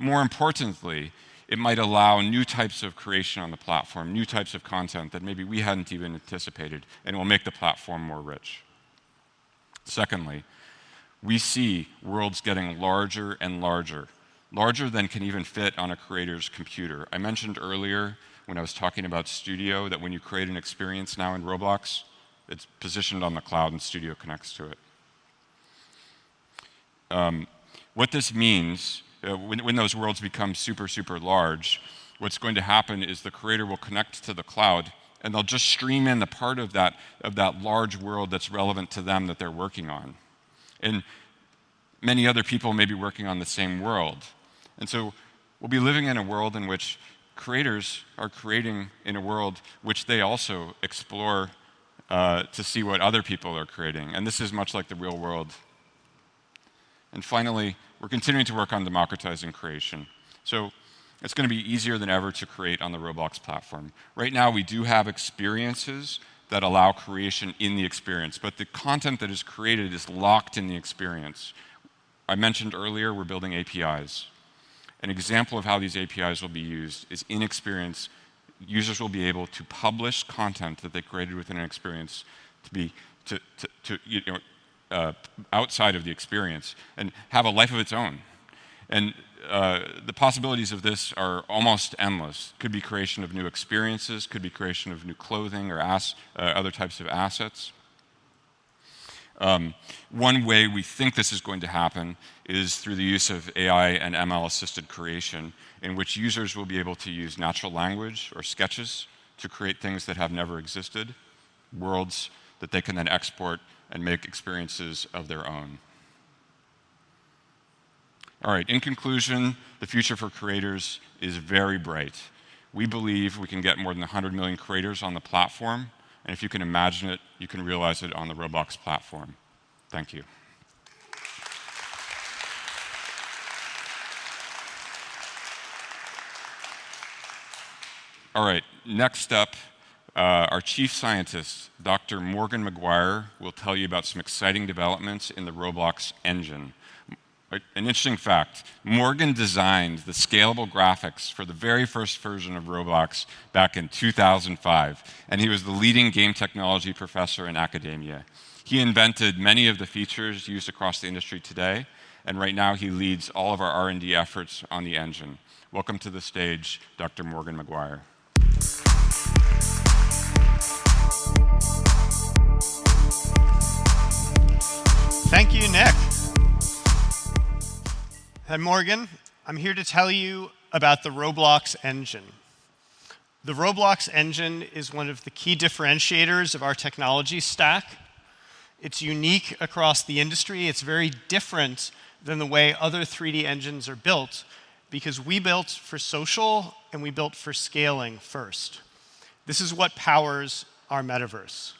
More importantly, it might allow new types of creation on the platform, new types of content that maybe we hadn't even anticipated and will make the platform more rich. Secondly, we see worlds getting larger and larger than can even fit on a creator's computer. I mentioned earlier when I was talking about Studio that when you create an experience now in Roblox, it's positioned on the cloud, and Studio connects to it. What this means, when those worlds become super large, what's going to happen is the creator will connect to the cloud, and they'll just stream in the part of that large world that's relevant to them that they're working on. Many other people may be working on the same world. We'll be living in a world in which creators are creating in a world which they also explore to see what other people are creating, and this is much like the real world. Finally, we're continuing to work on democratizing creation. It's gonna be easier than ever to create on the Roblox platform. Right now, we do have experiences that allow creation in the experience, but the content that is created is locked in the experience. I mentioned earlier we're building APIs. An example of how these APIs will be used is in experience, users will be able to publish content that they created within an experience to, you know, outside of the experience and have a life of its own. The possibilities of this are almost endless. Could be creation of new experiences, could be creation of new clothing or other types of assets. One way we think this is going to happen is through the use of AI and ML-assisted creation in which users will be able to use natural language or sketches to create things that have never existed, worlds that they can then export and make experiences of their own. All right. In conclusion, the future for creators is very bright. We believe we can get more than 100 million creators on the platform, and if you can imagine it, you can realize it on the Roblox platform. Thank you. All right, next up, our chief scientist, Dr. Morgan McGuire, will tell you about some exciting developments in the Roblox engine. An interesting fact, Morgan designed the scalable graphics for the very first version of Roblox back in 2005, and he was the leading game technology professor in academia. He invented many of the features used across the industry today, and right now he leads all of our R&D efforts on the engine. Welcome to the stage, Dr. Morgan McGuire. Thank you, Nick. I'm Morgan. I'm here to tell you about the Roblox engine. The Roblox engine is one of the key differentiators of our technology stack. It's unique across the industry. It's very different than the way other 3D engines are built because we built for social, and we built for scaling first. This is what powers our metaverse.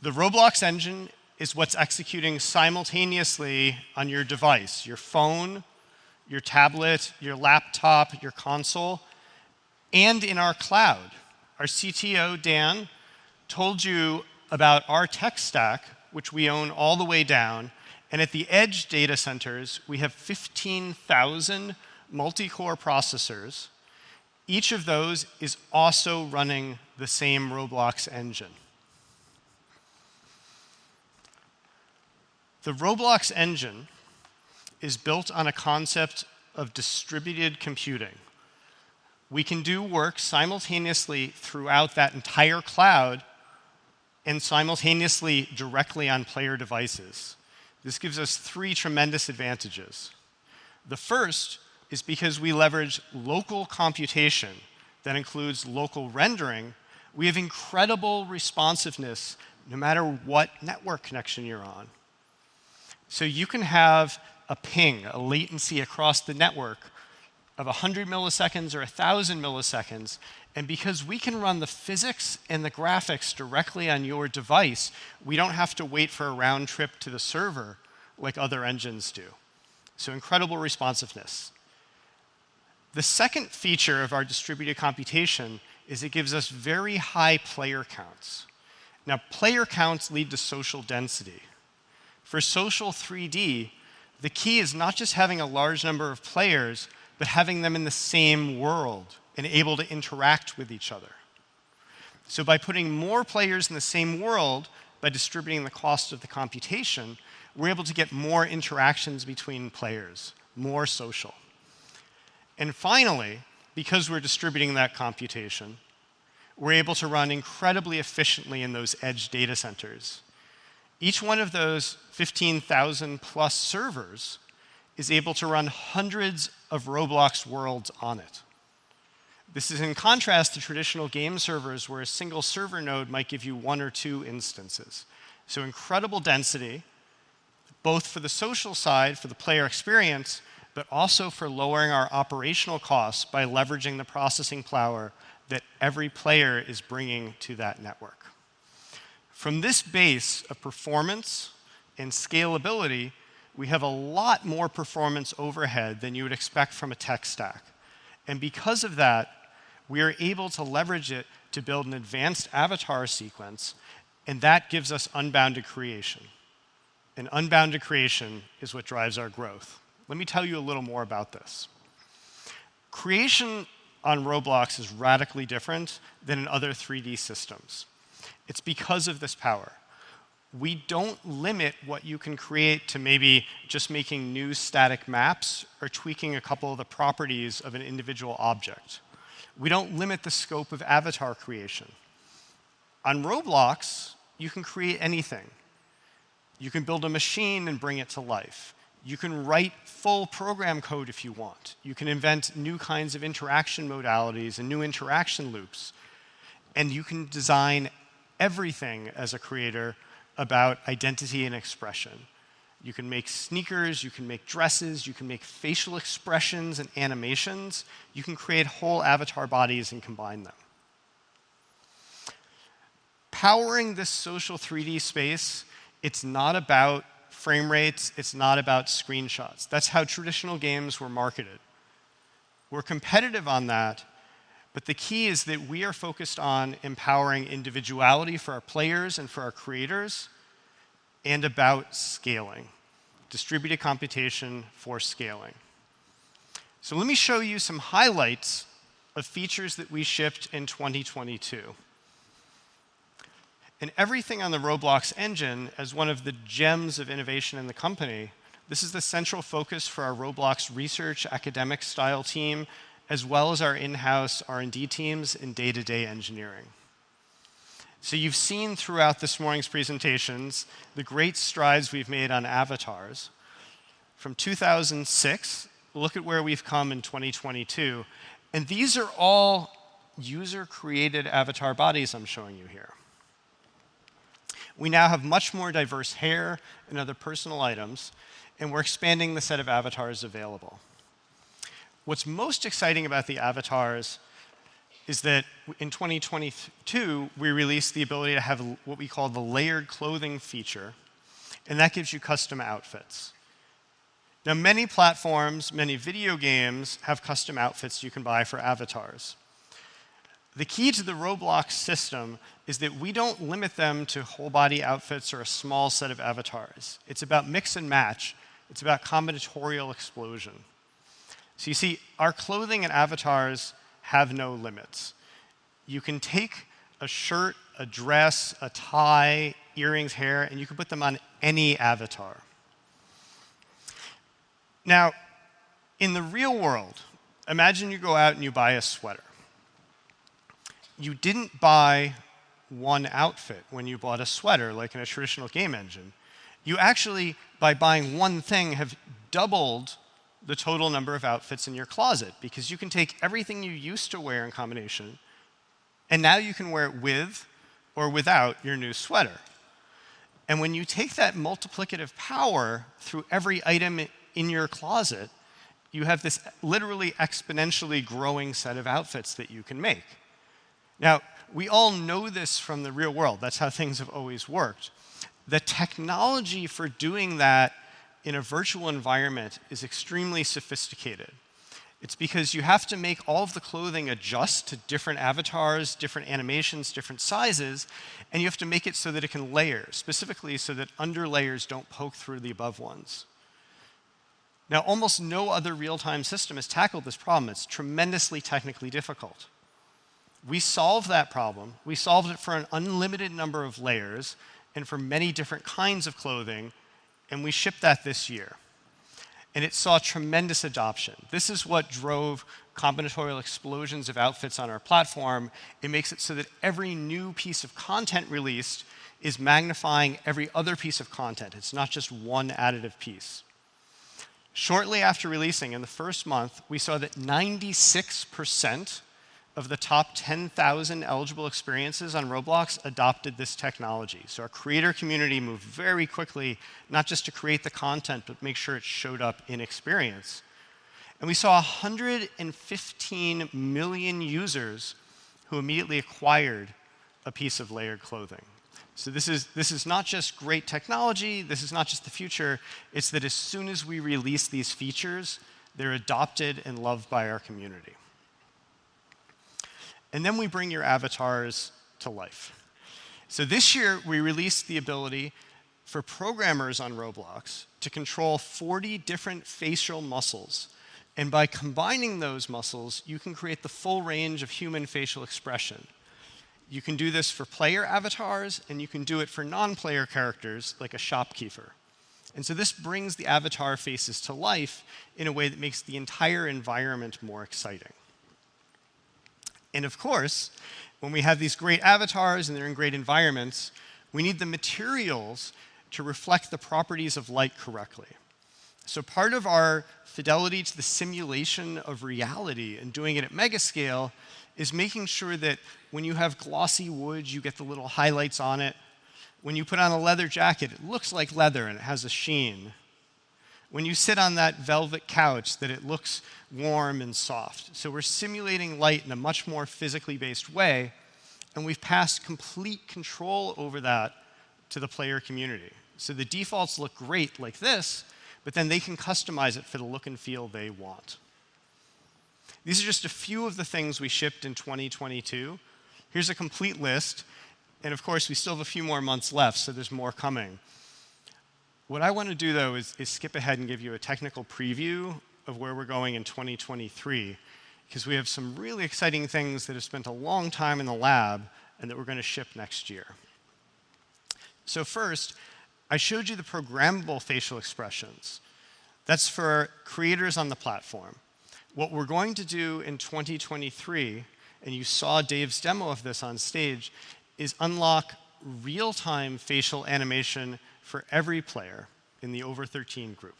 The Roblox engine is what's executing simultaneously on your device, your phone, your tablet, your laptop, your console, and in our cloud. Our CTO, Dan, told you about our tech stack, which we own all the way down, and at the edge data centers, we have 15,000 multi-core processors. Each of those is also running the same Roblox engine. The Roblox engine is built on a concept of distributed computing. We can do work simultaneously throughout that entire cloud and simultaneously directly on player devices. This gives us three tremendous advantages. The first is because we leverage local computation that includes local rendering, we have incredible responsiveness no matter what network connection you're on. You can have a ping, a latency across the network of 100 milliseconds or 1,000 milliseconds, and because we can run the physics and the graphics directly on your device, we don't have to wait for a round trip to the server like other engines do. Incredible responsiveness. The second feature of our distributed computation is it gives us very high player counts. Now, player counts lead to social density. For social 3D, the key is not just having a large number of players, but having them in the same world and able to interact with each other. By putting more players in the same world, by distributing the cost of the computation, we're able to get more interactions between players, more social. Finally, because we're distributing that computation, we're able to run incredibly efficiently in those edge data centers. Each one of those 15,000+ servers is able to run hundreds of Roblox worlds on it. This is in contrast to traditional game servers where a single server node might give you one or two instances. Incredible density, both for the social side, for the player experience, but also for lowering our operational costs by leveraging the processing power that every player is bringing to that network. From this base of performance and scalability, we have a lot more performance overhead than you would expect from a tech stack. Because of that, we are able to leverage it to build an advanced avatar sequence, and that gives us unbounded creation. Unbounded creation is what drives our growth. Let me tell you a little more about this. Creation on Roblox is radically different than in other 3D systems. It's because of this power. We don't limit what you can create to maybe just making new static maps or tweaking a couple of the properties of an individual object. We don't limit the scope of avatar creation. On Roblox, you can create anything. You can build a machine and bring it to life. You can write full program code if you want. You can invent new kinds of interaction modalities and new interaction loops, and you can design everything as a creator about identity and expression. You can make sneakers, you can make dresses, you can make facial expressions and animations. You can create whole avatar bodies and combine them. Powering this social 3D space, it's not about frame rates, it's not about screenshots. That's how traditional games were marketed. We're competitive on that, but the key is that we are focused on empowering individuality for our players and for our creators, and about scaling. Distributed computation for scaling. Let me show you some highlights of features that we shipped in 2022. Everything on the Roblox engine, as one of the gems of innovation in the company, this is the central focus for our Roblox research academic style team, as well as our in-house R&D teams and day-to-day engineering. You've seen throughout this morning's presentations the great strides we've made on avatars. From 2006, look at where we've come in 2022. These are all user-created avatar bodies I'm showing you here. We now have much more diverse hair and other personal items, and we're expanding the set of avatars available. What's most exciting about the avatars is that in 2022, we released the ability to have what we call the layered clothing feature, and that gives you custom outfits. Now, many platforms, many video games have custom outfits you can buy for avatars. The key to the Roblox system is that we don't limit them to whole body outfits or a small set of avatars. It's about mix and match. It's about combinatorial explosion. You see, our clothing and avatars have no limits. You can take a shirt, a dress, a tie, earrings, hair, and you can put them on any avatar. Now, in the real world, imagine you go out and you buy a sweater. You didn't buy one outfit when you bought a sweater, like in a traditional game engine. You actually, by buying one thing, have doubled the total number of outfits in your closet, because you can take everything you used to wear in combination, and now you can wear it with or without your new sweater. When you take that multiplicative power through every item in your closet, you have this literally exponentially growing set of outfits that you can make. Now, we all know this from the real world. That's how things have always worked. The technology for doing that in a virtual environment is extremely sophisticated. It's because you have to make all of the clothing adjust to different avatars, different animations, different sizes, and you have to make it so that it can layer, specifically so that under layers don't poke through the above ones. Now, almost no other real-time system has tackled this problem. It's tremendously technically difficult. We solved that problem. We solved it for an unlimited number of layers and for many different kinds of clothing, and we shipped that this year, and it saw tremendous adoption. This is what drove combinatorial explosions of outfits on our platform. It makes it so that every new piece of content released is magnifying every other piece of content. It's not just one additive piece. Shortly after releasing, in the first month, we saw that 96% of the top 10,000 eligible experiences on Roblox adopted this technology. Our creator community moved very quickly, not just to create the content, but make sure it showed up in experience. We saw 115 million users who immediately acquired a piece of layered clothing. This is not just great technology. This is not just the future. It's that as soon as we release these features, they're adopted and loved by our community. We bring your avatars to life. This year, we released the ability for programmers on Roblox to control 40 different facial muscles, and by combining those muscles, you can create the full range of human facial expression. You can do this for player avatars, and you can do it for non-player characters, like a shopkeeper. This brings the avatar faces to life in a way that makes the entire environment more exciting. Of course, when we have these great avatars and they're in great environments, we need the materials to reflect the properties of light correctly. Part of our fidelity to the simulation of reality and doing it at mega scale is making sure that when you have glossy wood, you get the little highlights on it. When you put on a leather jacket, it looks like leather and it has a sheen. When you sit on that velvet couch, that it looks warm and soft. We're simulating light in a much more physically based way, and we've passed complete control over that to the player community. The defaults look great like this, but then they can customize it for the look and feel they want. These are just a few of the things we shipped in 2022. Here's a complete list, and of course, we still have a few more months left, so there's more coming. What I wanna do though is skip ahead and give you a technical preview of where we're going in 2023, 'cause we have some really exciting things that have spent a long time in the lab and that we're gonna ship next year. First, I showed you the programmable facial expressions. That's for creators on the platform. What we're going to do in 2023, and you saw Dave's demo of this on stage, is unlock real-time facial animation for every player in the over 13 group.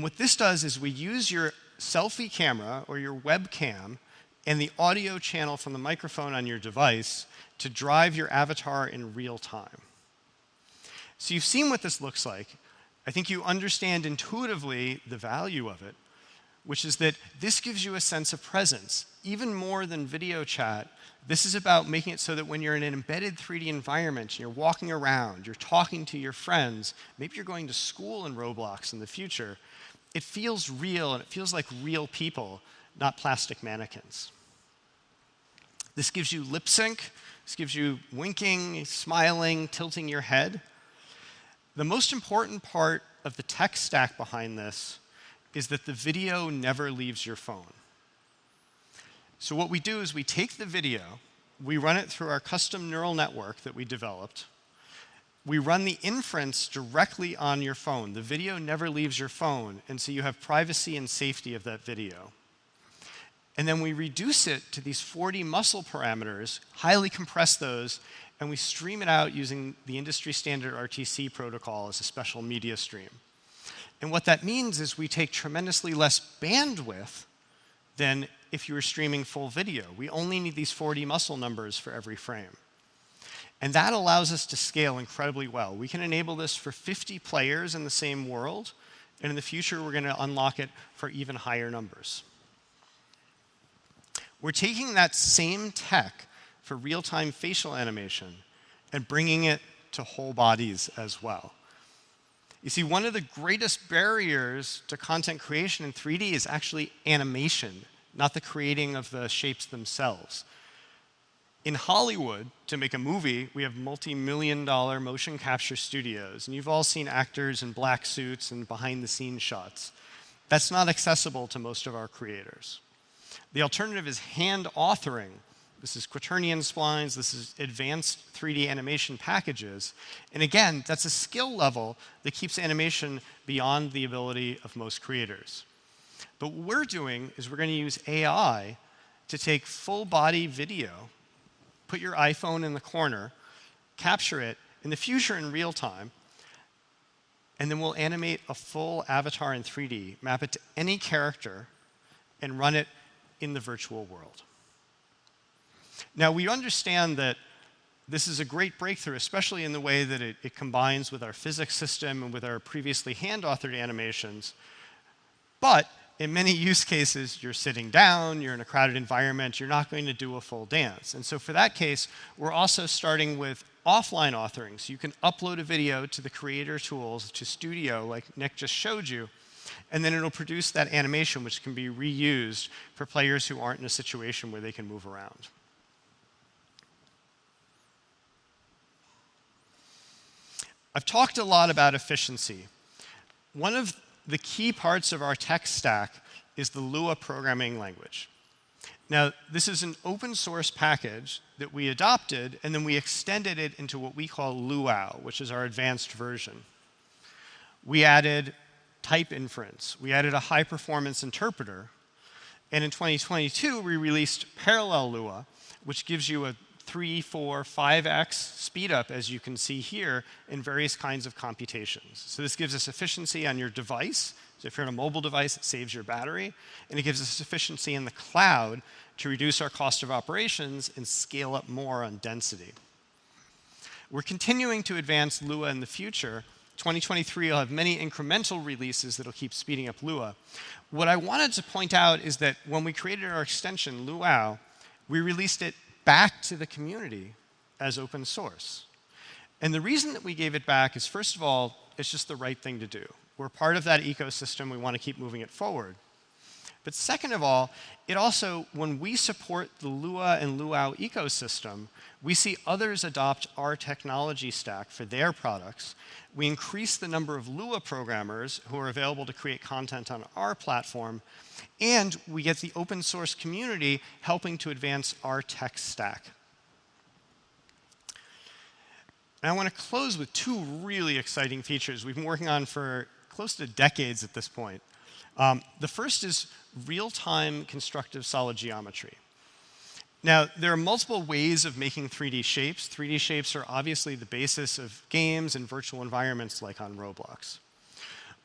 What this does is we use your selfie camera or your webcam and the audio channel from the microphone on your device to drive your avatar in real time. You've seen what this looks like. I think you understand intuitively the value of it, which is that this gives you a sense of presence. Even more than video chat, this is about making it so that when you're in an embedded 3D environment, and you're walking around, you're talking to your friends, maybe you're going to school in Roblox in the future, it feels real and it feels like real people, not plastic mannequins. This gives you lip sync, this gives you winking, smiling, tilting your head. The most important part of the tech stack behind this is that the video never leaves your phone. What we do is we take the video, we run it through our custom neural network that we developed, we run the inference directly on your phone. The video never leaves your phone, and so you have privacy and safety of that video. Then we reduce it to these 40 muscle parameters, highly compress those, and we stream it out using the industry standard WebRTC protocol as a special media stream. What that means is we take tremendously less bandwidth than if you were streaming full video. We only need these 40 muscle numbers for every frame. That allows us to scale incredibly well. We can enable this for 50 players in the same world, and in the future, we're gonna unlock it for even higher numbers. We're taking that same tech for real-time facial animation and bringing it to whole bodies as well. You see, one of the greatest barriers to content creation in 3D is actually animation, not the creating of the shapes themselves. In Hollywood, to make a movie, we have multi-million-dollar motion capture studios, and you've all seen actors in black suits and behind-the-scenes shots. That's not accessible to most of our creators. The alternative is hand authoring. This is quaternion splines, this is advanced 3D animation packages. Again, that's a skill level that keeps animation beyond the ability of most creators. What we're doing is we're gonna use AI to take full body video, put your iPhone in the corner, capture it, in the future in real time, and then we'll animate a full avatar in 3D, map it to any character, and run it in the virtual world. Now, we understand that this is a great breakthrough, especially in the way that it combines with our physics system and with our previously hand-authored animations. In many use cases, you're sitting down, you're in a crowded environment, you're not going to do a full dance. For that case, we're also starting with offline authoring, so you can upload a video to the creator tools to Studio, like Nick just showed you, and then it'll produce that animation which can be reused for players who aren't in a situation where they can move around. I've talked a lot about efficiency. One of the key parts of our tech stack is the Lua programming language. Now, this is an open source package that we adopted, and then we extended it into what we call Luau, which is our advanced version. We added type inference. We added a high-performance interpreter. In 2022, we released Parallel Luau, which gives you a 3x, 4x, 5x speed up, as you can see here, in various kinds of computations. This gives us efficiency on your device. If you're on a mobile device, it saves your battery, and it gives us efficiency in the cloud to reduce our cost of operations and scale up more on density. We're continuing to advance Lua in the future. 2023 will have many incremental releases that'll keep speeding up Lua. What I wanted to point out is that when we created our extension, Luau, we released it back to the community as open source. The reason that we gave it back is, first of all, it's just the right thing to do. We're part of that ecosystem. We wanna keep moving it forward. Second of all, it also, when we support the Lua and Luau ecosystem, we see others adopt our technology stack for their products. We increase the number of Lua programmers who are available to create content on our platform, and we get the open source community helping to advance our tech stack. Now, I wanna close with two really exciting features we've been working on for close to decades at this point. The first is real-time constructive solid geometry. Now, there are multiple ways of making 3D shapes. 3D shapes are obviously the basis of games and virtual environments like on Roblox.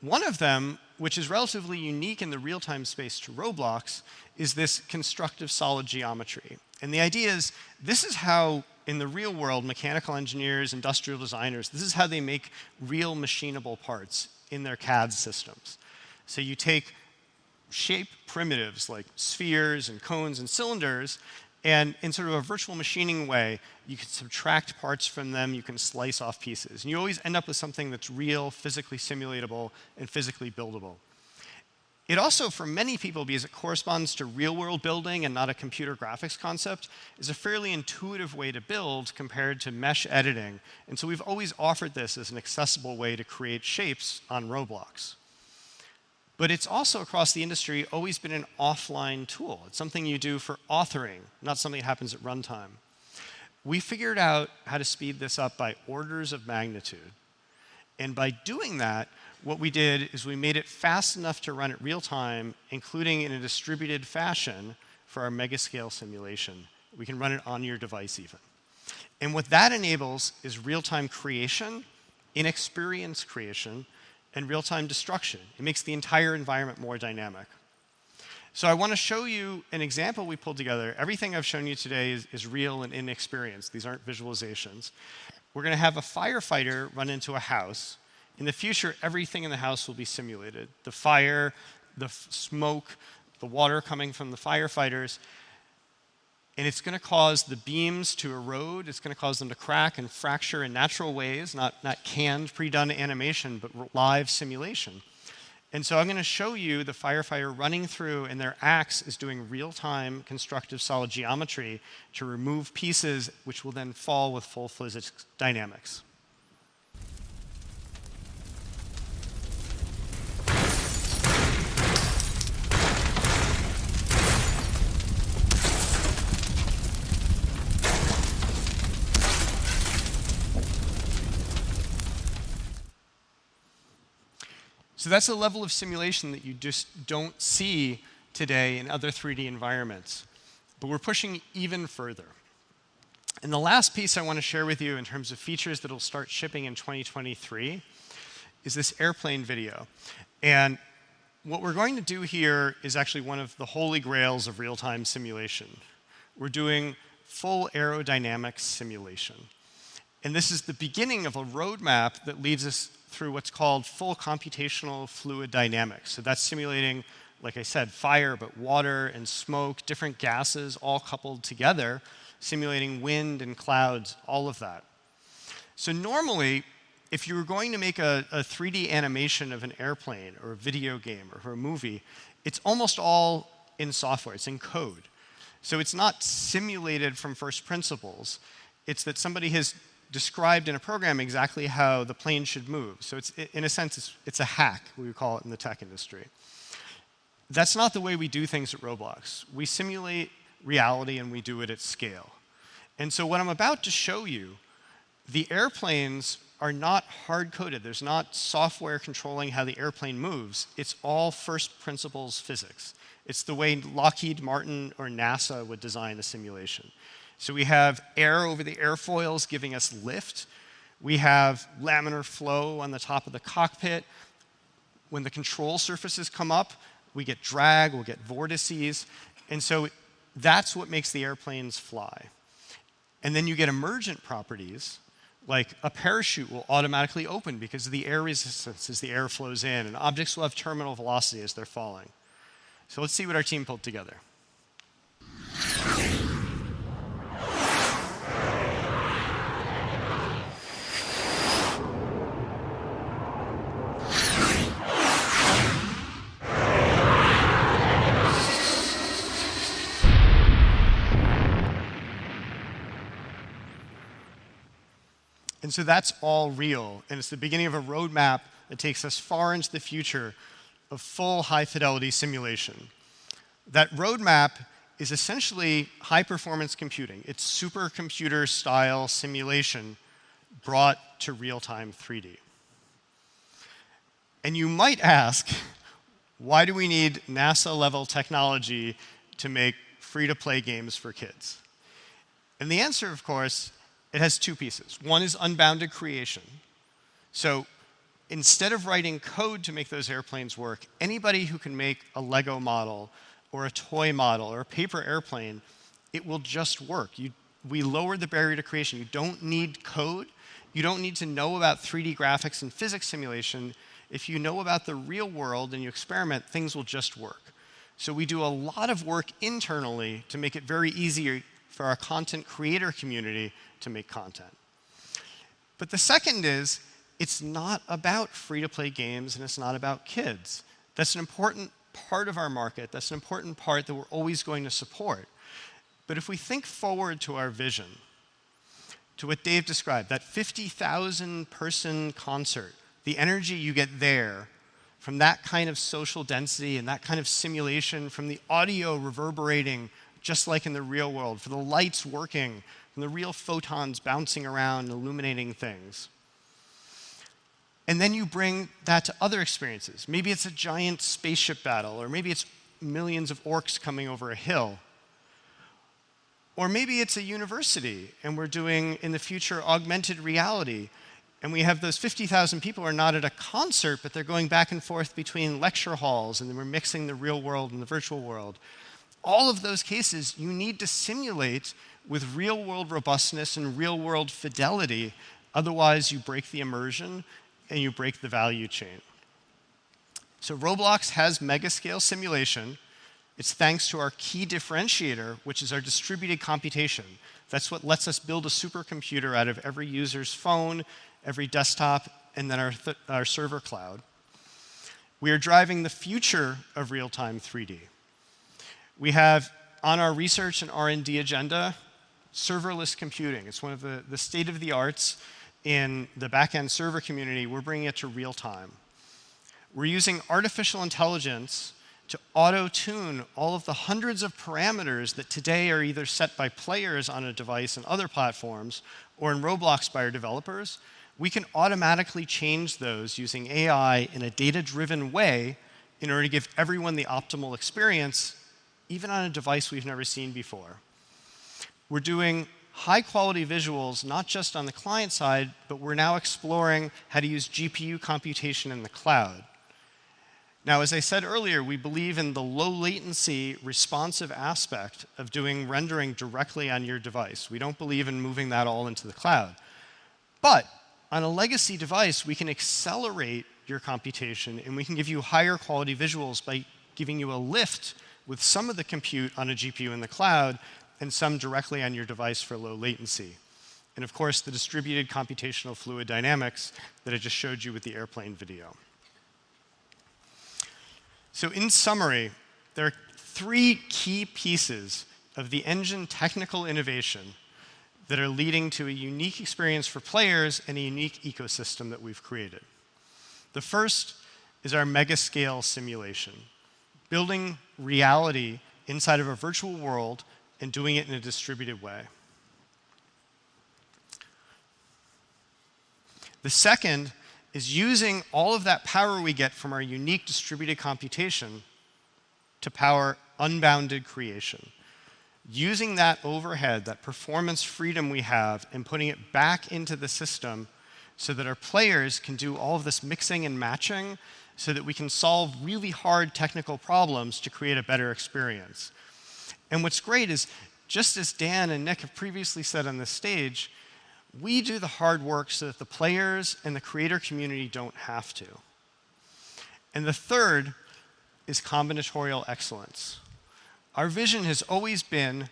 One of them, which is relatively unique in the real-time space to Roblox, is this constructive solid geometry. The idea is this is how, in the real world, mechanical engineers, industrial designers, this is how they make real machinable parts in their CAD systems. You take shape primitives like spheres and cones and cylinders, and in sort of a virtual machining way, you can subtract parts from them, you can slice off pieces, and you always end up with something that's real, physically simulatable, and physically buildable. It also, for many people, because it corresponds to real-world building and not a computer graphics concept, is a fairly intuitive way to build compared to mesh editing. We've always offered this as an accessible way to create shapes on Roblox. It's also across the industry always been an offline tool. It's something you do for authoring, not something that happens at runtime. We figured out how to speed this up by orders of magnitude, and by doing that, what we did is we made it fast enough to run it real-time, including in a distributed fashion for our mega scale simulation. We can run it on your device even. What that enables is real-time creation, in-experience creation, and real-time destruction. It makes the entire environment more dynamic. I want to show you an example we pulled together. Everything I've shown you today is real and in experience. These aren't visualizations. We're gonna have a firefighter run into a house. In the future, everything in the house will be simulated. The fire, the smoke, the water coming from the firefighters, and it's gonna cause the beams to erode, it's gonna cause them to crack and fracture in natural ways, not canned pre-done animation, but live simulation. I'm gonna show you the firefighter running through, and their ax is doing real-time constructive solid geometry to remove pieces which will then fall with full physics dynamics. That's a level of simulation that you just don't see today in other 3D environments. We're pushing even further. The last piece I wanna share with you in terms of features that'll start shipping in 2023 is this airplane video. What we're going to do here is actually one of the holy grails of real-time simulation. We're doing full aerodynamics simulation. This is the beginning of a roadmap that leads us through what's called full computational fluid dynamics. That's simulating, like I said, fire, but water and smoke, different gases all coupled together, simulating wind and clouds, all of that. Normally, if you were going to make a 3D animation of an airplane or a video game or a movie, it's almost all in software, it's in code. It's not simulated from first principles, it's that somebody has described in a program exactly how the plane should move. It's in a sense, it's a hack we would call it in the tech industry. That's not the way we do things at Roblox. We simulate reality, and we do it at scale. What I'm about to show you, the airplanes are not hard-coded. There's not software controlling how the airplane moves. It's all first principles physics. It's the way Lockheed Martin or NASA would design a simulation. We have air over the airfoils giving us lift. We have laminar flow on the top of the cockpit. When the control surfaces come up, we get drag, we'll get vortices, and that's what makes the airplanes fly. You get emergent properties, like a parachute will automatically open because of the air resistance as the air flows in, and objects will have terminal velocity as they're falling. Let's see what our team pulled together. That's all real, and it's the beginning of a roadmap that takes us far into the future of full high-fidelity simulation. That roadmap is essentially high-performance computing. It's supercomputer-style simulation brought to real-time three-D. You might ask, "Why do we need NASA-level technology to make free-to-play games for kids?" The answer, of course, it has two pieces. One is unbounded creation. Instead of writing code to make those airplanes work, anybody who can make a LEGO model or a toy model or a paper airplane, it will just work. We lowered the barrier to creation. You don't need code. You don't need to know about 3D graphics and physics simulation. If you know about the real world and you experiment, things will just work. We do a lot of work internally to make it very easy for our content creator community to make content. The second is, it's not about free-to-play games, and it's not about kids. That's an important part of our market. That's an important part that we're always going to support. If we think forward to our vision, to what Dave described, that 50,000-person concert, the energy you get there from that kind of social density and that kind of simulation, from the audio reverberating, just like in the real world, from the lights working, from the real photons bouncing around illuminating things. Then you bring that to other experiences. Maybe it's a giant spaceship battle, or maybe it's millions of orcs coming over a hill. Maybe it's a university, and we're doing, in the future, augmented reality, and we have those 50,000 people are not at a concert, but they're going back and forth between lecture halls, and we're mixing the real world and the virtual world. All of those cases you need to simulate with real-world robustness and real-world fidelity, otherwise you break the immersion, and you break the value chain. Roblox has mega scale simulation. It's thanks to our key differentiator, which is our distributed computation. That's what lets us build a supercomputer out of every user's phone, every desktop, and then our server cloud. We are driving the future of real-time 3D. We have on our research and R&D agenda serverless computing. It's one of the state-of-the-art in the back-end server community. We're bringing it to real-time. We're using artificial intelligence to auto-tune all of the hundreds of parameters that today are either set by players on a device on other platforms or in Roblox by our developers. We can automatically change those using AI in a data-driven way in order to give everyone the optimal experience, even on a device we've never seen before. We're doing high-quality visuals, not just on the client side, but we're now exploring how to use GPU computation in the cloud. Now, as I said earlier, we believe in the low latency, responsive aspect of doing rendering directly on your device. We don't believe in moving that all into the cloud. On a legacy device, we can accelerate your computation, and we can give you higher quality visuals by giving you a lift with some of the compute on a GPU in the cloud and some directly on your device for low latency, and of course, the distributed computational fluid dynamics that I just showed you with the airplane video. In summary, there are three key pieces of the engine technical innovation that are leading to a unique experience for players and a unique ecosystem that we've created. The first is our mega scale simulation, building reality inside of a virtual world and doing it in a distributed way. The second is using all of that power we get from our unique distributed computation to power unbounded creation. Using that overhead, that performance freedom we have, and putting it back into the system so that our players can do all of this mixing and matching so that we can solve really hard technical problems to create a better experience. What's great is, just as Dan and Nick have previously said on this stage, we do the hard work so that the players and the creator community don't have to. The third is combinatorial excellence. Our vision has always been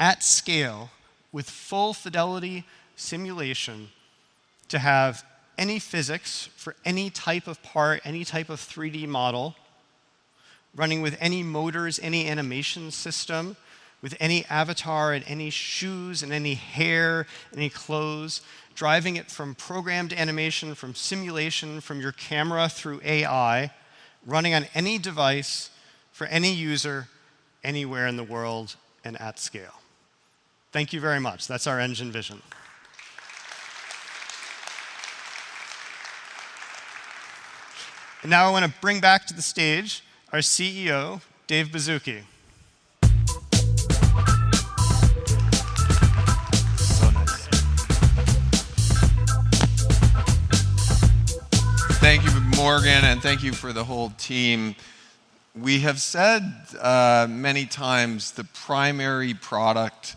at scale with full fidelity simulation to have any physics for any type of part, any type of 3D model running with any motors, any animation system, with any avatar and any shoes and any hair, any clothes, driving it from programmed animation, from simulation, from your camera through AI, running on any device for any user anywhere in the world and at scale. Thank you very much. That's our engine vision. Now I wanna bring back to the stage our CEO, David Baszucki. Thank you, Morgan, and thank you for the whole team. We have said many times the primary product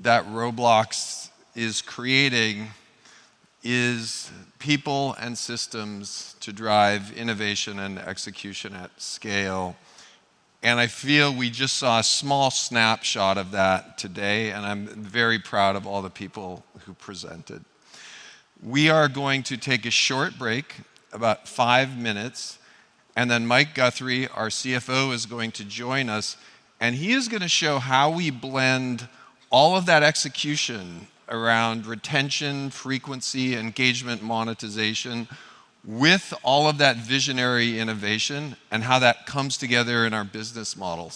that Roblox is creating is people and systems to drive innovation and execution at scale. I feel we just saw a small snapshot of that today, and I'm very proud of all the people who presented. We are going to take a short break, about five minutes, and then Mike Guthrie, our CFO, is going to join us, and he is gonna show how we blend all of that execution around retention, frequency, engagement, monetization with all of that visionary innovation and how that comes together in our business model.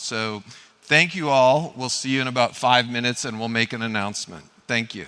Thank you all. We'll see you in about five minutes, and we'll make an announcement. Thank you.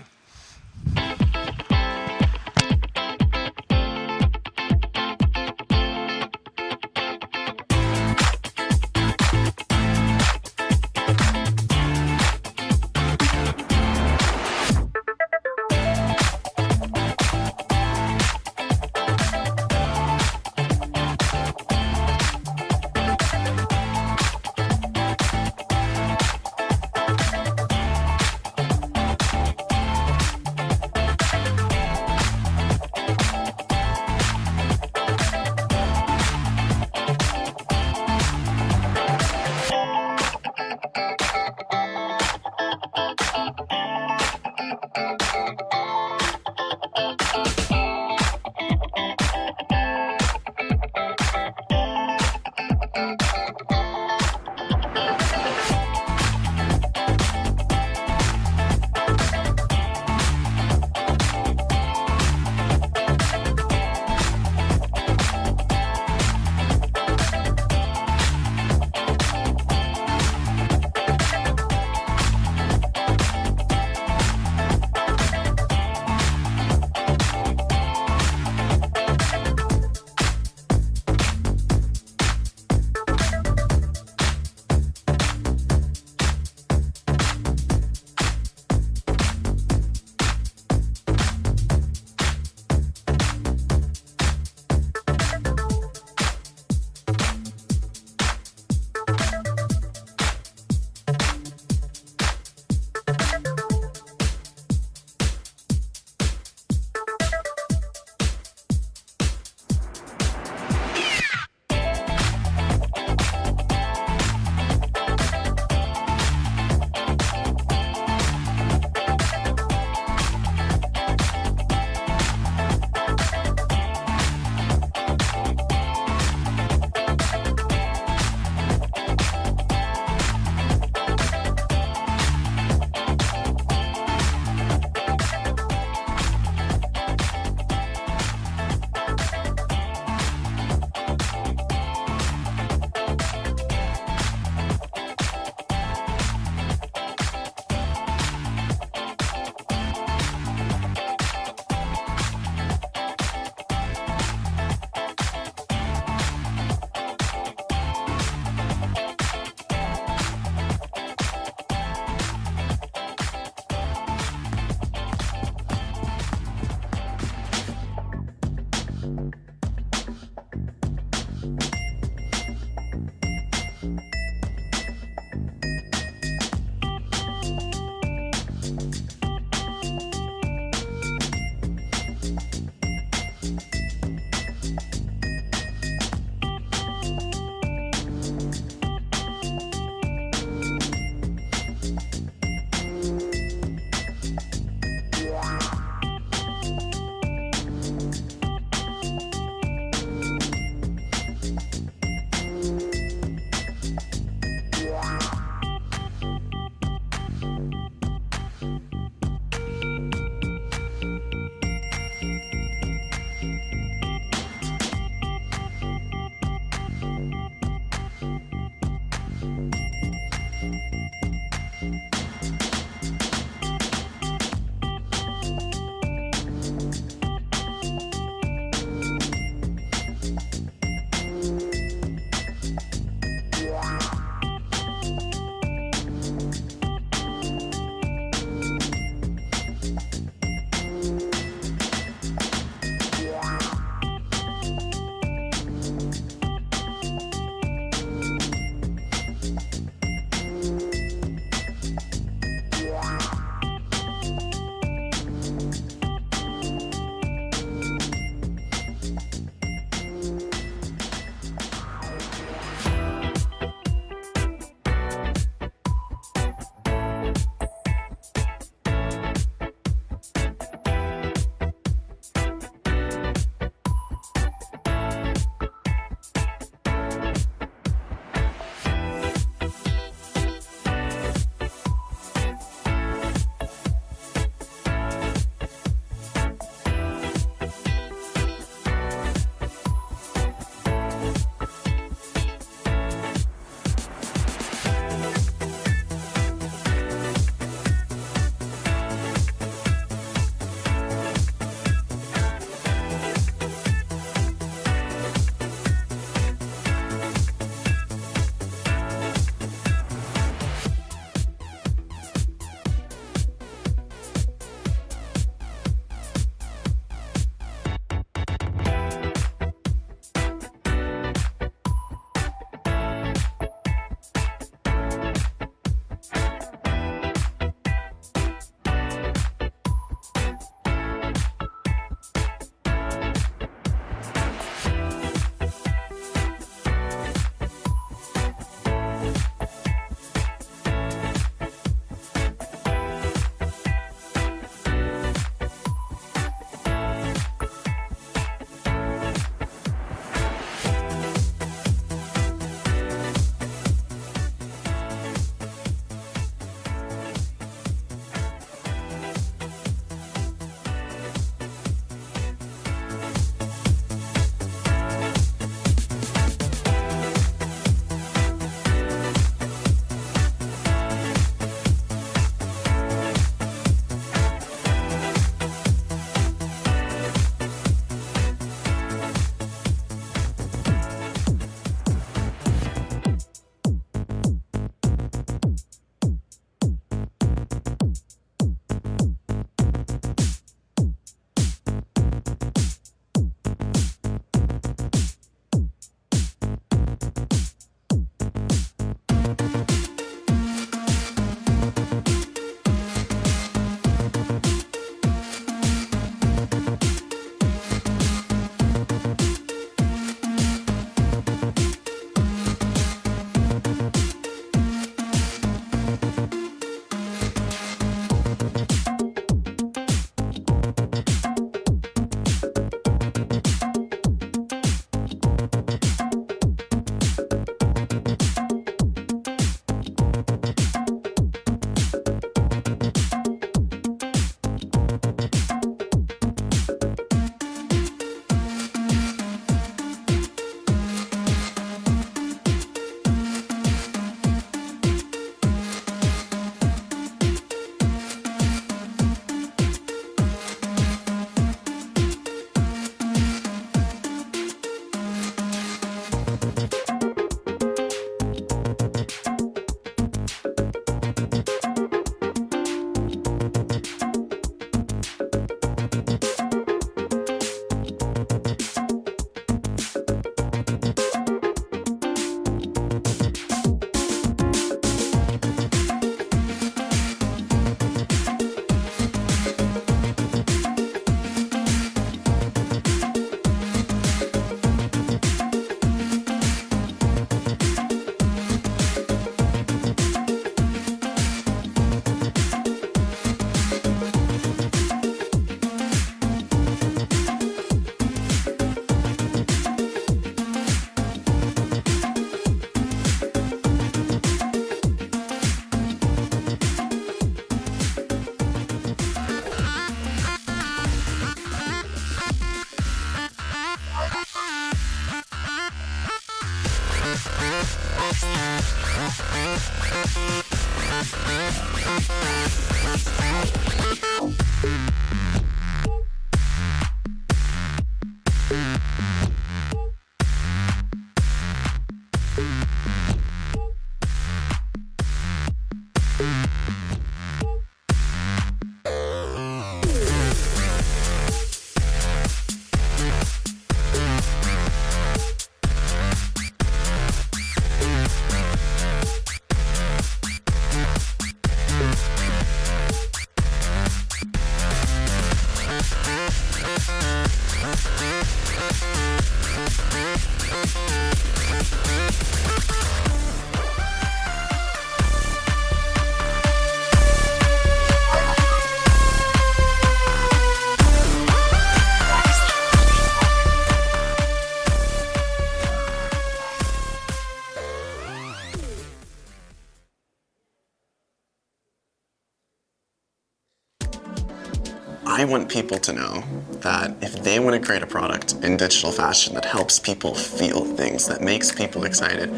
I want people to know that if they wanna create a product in digital fashion that helps people feel things, that makes people excited,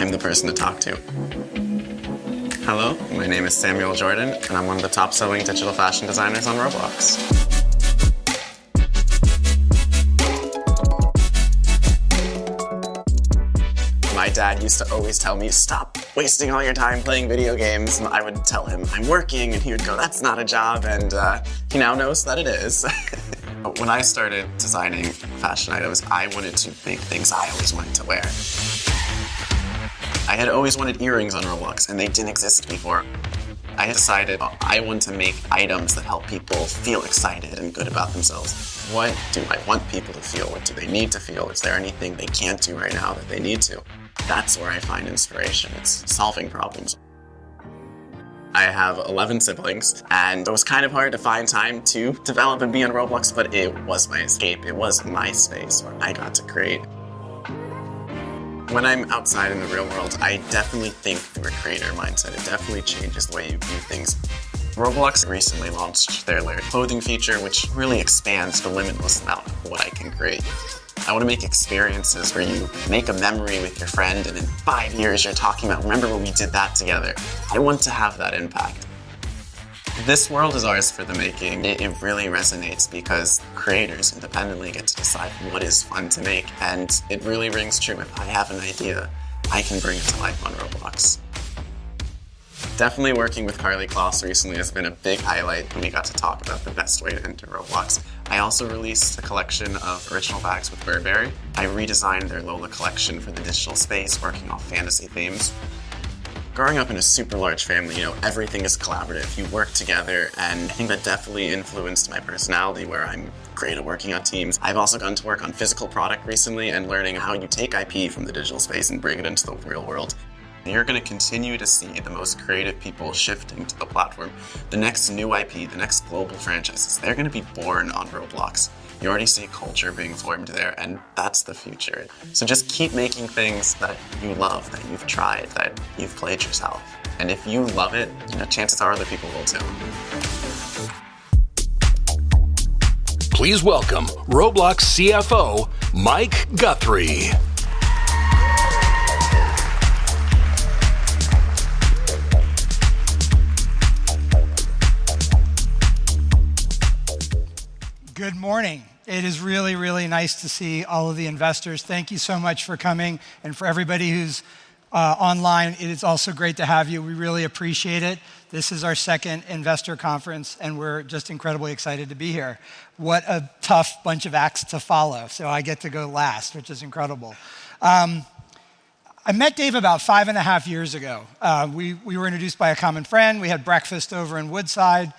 I'm the person to talk to. Hello, my name is Samuel Jordan, and I'm one of the top selling Digital Fashion Designers on Roblox. My dad used to always tell me, "Stop wasting all your time playing video games," and I would tell him, "I'm working," and he would go, "That's not a job." He now knows that it is. When I started designing fashion items, I wanted to make things I always wanted to wear. I had always wanted earrings on Roblox, and they didn't exist before. I decided I want to make items that help people feel excited and good about themselves. What do I want people to feel? What do they need to feel? Is there anything they can't do right now that they need to? That's where I find inspiration. It's solving problems. I have 11 siblings, and it was kind of hard to find time to develop and be on Roblox, but it was my escape. It was my space where I got to create. When I'm outside in the real world, I definitely think through a creator mindset. It definitely changes the way you view things. Roblox recently launched their layered clothing feature, which really expands the limitless amount of what I can create. I wanna make experiences where you make a memory with your friend, and in five years you're talking about, "Remember when we did that together?" I want to have that impact. This world is ours for the making. It really resonates because creators independently get to decide what is fun to make, and it really rings true. If I have an idea, I can bring it to life on Roblox. Definitely working with Karlie Kloss recently has been a big highlight, and we got to talk about the best way to enter Roblox. I also released a collection of original bags with Burberry. I redesigned their Lola collection for the digital space, working on fantasy themes. Growing up in a super large family, you know, everything is collaborative. You work together, and I think that definitely influenced my personality, where I'm great at working on teams. I've also gotten to work on physical product recently and learning how you take IP from the digital space and bring it into the real world. You're gonna continue to see the most creative people shifting to the platform. The next new IP, the next global franchises, they're gonna be born on Roblox. You already see culture being formed there, and that's the future. Just keep making things that you love, that you've tried, that you've played yourself. If you love it, then the chances are other people will too. Please welcome Roblox CFO, Mike Guthrie. Good morning. It is really, really nice to see all of the investors. Thank you so much for coming. For everybody who's online, it is also great to have you. We really appreciate it. This is our second investor conference, and we're just incredibly excited to be here. What a tough bunch of acts to follow. I get to go last, which is incredible. I met Dave about five and a half years ago. We were introduced by a common friend. We had breakfast over in Woodside,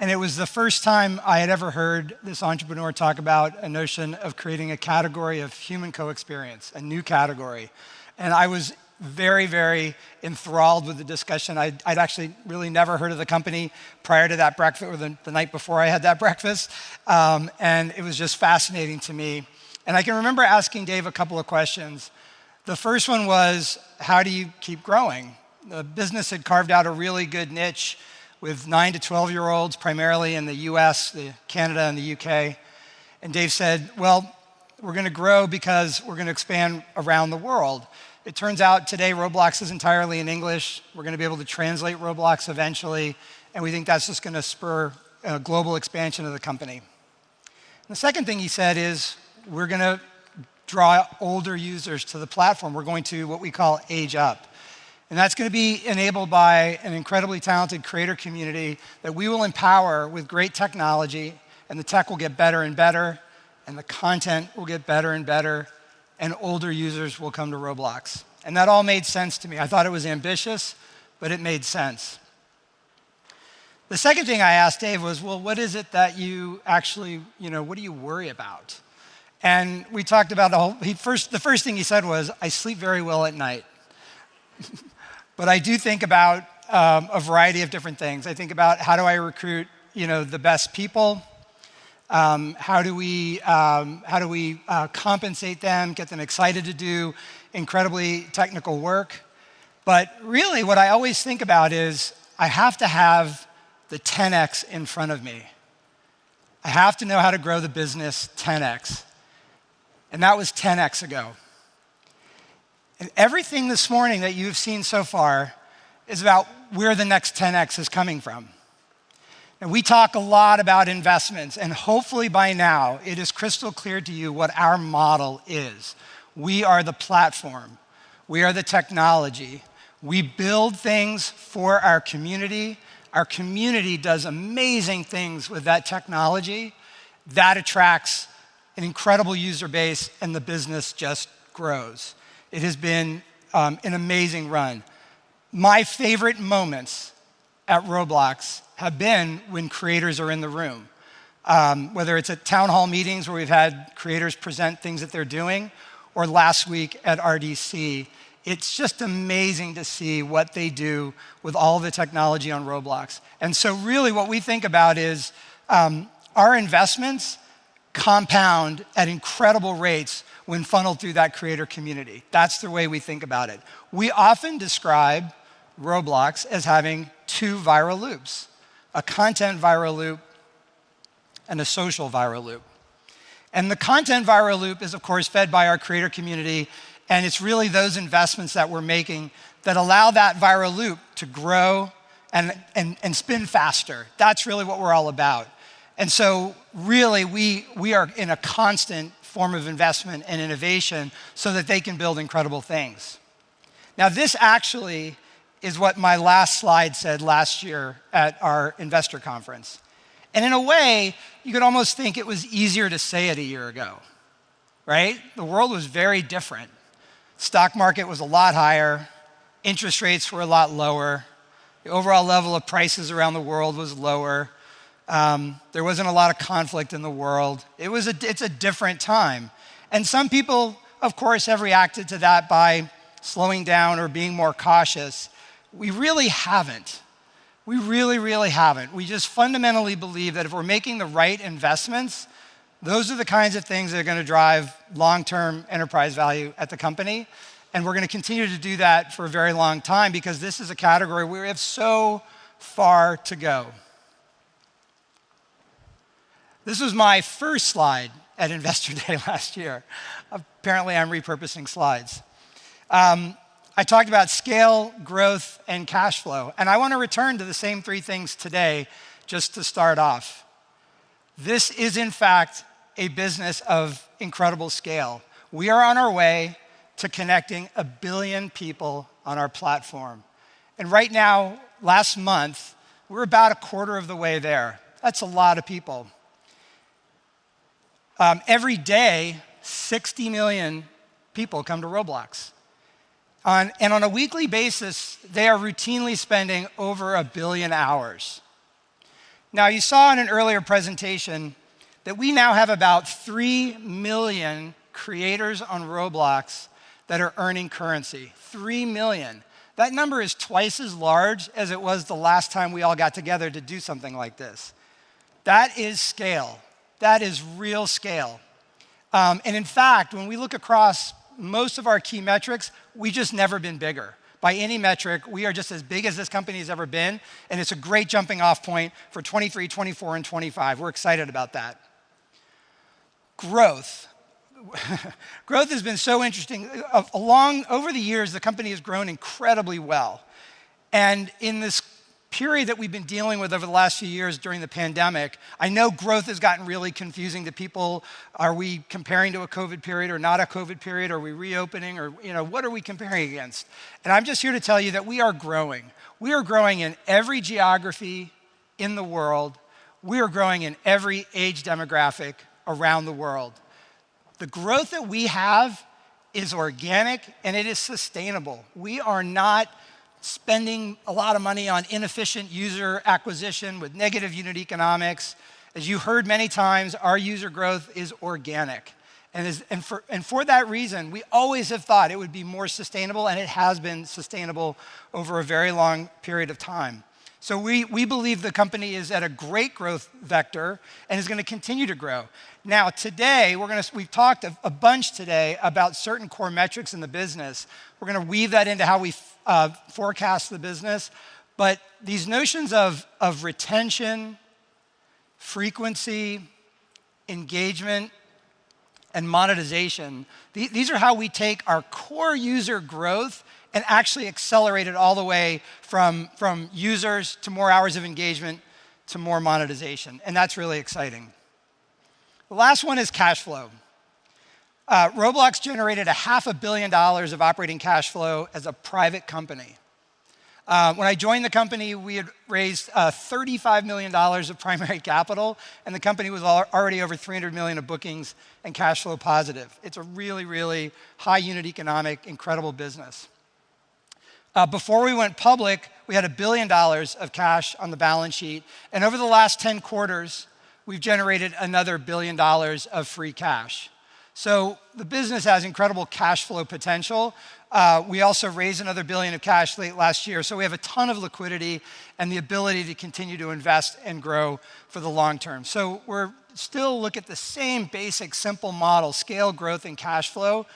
and it was the first time I had ever heard this entrepreneur talk about a notion of creating a category of human co-experience, a new category. I was very, very enthralled with the discussion. I'd actually really never heard of the company prior to that breakfast or the night before I had that breakfast. It was just fascinating to me. I can remember asking Dave a couple of questions. The first one was, "How do you keep growing?" The business had carved out a really good niche with nine-12 year-olds, primarily in the U.S., Canada, and the U.K. Dave said, "Well, we're gonna grow because we're gonna expand around the world. It turns out today Roblox is entirely in English. We're gonna be able to translate Roblox eventually, and we think that's just gonna spur a global expansion of the company." The second thing he said is, "We're gonna draw older users to the platform. We're going to, what we call age up. That's gonna be enabled by an incredibly talented creator community that we will empower with great technology, and the tech will get better and better. The content will get better and better, and older users will come to Roblox. That all made sense to me. I thought it was ambitious, but it made sense. The second thing I asked Dave was, "Well, what is it that you actually, you know, what do you worry about?" We talked about the whole. The first thing he said was, "I sleep very well at night. But I do think about a variety of different things. I think about how do I recruit, you know, the best people, how do we compensate them, get them excited to do incredibly technical work? Really what I always think about is I have to have the 10X in front of me. I have to know how to grow the business 10X." That was 10X ago. Everything this morning that you've seen so far is about where the next 10X is coming from. We talk a lot about investments, and hopefully by now it is crystal clear to you what our model is. We are the platform. We are the technology. We build things for our community. Our community does amazing things with that technology. That attracts an incredible user base, and the business just grows. It has been an amazing run. My favorite moments at Roblox have been when creators are in the room, whether it's at town hall meetings where we've had creators present things that they're doing, or last week at RDC. It's just amazing to see what they do with all the technology on Roblox. Really what we think about is, our investments compound at incredible rates when funneled through that creator community. That's the way we think about it. We often describe Roblox as having two viral loops, a content viral loop and a social viral loop. The content viral loop is, of course, fed by our creator community, and it's really those investments that we're making that allow that viral loop to grow and spin faster. That's really what we're all about. Really, we are in a constant form of investment and innovation so that they can build incredible things. Now, this actually is what my last slide said last year at our investor conference. In a way, you could almost think it was easier to say it a year ago, right? The world was very different. Stock market was a lot higher. Interest rates were a lot lower. The overall level of prices around the world was lower. There wasn't a lot of conflict in the world. It's a different time. Some people, of course, have reacted to that by slowing down or being more cautious. We really haven't. We really, really haven't. We just fundamentally believe that if we're making the right investments, those are the kinds of things that are gonna drive long-term enterprise value at the company, and we're gonna continue to do that for a very long time because this is a category where we have so far to go. This was my first slide at Investor Day last year. Apparently, I'm repurposing slides. I talked about scale, growth, and cash flow, and I want to return to the same three things today just to start off. This is in fact a business of incredible scale. We are on our way to connecting one billion people on our platform. Right now, last month, we're about a quarter of the way there. That's a lot of people. Every day, 60 million people come to Roblox. And on a weekly basis, they are routinely spending over one billion hours. Now, you saw in an earlier presentation that we now have about three million creators on Roblox that are earning currency. Three million. That number is twice as large as it was the last time we all got together to do something like this. That is scale. That is real scale. In fact, when we look across most of our key metrics, we've just never been bigger. By any metric, we are just as big as this company's ever been, and it's a great jumping-off point for 2023, 2024, and 2025. We're excited about that. Growth. Growth has been so interesting. Along, over the years, the company has grown incredibly well. In this period that we've been dealing with over the last few years during the pandemic, I know growth has gotten really confusing to people. Are we comparing to a COVID period or not a COVID period? Are we reopening? Or, you know, what are we comparing against? I'm just here to tell you that we are growing. We are growing in every geography in the world. We are growing in every age demographic around the world. The growth that we have is organic, and it is sustainable. We are not spending a lot of money on inefficient user acquisition with negative unit economics. As you heard many times, our user growth is organic. For that reason, we always have thought it would be more sustainable, and it has been sustainable over a very long period of time. We believe the company is at a great growth vector and is gonna continue to grow. Today, we've talked a bunch today about certain core metrics in the business. We're gonna weave that into how we forecast the business. These notions of retention, frequency, engagement, and monetization, these are how we take our core user growth and actually accelerate it all the way from users to more hours of engagement to more monetization, and that's really exciting. The last one is cash flow. Roblox generated a half a billion dollars of operating cash flow as a private company. When I joined the company, we had raised $35 million of primary capital, and the company was already over $300 million of bookings and cash flow positive. It's a really, really high unit economic, incredible business. Before we went public, we had billion dollars of cash on the balance sheet, and over the last 10 quarters, we've generated another a billion dollars of free cash. The business has incredible cash flow potential. We also raised an another billion of cash late last year, so we have a ton of liquidity and the ability to continue to invest and grow for the long term. We're still looking at the same basic simple model, scale, growth, and cash flow,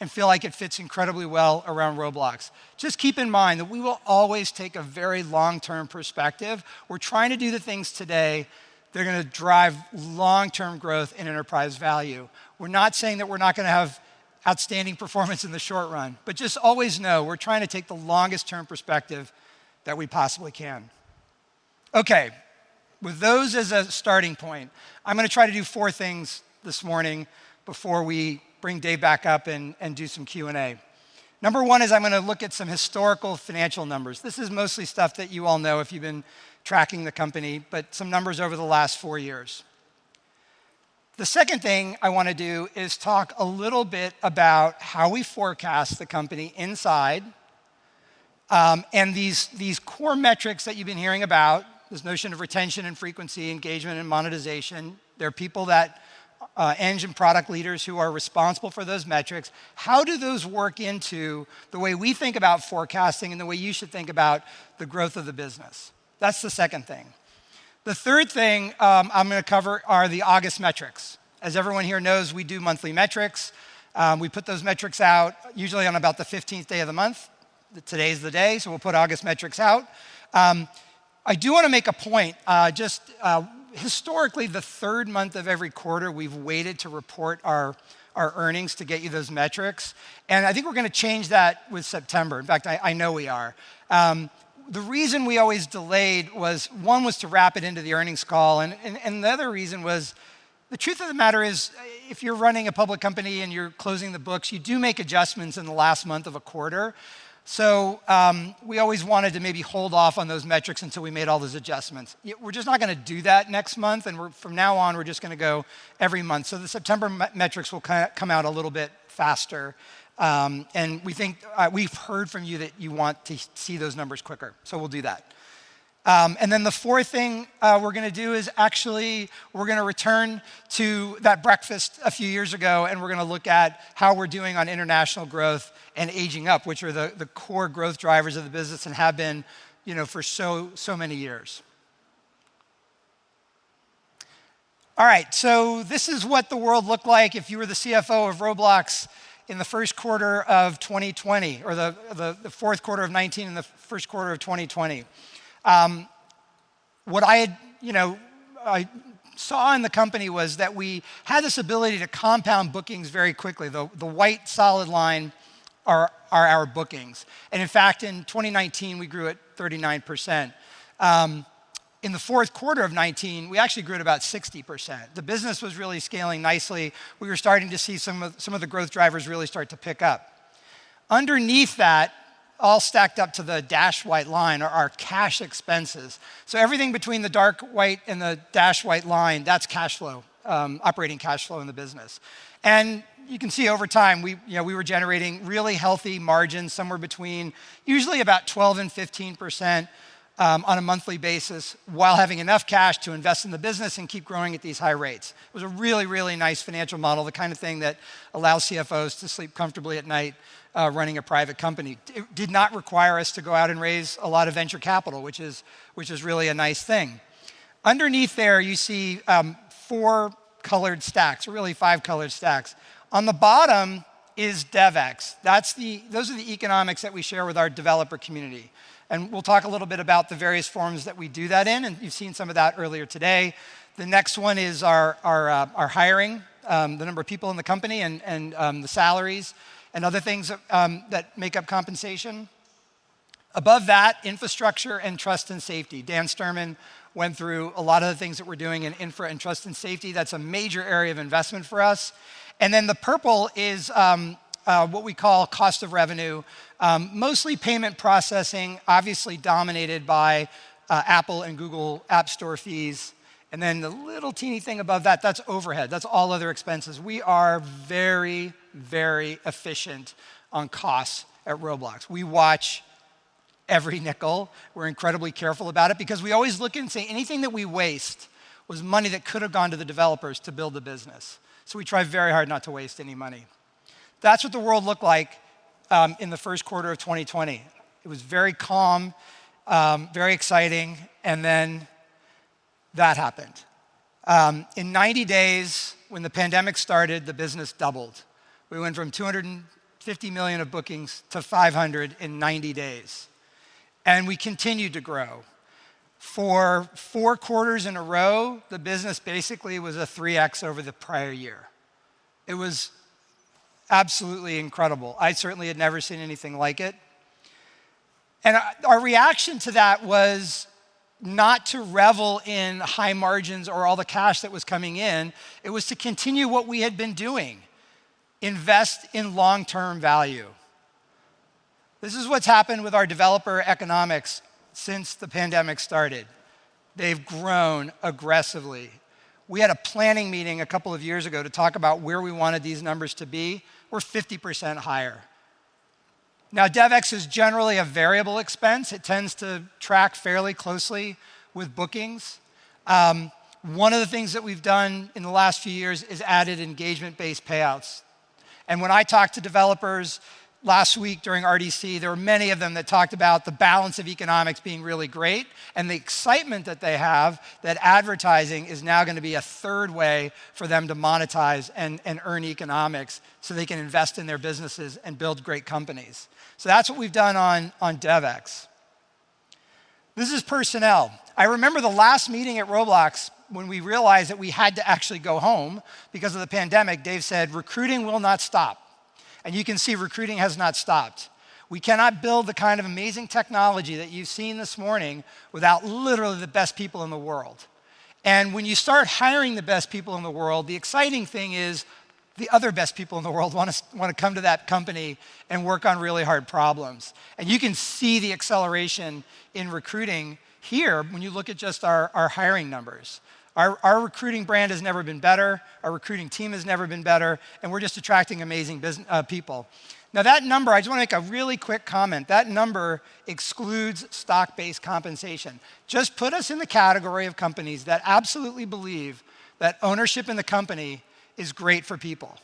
and feel like it fits incredibly well around Roblox. Just keep in mind that we will always take a very long-term perspective. We're trying to do the things today that are gonna drive long-term growth and enterprise value. We're not saying that we're not gonna have outstanding performance in the short run, but just always know we're trying to take the longest term perspective that we possibly can. Okay. With those as a starting point, I'm gonna try to do four things this morning before we bring Dave back up and do some Q&A. Number one is I'm gonna look at some historical financial numbers. This is mostly stuff that you all know if you've been tracking the company, but some numbers over the last four years. The second thing I wanna do is talk a little bit about how we forecast the company inside, and these core metrics that you've been hearing about, this notion of retention and frequency, engagement and monetization. There are people that, engineering and product leaders who are responsible for those metrics. How do those work into the way we think about forecasting and the way you should think about the growth of the business? That's the second thing. The third thing, I'm gonna cover are the August metrics. As everyone here knows, we do monthly metrics. We put those metrics out usually on about the 15th day of the month. Today's the day, so we'll put August metrics out. I do wanna make a point. Just, historically, the third month of every quarter, we've waited to report our earnings to get you those metrics, and I think we're gonna change that with September. In fact, I know we are. The reason we always delayed was, one, to wrap it into the earnings call and the other reason was, the truth of the matter is, if you're running a public company and you're closing the books, you do make adjustments in the last month of a quarter. So, we always wanted to maybe hold off on those metrics until we made all those adjustments. We're just not gonna do that next month, and we're, from now on, we're just gonna go every month. The September metrics will come out a little bit faster, and we think we've heard from you that you want to see those numbers quicker, so we'll do that. Then the fourth thing we're gonna do is actually we're gonna return to that breakfast a few years ago, and we're gonna look at how we're doing on international growth and aging up, which are the core growth drivers of the business and have been, you know, for so many years. All right, this is what the world looked like if you were the CFO of Roblox in the first quarter of 2020, or the fourth quarter of 2019 and the first quarter of 2020. What I, you know, I saw in the company was that we had this ability to compound bookings very quickly. The white solid line are our bookings. In fact, in 2019 we grew at 39%. In the fourth quarter of 2019, we actually grew at about 60%. The business was really scaling nicely. We were starting to see some of the growth drivers really start to pick up. Underneath that, all stacked up to the dashed white line, are our cash expenses. Everything between the dark white and the dashed white line, that's cash flow, operating cash flow in the business. You can see over time, you know, we were generating really healthy margins, somewhere between usually about 12%-15%, on a monthly basis, while having enough cash to invest in the business and keep growing at these high rates. It was a really, really nice financial model, the kind of thing that allows CFOs to sleep comfortably at night, running a private company. It did not require us to go out and raise a lot of venture capital, which is really a nice thing. Underneath there, you see, four colored stacks, or really five colored stacks. On the bottom is DevEx. Those are the economics that we share with our developer community. We'll talk a little bit about the various forms that we do that in, and you've seen some of that earlier today. The next one is our hiring, the number of people in the company and the salaries and other things that make up compensation. Above that, infrastructure and trust and safety. Dan Sturman went through a lot of the things that we're doing in infra and trust and safety. That's a major area of investment for us. Then the purple is what we call cost of revenue, mostly payment processing, obviously dominated by Apple and Google App Store fees. Then the little teeny thing above that's overhead. That's all other expenses. We are very, very efficient on costs at Roblox. We watch every nickel. We're incredibly careful about it because we always look and say anything that we waste was money that could have gone to the developers to build the business. We try very hard not to waste any money. That's what the world looked like in the first quarter of 2020. It was very calm, very exciting, and then that happened. In 90 days, when the pandemic started, the business doubled. We went from $250 million of bookings to $500 million in 90 days, and we continued to grow. For four quarters in a row, the business basically was a 3x over the prior year. It was absolutely incredible. I certainly had never seen anything like it. Our reaction to that was not to revel in high margins or all the cash that was coming in, it was to continue what we had been doing, invest in long-term value. This is what's happened with our developer economics since the pandemic started. They've grown aggressively. We had a planning meeting a couple of years ago to talk about where we wanted these numbers to be. We're 50% higher. Now, DevEx is generally a variable expense. It tends to track fairly closely with bookings. One of the things that we've done in the last few years is added engagement-based payouts. When I talked to developers last week during RDC, there were many of them that talked about the balance of economics being really great and the excitement that they have that advertising is now gonna be a third way for them to monetize and earn economics so they can invest in their businesses and build great companies. That's what we've done on DevEx. This is personnel. I remember the last meeting at Roblox when we realized that we had to actually go home because of the pandemic. Dave said, "Recruiting will not stop." You can see recruiting has not stopped. We cannot build the kind of amazing technology that you've seen this morning without literally the best people in the world. When you start hiring the best people in the world, the exciting thing is the other best people in the world wanna come to that company and work on really hard problems. You can see the acceleration in recruiting here when you look at just our hiring numbers. Our recruiting brand has never been better. Our recruiting team has never been better, and we're just attracting amazing people. Now, that number, I just wanna make a really quick comment. That number excludes stock-based compensation. Just put us in the category of companies that absolutely believe that ownership in the company is great for people.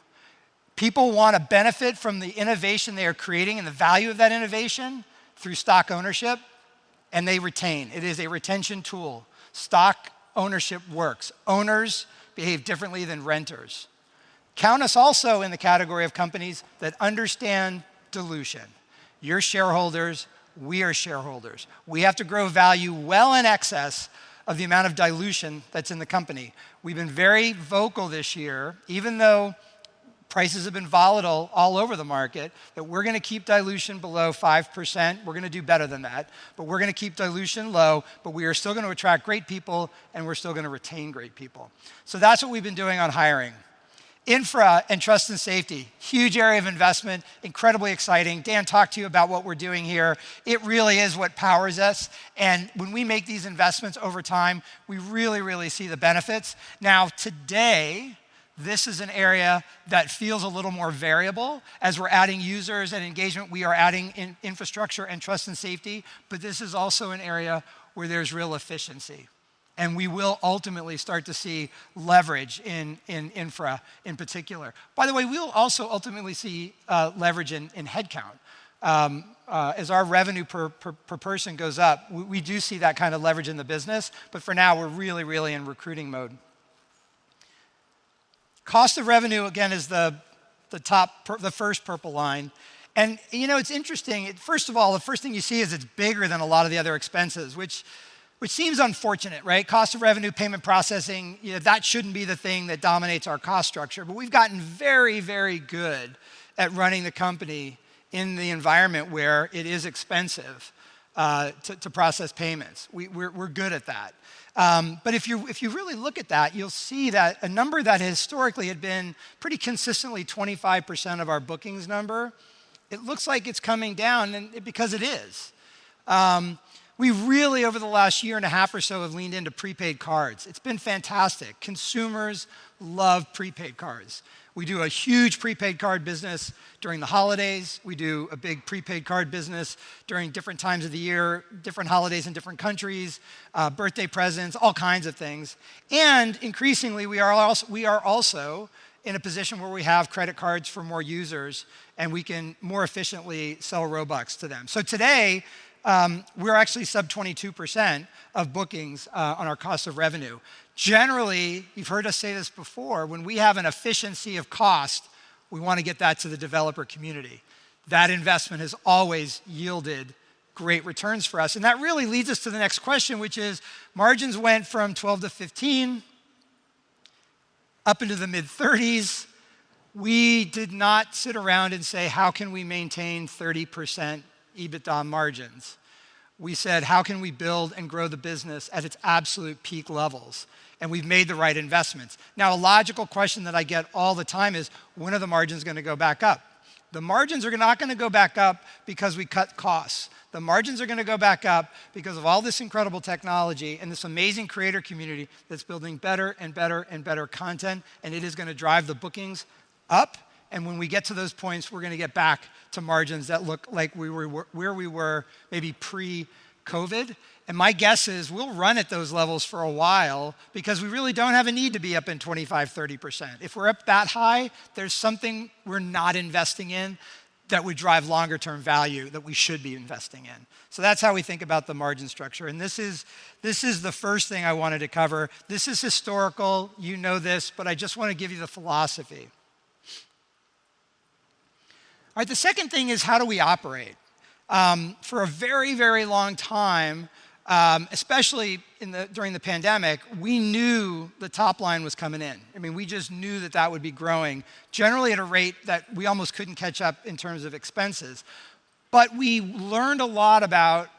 People want to benefit from the innovation they are creating and the value of that innovation through stock ownership, and they retain. It is a retention tool. Stock ownership works. Owners behave differently than renters. Count us also in the category of companies that understand dilution. You're shareholders, we are shareholders. We have to grow value well in excess of the amount of dilution that's in the company. We've been very vocal this year, even though prices have been volatile all over the market, that we're gonna keep dilution below 5%. We're gonna do better than that, but we're gonna keep dilution low, but we are still gonna attract great people, and we're still gonna retain great people. So that's what we've been doing on hiring. Infra and trust and safety, huge area of investment, incredibly exciting. Dan talked to you about what we're doing here. It really is what powers us. When we make these investments over time, we really, really see the benefits. Now, today, this is an area that feels a little more variable. As we're adding users and engagement, we are adding infrastructure and trust and safety, but this is also an area where there's real efficiency, and we will ultimately start to see leverage in infra in particular. By the way, we will also ultimately see leverage in headcount. As our revenue per person goes up, we do see that kind of leverage in the business. For now, we're really in recruiting mode. Cost of revenue, again, is the first purple line. You know, it's interesting. First of all, the first thing you see is it's bigger than a lot of the other expenses, which seems unfortunate, right? Cost of revenue, payment processing, you know, that shouldn't be the thing that dominates our cost structure. We've gotten very, very good at running the company in the environment where it is expensive to process payments. We're good at that. If you really look at that, you'll see that a number that historically had been pretty consistently 25% of our bookings number, it looks like it's coming down, because it is. We've really, over the last year and a half or so, have leaned into prepaid cards. It's been fantastic. Consumers love prepaid cards. We do a huge prepaid card business during the holidays. We do a big prepaid card business during different times of the year, different holidays in different countries, birthday presents, all kinds of things. Increasingly, we are also in a position where we have credit cards for more users, and we can more efficiently sell Robux to them. Today, we're actually sub 22% of bookings on our cost of revenue. Generally, you've heard us say this before, when we have an efficiency of cost, we wanna get that to the developer community. That investment has always yielded great returns for us. That really leads us to the next question, which is margins went from 12 to 15 up into the mid-thirties. We did not sit around and say, "How can we maintain 30% EBITDA margins?" We said, "How can we build and grow the business at its absolute peak levels?" We've made the right investments. Now, a logical question that I get all the time is, "When are the margins gonna go back up?" The margins are not gonna go back up because we cut costs. The margins are gonna go back up because of all this incredible technology and this amazing creator community that's building better and better and better content, and it is gonna drive the bookings up, and when we get to those points, we're gonna get back to margins that look like we were where we were maybe pre-COVID. My guess is we'll run at those levels for a while because we really don't have a need to be up in 25-30%. If we're up that high, there's something we're not investing in that would drive longer term value that we should be investing in. That's how we think about the margin structure, and this is the first thing I wanted to cover. This is historical. You know this, but I just wanna give you the philosophy. All right, the second thing is, how do we operate? For a very, very long time, especially during the pandemic, we knew the top line was coming in. I mean, we just knew that would be growing, generally at a rate that we almost couldn't catch up in terms of expenses. We learned a lot about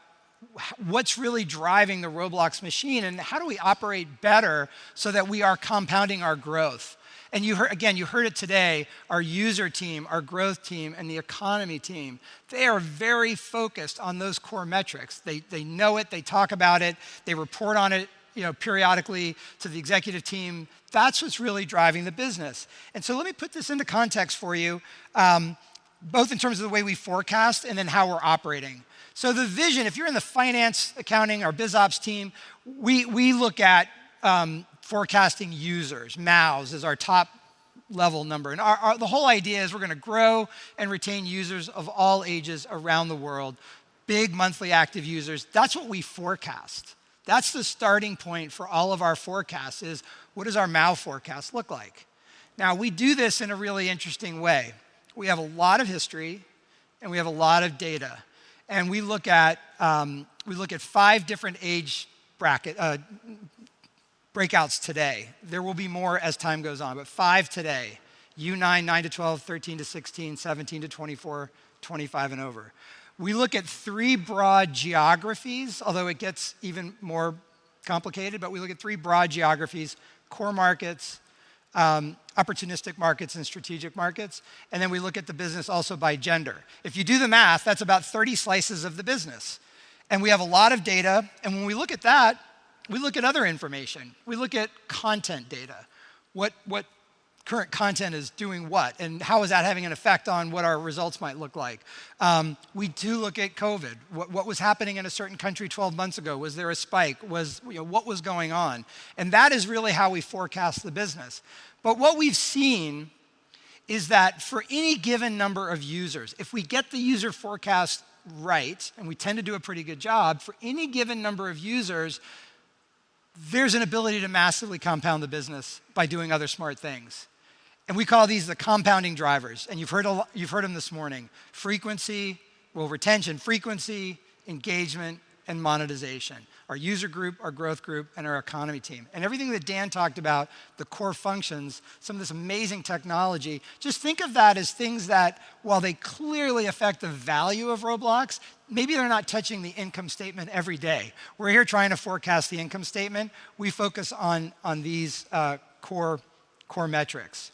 what's really driving the Roblox machine, and how do we operate better so that we are compounding our growth. You heard, again, you heard it today, our user team, our growth team, and the economy team, they are very focused on those core metrics. They know it, they talk about it, they report on it, you know, periodically to the executive team. That's what's really driving the business. Let me put this into context for you, both in terms of the way we forecast and in how we're operating. The vision, if you're in the finance, accounting, or biz ops team, we look at forecasting users, MAUs is our top level number. Our, the whole idea is we're gonna grow and retain users of all ages around the world. Big monthly active users. That's what we forecast. That's the starting point for all of our forecasts, is what does our MAU forecast look like? Now, we do this in a really interesting way. We have a lot of history, and we have a lot of data. We look at five different age bracket breakouts today. There will be more as time goes on, but five today. Under 9-12, 13-16, 17-24, 25 and over. We look at three broad geographies, although it gets even more complicated, but we look at three broad geographies, core markets, opportunistic markets, and strategic markets, and then we look at the business also by gender. If you do the math, that's about 30 slices of the business. We have a lot of data, and when we look at that, we look at other information. We look at content data. What current content is doing what, and how is that having an effect on what our results might look like? We do look at COVID. What was happening in a certain country 12 months ago? Was there a spike? Was, you know, what was going on? That is really how we forecast the business. What we've seen is that for any given number of users, if we get the user forecast right, and we tend to do a pretty good job, for any given number of users, there's an ability to massively compound the business by doing other smart things. We call these the compounding drivers, and you've heard them this morning. Frequency, well, retention, frequency, engagement, and monetization. Our user group, our growth group, and our economy team. Everything that Dan talked about, the core functions, some of this amazing technology, just think of that as things that, while they clearly affect the value of Roblox, maybe they're not touching the income statement every day. We're here trying to forecast the income statement. We focus on these core metrics.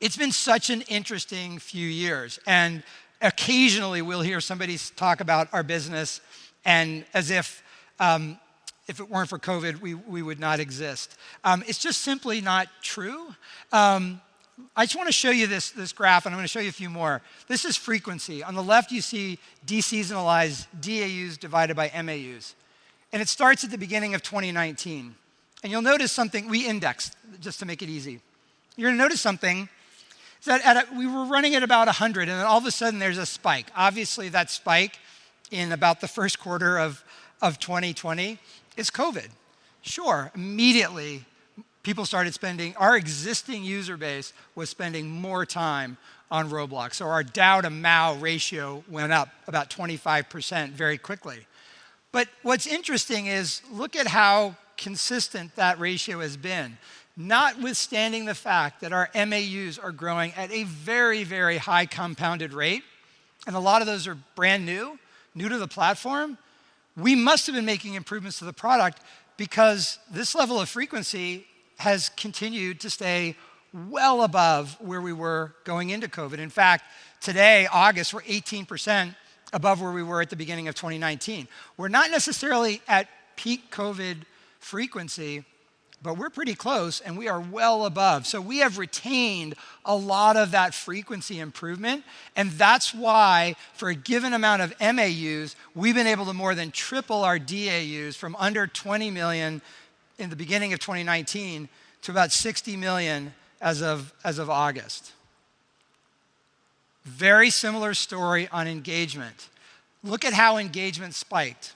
It's been such an interesting few years, and occasionally we'll hear somebody talk about our business as if it weren't for COVID, we would not exist. It's just simply not true. I just wanna show you this graph, and I'm gonna show you a few more. This is frequency. On the left, you see deseasonalized DAUs divided by MAUs. It starts at the beginning of 2019. You'll notice something, we indexed just to make it easy. You're gonna notice something is that we were running at about 100, and then all of a sudden there's a spike. Obviously, that spike in about the first quarter of 2020 is COVID. Sure, immediately people started spending, our existing user base was spending more time on Roblox, or our DAU to MAU ratio went up about 25% very quickly. What's interesting is look at how consistent that ratio has been. Notwithstanding the fact that our MAUs are growing at a very, very high compounded rate, and a lot of those are brand-new, new to the platform, we must have been making improvements to the product because this level of frequency has continued to stay well above where we were going into COVID. In fact, today, August, we're 18% above where we were at the beginning of 2019. We're not necessarily at peak COVID frequency, but we're pretty close, and we are well above. We have retained a lot of that frequency improvement, and that's why, for a given amount of MAUs, we've been able to more than triple our DAUs from under 20 million in the beginning of 2019 to about 60 million as of August. Very similar story on engagement. Look at how engagement spiked.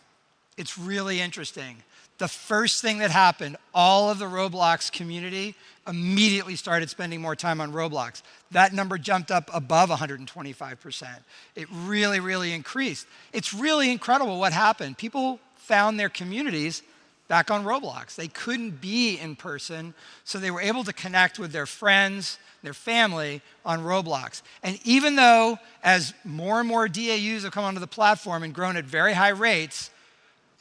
It's really interesting. The first thing that happened, all of the Roblox community immediately started spending more time on Roblox. That number jumped up above 125%. It really, really increased. It's really incredible what happened. People found their communities back on Roblox. They couldn't be in person, so they were able to connect with their friends, their family on Roblox. Even though as more and more DAUs have come onto the platform and grown at very high rates,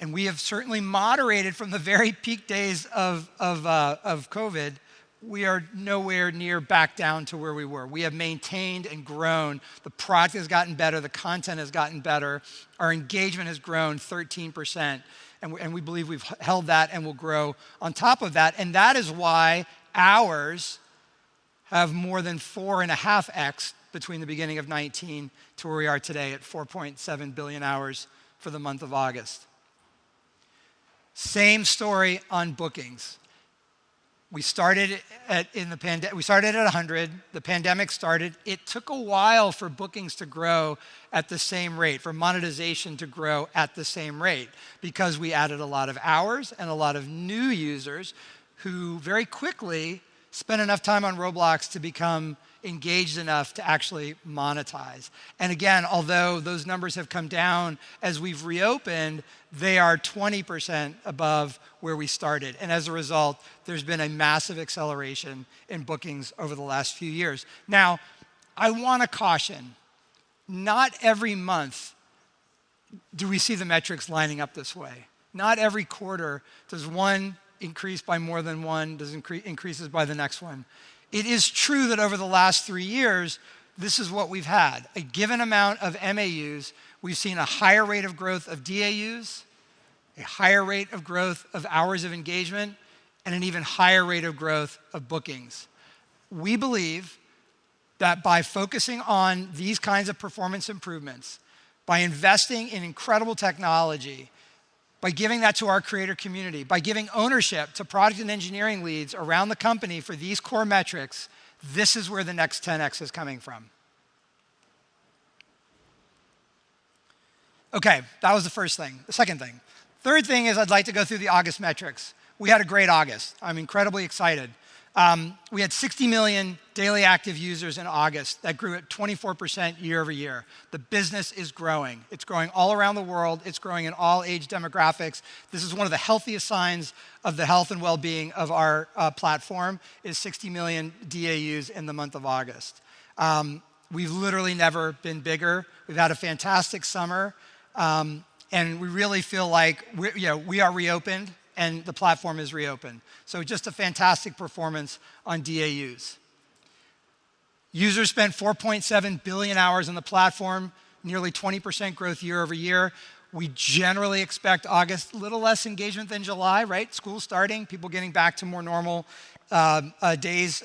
and we have certainly moderated from the very peak days of COVID, we are nowhere near back down to where we were. We have maintained and grown. The product has gotten better. The content has gotten better. Our engagement has grown 13%, and we believe we've held that and will grow on top of that. That is why hours have more than 4.5x between the beginning of 2019 to where we are today at 4.7 billion hours for the month of August. Same story on bookings. We started at $100. The pandemic started. It took a while for bookings to grow at the same rate, for monetization to grow at the same rate, because we added a lot of hours and a lot of new users who very quickly spent enough time on Roblox to become engaged enough to actually monetize. Again, although those numbers have come down as we've reopened, they are 20% above where we started. As a result, there's been a massive acceleration in bookings over the last few years. Now, I wanna caution, not every month. Do we see the metrics lining up this way? Not every quarter does one increase by more than one, increases by the next one. It is true that over the last three years, this is what we've had. A given amount of MAUs, we've seen a higher rate of growth of DAUs, a higher rate of growth of hours of engagement, and an even higher rate of growth of bookings. We believe that by focusing on these kinds of performance improvements, by investing in incredible technology, by giving that to our creator community, by giving ownership to product and engineering leads around the company for these core metrics, this is where the next 10X is coming from. Okay, that was the first thing, the second thing. Third thing is I'd like to go through the August metrics. We had a great August. I'm incredibly excited. We had 60 million daily active users in August that grew at 24% year-over-year. The business is growing. It's growing all around the world. It's growing in all age demographics. This is one of the healthiest signs of the health and wellbeing of our platform is 60 million DAUs in the month of August. We've literally never been bigger. We've had a fantastic summer, and we really feel like we're, you know, we are reopened and the platform is reopened. Just a fantastic performance on DAUs. Users spent 4.7 billion hours on the platform, nearly 20% growth year-over-year. We generally expect August little less engagement than July, right? School's starting, people getting back to more normal days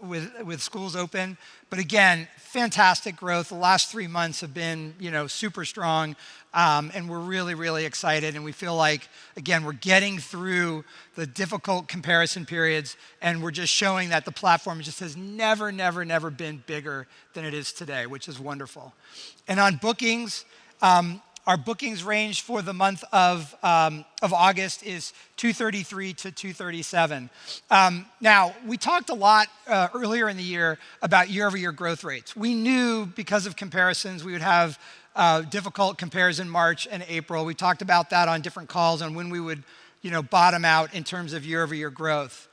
with schools open. Again, fantastic growth. The last three months have been, you know, super strong, and we're really excited and we feel like, again, we're getting through the difficult comparison periods, and we're just showing that the platform just has never been bigger than it is today, which is wonderful. On bookings, our bookings range for the month of August is $233-$237. Now, we talked a lot earlier in the year about year-over-year growth rates. We knew because of comparisons we would have difficult compares in March and April. We talked about that on different calls and when we would, you know, bottom out in terms of year-over-year growth.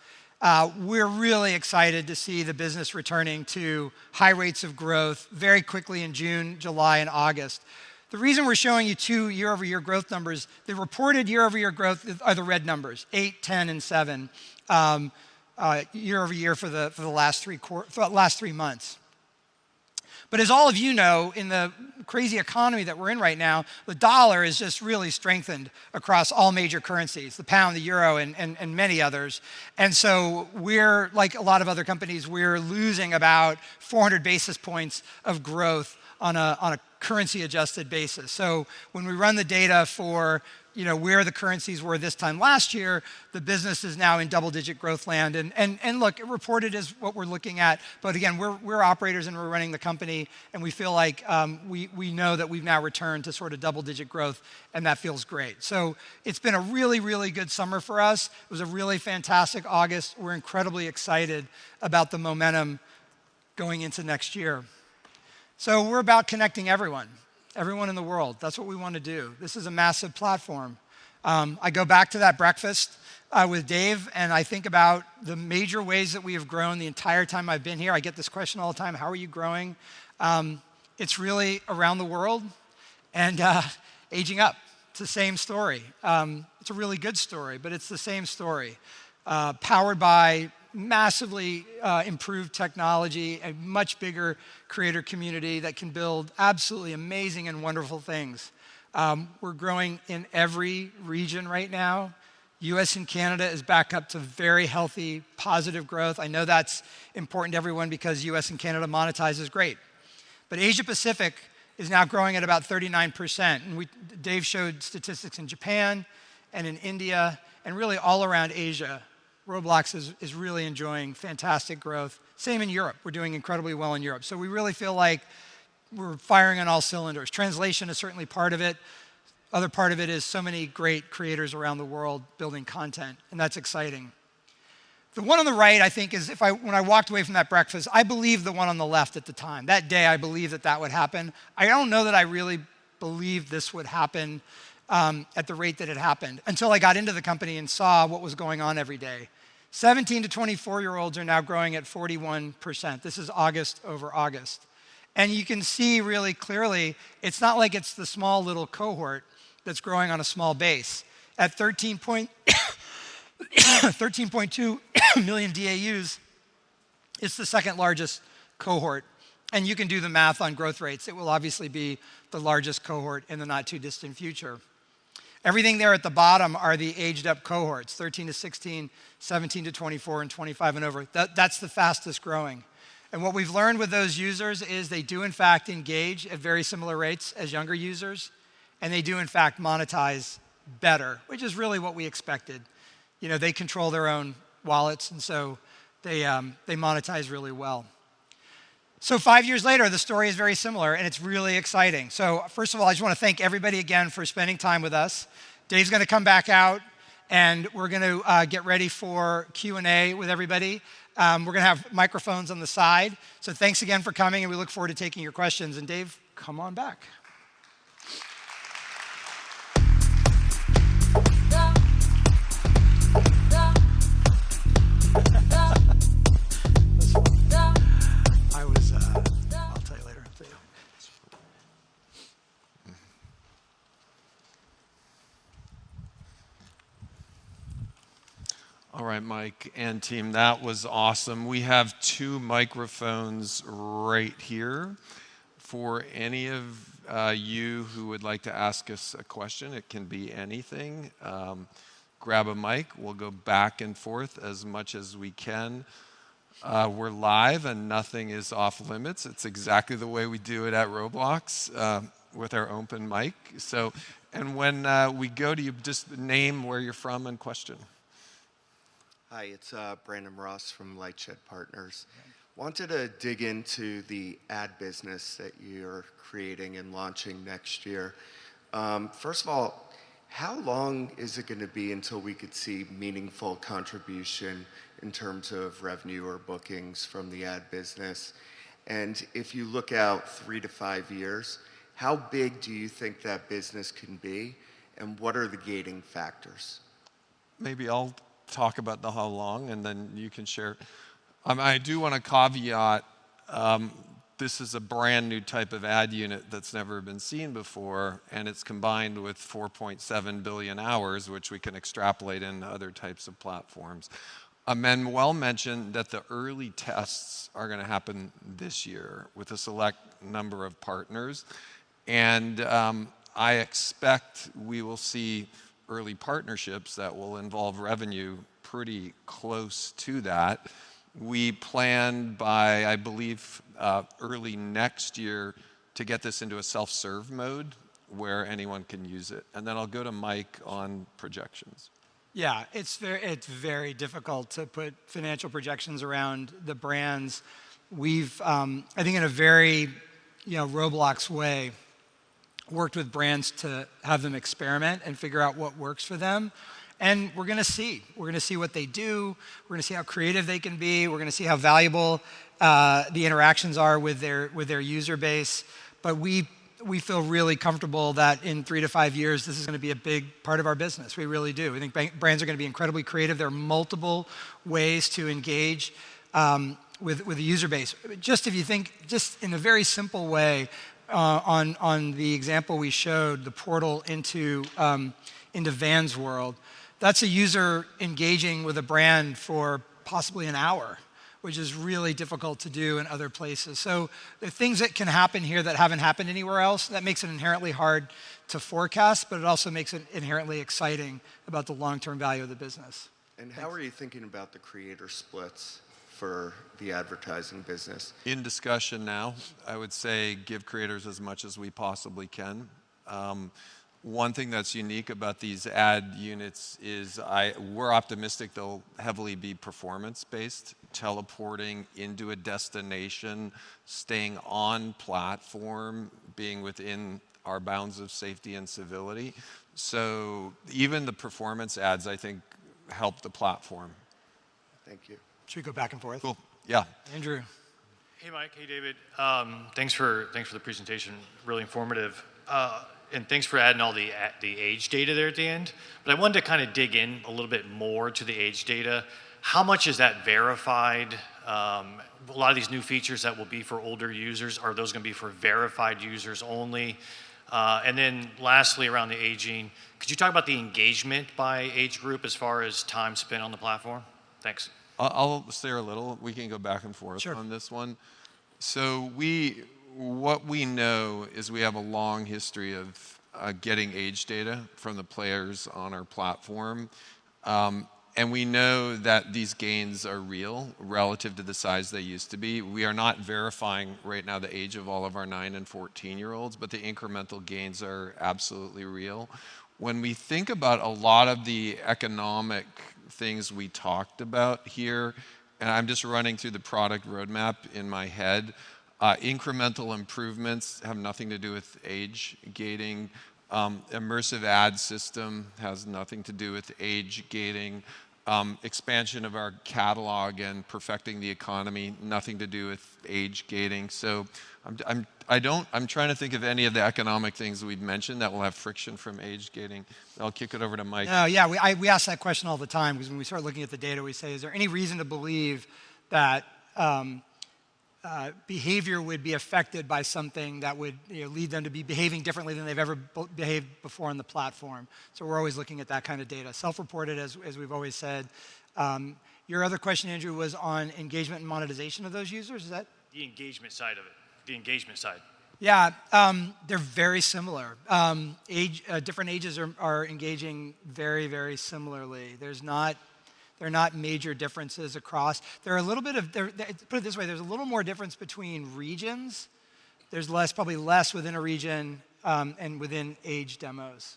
We're really excited to see the business returning to high rates of growth very quickly in June, July, and August. The reason we're showing you two year-over-year growth numbers, the reported year-over-year growth are the red numbers, 8%, 10%, and 7% year-over-year for the last three months. As all of you know, in the crazy economy that we're in right now, the dollar has just really strengthened across all major currencies, the pound, the euro, and many others. We're, like a lot of other companies, losing about 400 basis points of growth on a currency-adjusted basis. When we run the data for, you know, where the currencies were this time last year, the business is now in double-digit growth land. Look, reported is what we're looking at, but again, we're operators and we're running the company and we feel like, we know that we've now returned to sort of double-digit growth and that feels great. It's been a really, really good summer for us. It was a really fantastic August. We're incredibly excited about the momentum going into next year. We're about connecting everyone in the world. That's what we wanna do. This is a massive platform. I go back to that breakfast with Dave, and I think about the major ways that we have grown the entire time I've been here. I get this question all the time, "How are you growing?" It's really around the world and aging up. It's the same story. It's a really good story, but it's the same story, powered by massively improved technology, a much bigger creator community that can build absolutely amazing and wonderful things. We're growing in every region right now. U.S. and Canada is back up to very healthy, positive growth. I know that's important to everyone because U.S. and Canada monetizes great. But Asia Pacific is now growing at about 39%, and Dave showed statistics in Japan and in India and really all around Asia. Roblox is really enjoying fantastic growth. Same in Europe. We're doing incredibly well in Europe. We really feel like we're firing on all cylinders. Translation is certainly part of it. Other part of it is so many great creators around the world building content, and that's exciting. The one on the right, I think, when I walked away from that breakfast, I believed the one on the left at the time. That day, I believed that that would happen. I don't know that I really believed this would happen at the rate that it happened until I got into the company and saw what was going on every day. 17-24 year-olds are now growing at 41%. This is August over August. You can see really clearly it's not like it's the small little cohort that's growing on a small base. At 13.2 million DAUs, it's the second-largest cohort, and you can do the math on growth rates. It will obviously be the largest cohort in the not too distant future. Everything there at the bottom are the aged-up cohorts, 13-16, 17-24, and 25 and over. That's the fastest-growing. What we've learned with those users is they do in fact engage at very similar rates as younger users, and they do in fact monetize better, which is really what we expected. You know, they control their own wallets and so they monetize really well. Five years later, the story is very similar and it's really exciting. First of all, I just wanna thank everybody again for spending time with us. Dave's gonna come back out, and we're gonna get ready for Q&A with everybody. We're gonna have microphones on the side. Thanks again for coming, and we look forward to taking your questions. Dave, come on back. I'll tell you later. All right, Mike and team. That was awesome. We have two microphones right here for any of you who would like to ask us a question. It can be anything. Grab a mic. We'll go back and forth as much as we can. We're live and nothing is off-limits. It's exactly the way we do it at Roblox with our open mic. When we go to you, just name where you're from and question. Hi, it's Brandon Ross from LightShed Partners. Wanted to dig into the ad business that you're creating and launching next year. First of all, how long is it gonna be until we could see meaningful contribution in terms of revenue or bookings from the ad business? If you look out three-five years, how big do you think that business can be, and what are the gating factors? Maybe I'll talk about the how long, and then you can share. I do want to caveat this is a brand-new type of ad unit that's never been seen before, and it's combined with 4.7 billion hours, which we can extrapolate into other types of platforms. Manuel mentioned that the early tests are gonna happen this year with a select number of partners, and I expect we will see early partnerships that will involve revenue pretty close to that. We plan by I believe early next year to get this into a self-serve mode where anyone can use it. Then I'll go to Mike on projections. Yeah. It's very difficult to put financial projections around the brands. I think in a very, you know, Roblox way, worked with brands to have them experiment and figure out what works for them, and we're gonna see. We're gonna see what they do. We're gonna see how creative they can be. We're gonna see how valuable the interactions are with their user base. We feel really comfortable that in three-five years, this is gonna be a big part of our business. We really do. We think brands are gonna be incredibly creative. There are multiple ways to engage with the user base. Just if you think, just in a very simple way, on the example we showed, the portal into into Vans World, that's a user engaging with a brand for possibly an hour, which is really difficult to do in other places. There are things that can happen here that haven't happened anywhere else. That makes it inherently hard to forecast, but it also makes it inherently exciting about the long-term value of the business. How are you thinking about the creator splits for the advertising business? In discussion now. I would say give creators as much as we possibly can. One thing that's unique about these ad units is we're optimistic they'll heavily be performance-based, teleporting into a destination, staying on platform, being within our bounds of safety and civility. Even the performance ads, I think, help the platform. Thank you. Should we go back and forth? Cool. Yeah. Andrew. Hey, Mike. Hey, David. Thanks for the presentation. Really informative. Thanks for adding all the age data there at the end. I wanted to kind of dig in a little bit more to the age data. How much is that verified? A lot of these new features that will be for older users, are those gonna be for verified users only? Then lastly, around the age and, could you talk about the engagement by age group as far as time spent on the platform? Thanks. I'll say a little. We can go back and forth. Sure On this one. What we know is we have a long history of getting age data from the players on our platform. We know that these gains are real relative to the size they used to be. We are not verifying right now the age of all of our nine and 14 year-olds, but the incremental gains are absolutely real. When we think about a lot of the economic things we talked about here, and I'm just running through the product roadmap in my head, incremental improvements have nothing to do with age gating. Immersive ad system has nothing to do with age gating. Expansion of our catalog and perfecting the economy, nothing to do with age gating. I'm trying to think of any of the economic things we've mentioned that will have friction from age gating. I'll kick it over to Mike. Oh, yeah. We ask that question all the time 'cause when we start looking at the data, we say, "Is there any reason to believe that behavior would be affected by something that would, you know, lead them to be behaving differently than they've ever behaved before on the platform?" We're always looking at that kind of data. Self-reported, as we've always said. Your other question, Andrew, was on engagement and monetization of those users. Is that? The engagement side. Yeah. They're very similar. Different ages are engaging very similarly. There are not major differences across. Put it this way, there's a little more difference between regions. There's less, probably less within a region, and within age demos.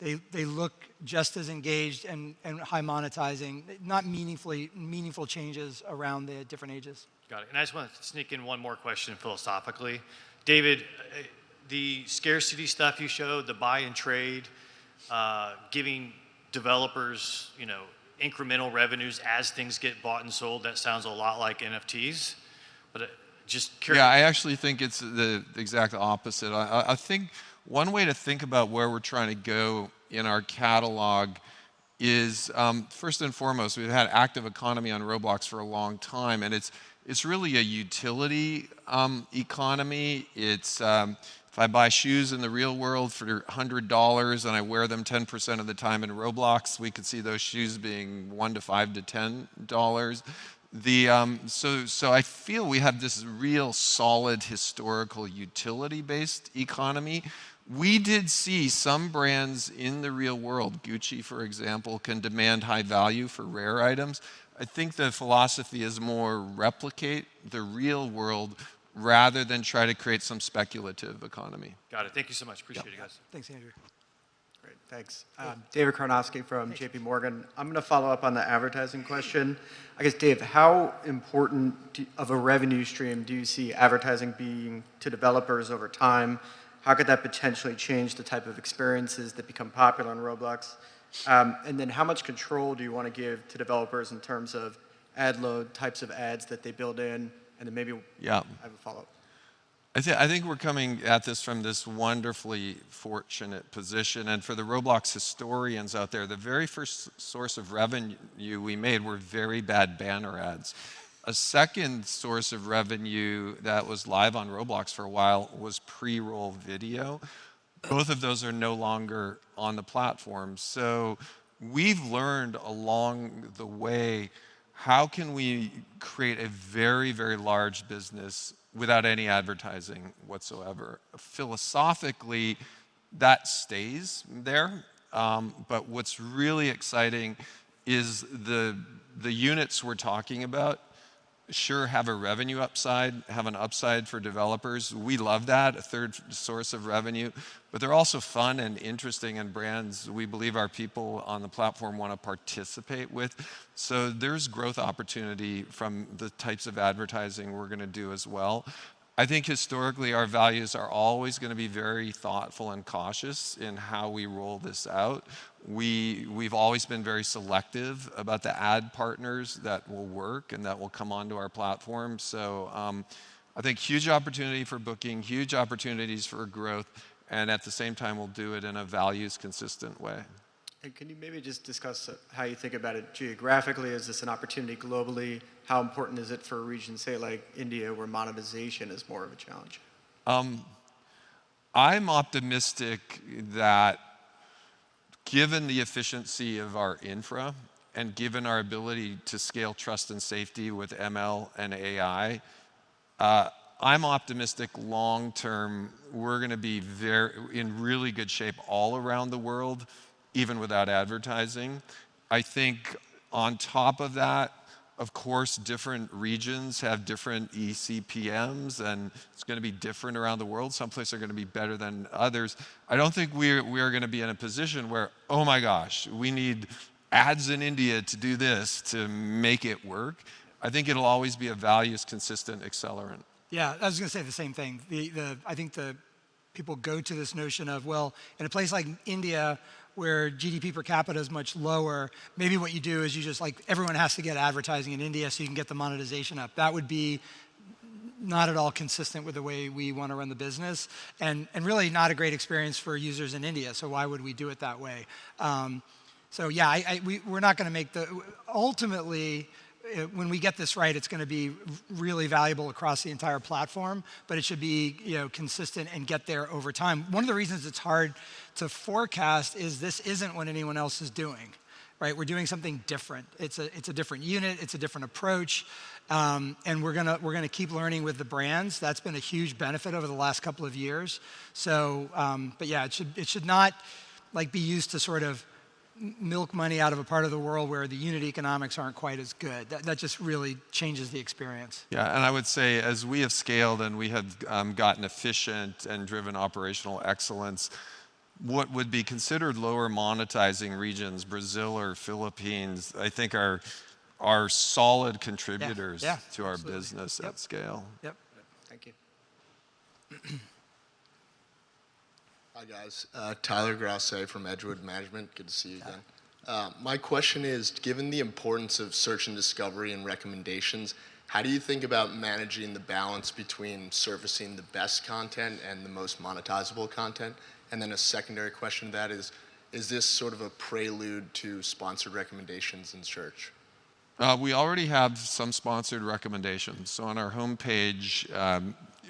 They look just as engaged and high monetizing. Not meaningful changes around the different ages. Got it. I just want to sneak in one more question philosophically. David, the scarcity stuff you showed, the buy and trade, giving developers, you know, incremental revenues as things get bought and sold, that sounds a lot like NFTs. Just curious, Yeah, I actually think it's the exact opposite. I think one way to think about where we're trying to go in our catalog is, first and foremost, we've had active economy on Roblox for a long time, and it's really a utility economy. If I buy shoes in the real world for $100 and I wear them 10% of the time in Roblox, we could see those shoes being $1 to $5 to $10. I feel we have this real solid historical utility-based economy. We did see some brands in the real world, Gucci for example, can demand high value for rare items. I think the philosophy is more replicate the real world rather than try to create some speculative economy. Got it. Thank you so much. Appreciate you guys. Yeah. Thanks, Andrew. Great. Thanks. Yeah. David Karnovsky from JPMorgan. Thanks. I'm gonna follow up on the advertising question. I guess, Dave, how important of a revenue stream do you see advertising being to developers over time? How could that potentially change the type of experiences that become popular on Roblox? How much control do you wanna give to developers in terms of ad load, types of ads that they build in? Yeah I have a follow-up. I think we're coming at this from this wonderfully fortunate position, and for the Roblox historians out there, the very first source of revenue we made were very bad banner ads. A second source of revenue that was live on Roblox for a while was pre-roll video. Both of those are no longer on the platform. We've learned along the way how can we create a very, very large business without any advertising whatsoever. Philosophically, that stays there, but what's really exciting is the units we're talking about sure have a revenue upside, have an upside for developers. We love that, a third source of revenue, but they're also fun and interesting, and brands we believe our people on the platform wanna participate with. There's growth opportunity from the types of advertising we're gonna do as well. I think historically our values are always gonna be very thoughtful and cautious in how we roll this out. We've always been very selective about the ad partners that will work and that will come onto our platform. I think huge opportunity for booking, huge opportunities for growth, and at the same time we'll do it in a values consistent way. Can you maybe just discuss how you think about it geographically? Is this an opportunity globally? How important is it for a region, say like India, where monetization is more of a challenge? I'm optimistic that given the efficiency of our infra and given our ability to scale trust and safety with ML and AI, I'm optimistic long term we're gonna be in really good shape all around the world, even without advertising. I think on top of that, of course, different regions have different eCPMs, and it's gonna be different around the world. Some places are gonna be better than others. I don't think we're gonna be in a position where, "Oh my gosh, we need ads in India to do this to make it work." I think it'll always be a values consistent accelerant. Yeah, I was gonna say the same thing. I think people go to this notion of, well, in a place like India where GDP per capita is much lower, maybe what you do is you just like everyone has to get advertising in India, so you can get the monetization up. That would be not at all consistent with the way we wanna run the business and really not a great experience for users in India, so why would we do it that way? Yeah, ultimately, when we get this right, it's gonna be really valuable across the entire platform, but it should be, you know, consistent and get there over time. One of the reasons it's hard to forecast is this isn't what anyone else is doing, right? We're doing something different. It's a different unit, it's a different approach, and we're gonna keep learning with the brands. That's been a huge benefit over the last couple of years. Yeah, it should not like be used to sort of milk money out of a part of the world where the unit economics aren't quite as good. That just really changes the experience. Yeah, I would say as we have scaled and we have gotten efficient and driven operational excellence, what would be considered lower monetizing regions, Brazil or Philippines, I think are solid contributors. Yeah. Yeah To our business at scale. Yep. Yep. Thank you. Hi, guys. Tyler Grosse from Edgewood Management. Good to see you again. Yeah. My question is, given the importance of search and discovery and recommendations, how do you think about managing the balance between servicing the best content and the most monetizable content? A secondary question to that is this sort of a prelude to sponsored recommendations in search? We already have some sponsored recommendations. On our homepage,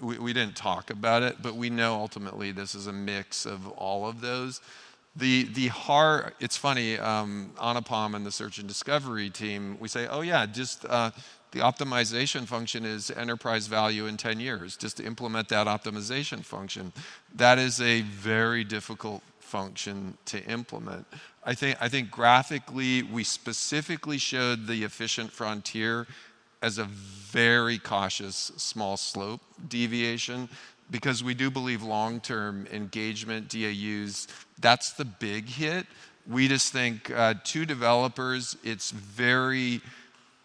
we didn't talk about it, but we know ultimately this is a mix of all of those. It's funny, Anupam and the search and discovery team, we say, "Oh yeah, just the optimization function is enterprise value in 10 years, just implement that optimization function." That is a very difficult function to implement. I think graphically, we specifically showed the efficient frontier as a very cautious small slope deviation because we do believe long-term engagement, DAUs, that's the big hit. We just think to developers, it's very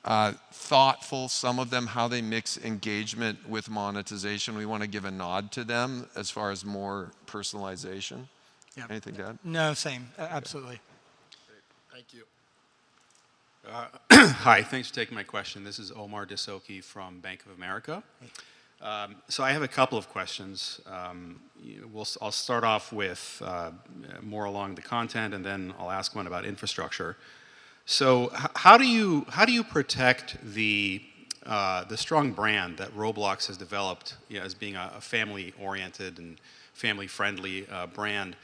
thoughtful, some of them, how they mix engagement with monetization. We want to give a nod to them as far as more personalization. Yeah. Anything to add? No, same. Absolutely. Okay. Great. Thank you. Hi, thanks for taking my question. This is Omar Dessouky from Bank of America. Hey. I have a couple of questions. I'll start off with more on the content, and then I'll ask one about infrastructure. How do you protect the strong brand that Roblox has developed, you know, as being a family-oriented and family-friendly brand,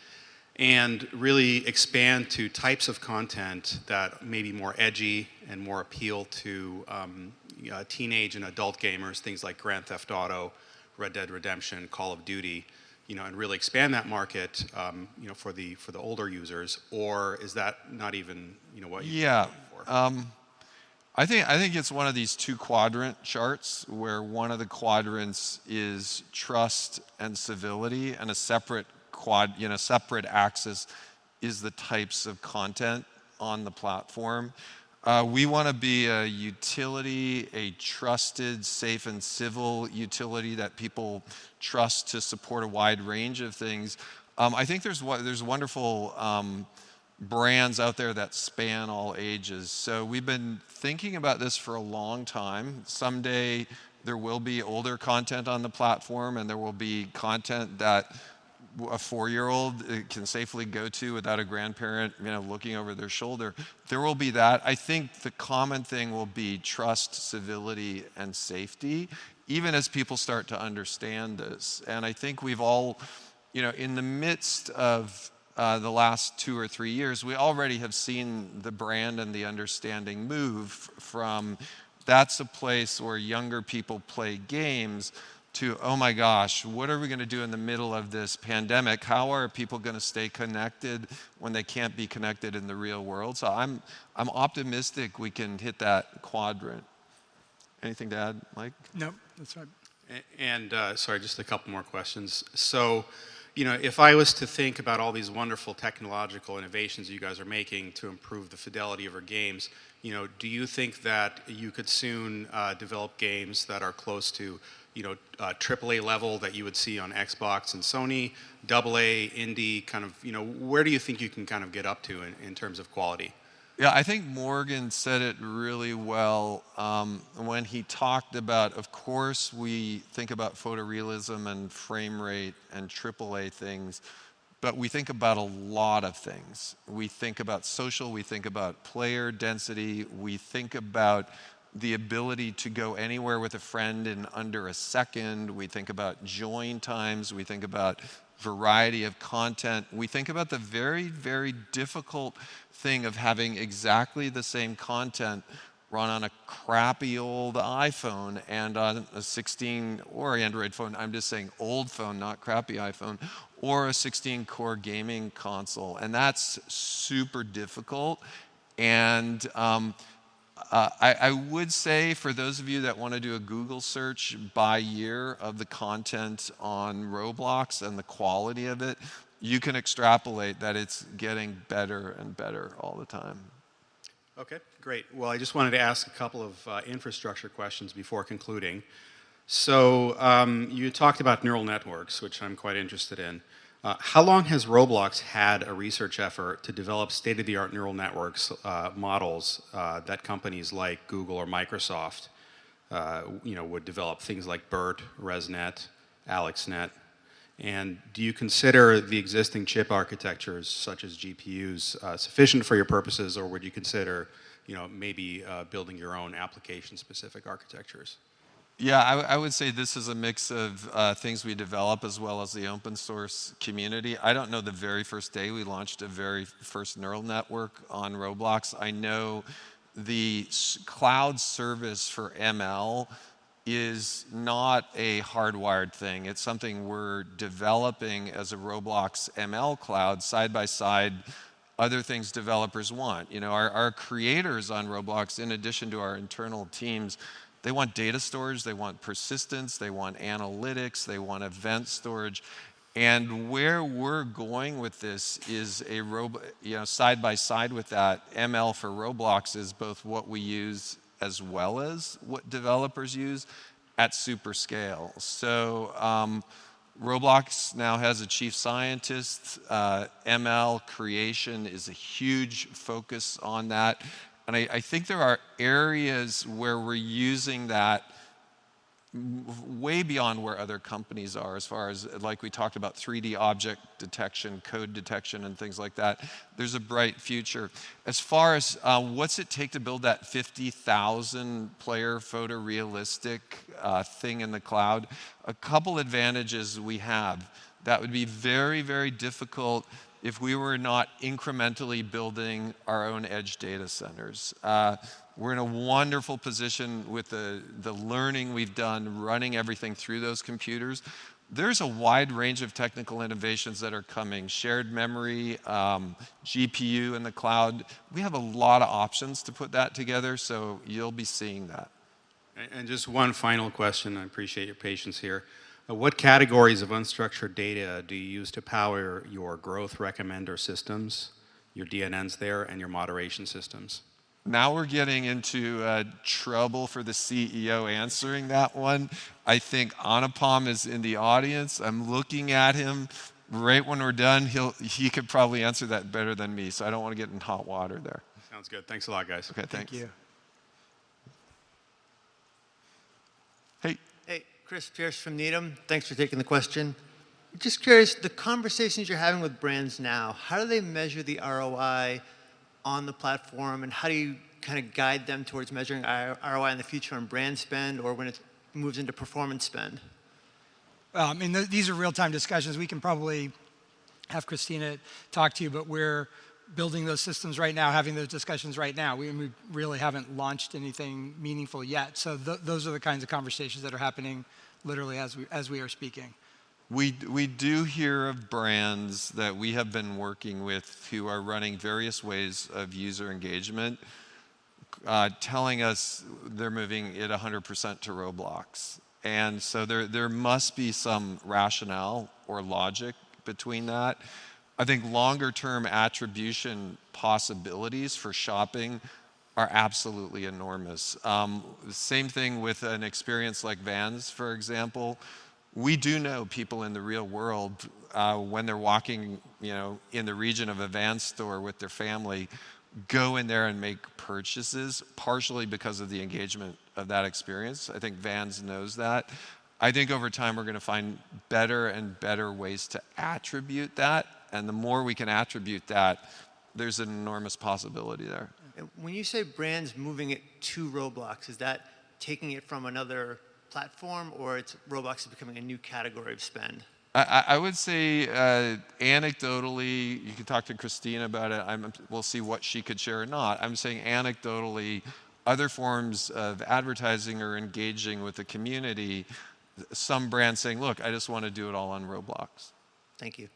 and really expand to types of content that may be more edgy and more appealing to, you know, teenage and adult gamers, things like Grand Theft Auto, Red Dead Redemption, Call of Duty, you know, and really expand that market, you know, for the older users, or is that not even, you know, what you Yeah Are going for? I think it's one of these two quadrant charts, where one of the quadrants is trust and civility, and a separate, you know, axis is the types of content on the platform. We wanna be a utility, a trusted, safe, and civil utility that people trust to support a wide range of things. I think there's wonderful brands out there that span all ages. We've been thinking about this for a long time. Someday there will be older content on the platform, and there will be content that a four-year-old can safely go to without a grandparent, you know, looking over their shoulder. There will be that. I think the common thing will be trust, civility, and safety, even as people start to understand this. I think we've all, you know, in the midst of the last two or three years, we already have seen the brand and the understanding move from, "That's a place where younger people play games," to, "Oh, my gosh, what are we gonna do in the middle of this pandemic? How are people gonna stay connected when they can't be connected in the real world?" I'm optimistic we can hit that quadrant. Anything to add, Mike? No, that's right. Sorry, just a couple more questions. You know, if I was to think about all these wonderful technological innovations that you guys are making to improve the fidelity of your games, you know, do you think that you could soon develop games that are close to, you know, AAA level that you would see on Xbox and Sony, AA, indie, kind of, you know, where do you think you can kind of get up to in terms of quality? Yeah. I think Morgan said it really well when he talked about, of course, we think about photorealism and frame rate and AAA things, but we think about a lot of things. We think about social. We think about player density. We think about the ability to go anywhere with a friend in under a second. We think about join times. We think about variety of content. We think about the very, very difficult thing of having exactly the same content run on a crappy old iPhone and on a 16 or Android phone. I'm just saying old phone, not crappy iPhone, or a 16-core gaming console, and that's super difficult. I would say for those of you that wanna do a Google search by year of the content on Roblox and the quality of it, you can extrapolate that it's getting better and better all the time. Okay. Great. Well, I just wanted to ask a couple of infrastructure questions before concluding. You talked about neural networks, which I'm quite interested in. How long has Roblox had a research effort to develop state-of-the-art neural networks, models, that companies like Google or Microsoft, you know, would develop, things like BERT, ResNet, AlexNet? Do you consider the existing chip architectures, such as GPUs, sufficient for your purposes, or would you consider, you know, maybe, building your own application-specific architectures? Yeah. I would say this is a mix of things we develop as well as the open source community. I don't know the very first day we launched a first neural network on Roblox. I know the cloud service for ML is not a hardwired thing. It's something we're developing as a Roblox ML cloud side by side other things developers want. You know, our creators on Roblox, in addition to our internal teams, they want data storage. They want persistence. They want analytics. They want event storage. Where we're going with this is, you know, side by side with that, ML for Roblox is both what we use as well as what developers use at super scale. Roblox now has a chief scientist. ML creation is a huge focus on that, and I think there are areas where we're using that way beyond where other companies are as far as like we talked about 3D object detection, code detection, and things like that. There's a bright future. As far as what's it take to build that 50,000-player photorealistic thing in the cloud, a couple advantages we have that would be very, very difficult if we were not incrementally building our own edge data centers. We're in a wonderful position with the learning we've done running everything through those computers. There's a wide range of technical innovations that are coming, shared memory, GPU in the cloud. We have a lot of options to put that together, so you'll be seeing that. Just one final question. I appreciate your patience here. What categories of unstructured data do you use to power your growth recommender systems, your DNNs there, and your moderation systems? Now we're getting into trouble for the CEO answering that one. I think Anupam is in the audience. I'm looking at him. Right when we're done, he could probably answer that better than me, so I don't wanna get in hot water there. Sounds good. Thanks a lot, guys. Okay. Thank you. Hey. Hey, Chris Pierce from Needham. Thanks for taking the question. Just curious, the conversations you're having with brands now, how do they measure the ROI on the platform, and how do you kind of guide them towards measuring ROI in the future on brand spend or when it moves into performance spend? These are real-time discussions. We can probably have Christina talk to you, but we're building those systems right now, having those discussions right now. We really haven't launched anything meaningful yet. Those are the kinds of conversations that are happening literally as we are speaking. We do hear of brands that we have been working with who are running various ways of user engagement, telling us they're moving it 100% to Roblox. There must be some rationale or logic between that. I think longer term attribution possibilities for shopping are absolutely enormous. Same thing with an experience like Vans, for example. We do know people in the real world, when they're walking, you know, in the region of a Vans store with their family, go in there and make purchases partially because of the engagement of that experience. I think Vans knows that. I think over time we're gonna find better and better ways to attribute that, and the more we can attribute that, there's an enormous possibility there. When you say brands moving it to Roblox, is that taking it from another platform, or it's Roblox is becoming a new category of spend? I would say anecdotally, you can talk to Christina about it. We'll see what she could share or not. I'm saying anecdotally, other forms of advertising or engaging with the community, some brands saying, "Look, I just wanna do it all on Roblox. Thank you.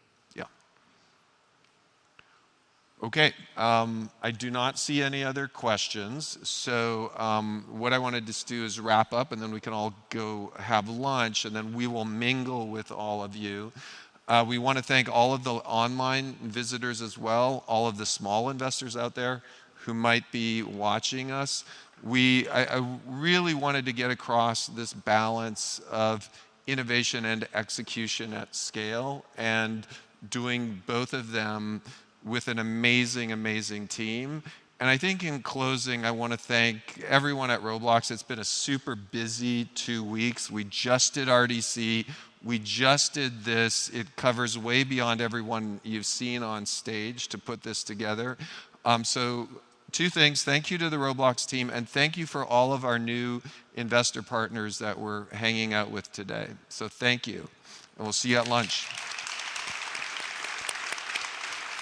Yeah. Okay, I do not see any other questions. What I wanna just do is wrap up, and then we can all go have lunch, and then we will mingle with all of you. We wanna thank all of the online visitors as well, all of the small investors out there who might be watching us. I really wanted to get across this balance of innovation and execution at scale and doing both of them with an amazing team. I think in closing, I wanna thank everyone at Roblox. It's been a super busy two weeks. We just did RDC. We just did this. It covers way beyond everyone you've seen on stage to put this together. Two things. Thank you to the Roblox team, and thank you for all of our new investor partners that we're hanging out with today. Thank you, and we'll see you at lunch.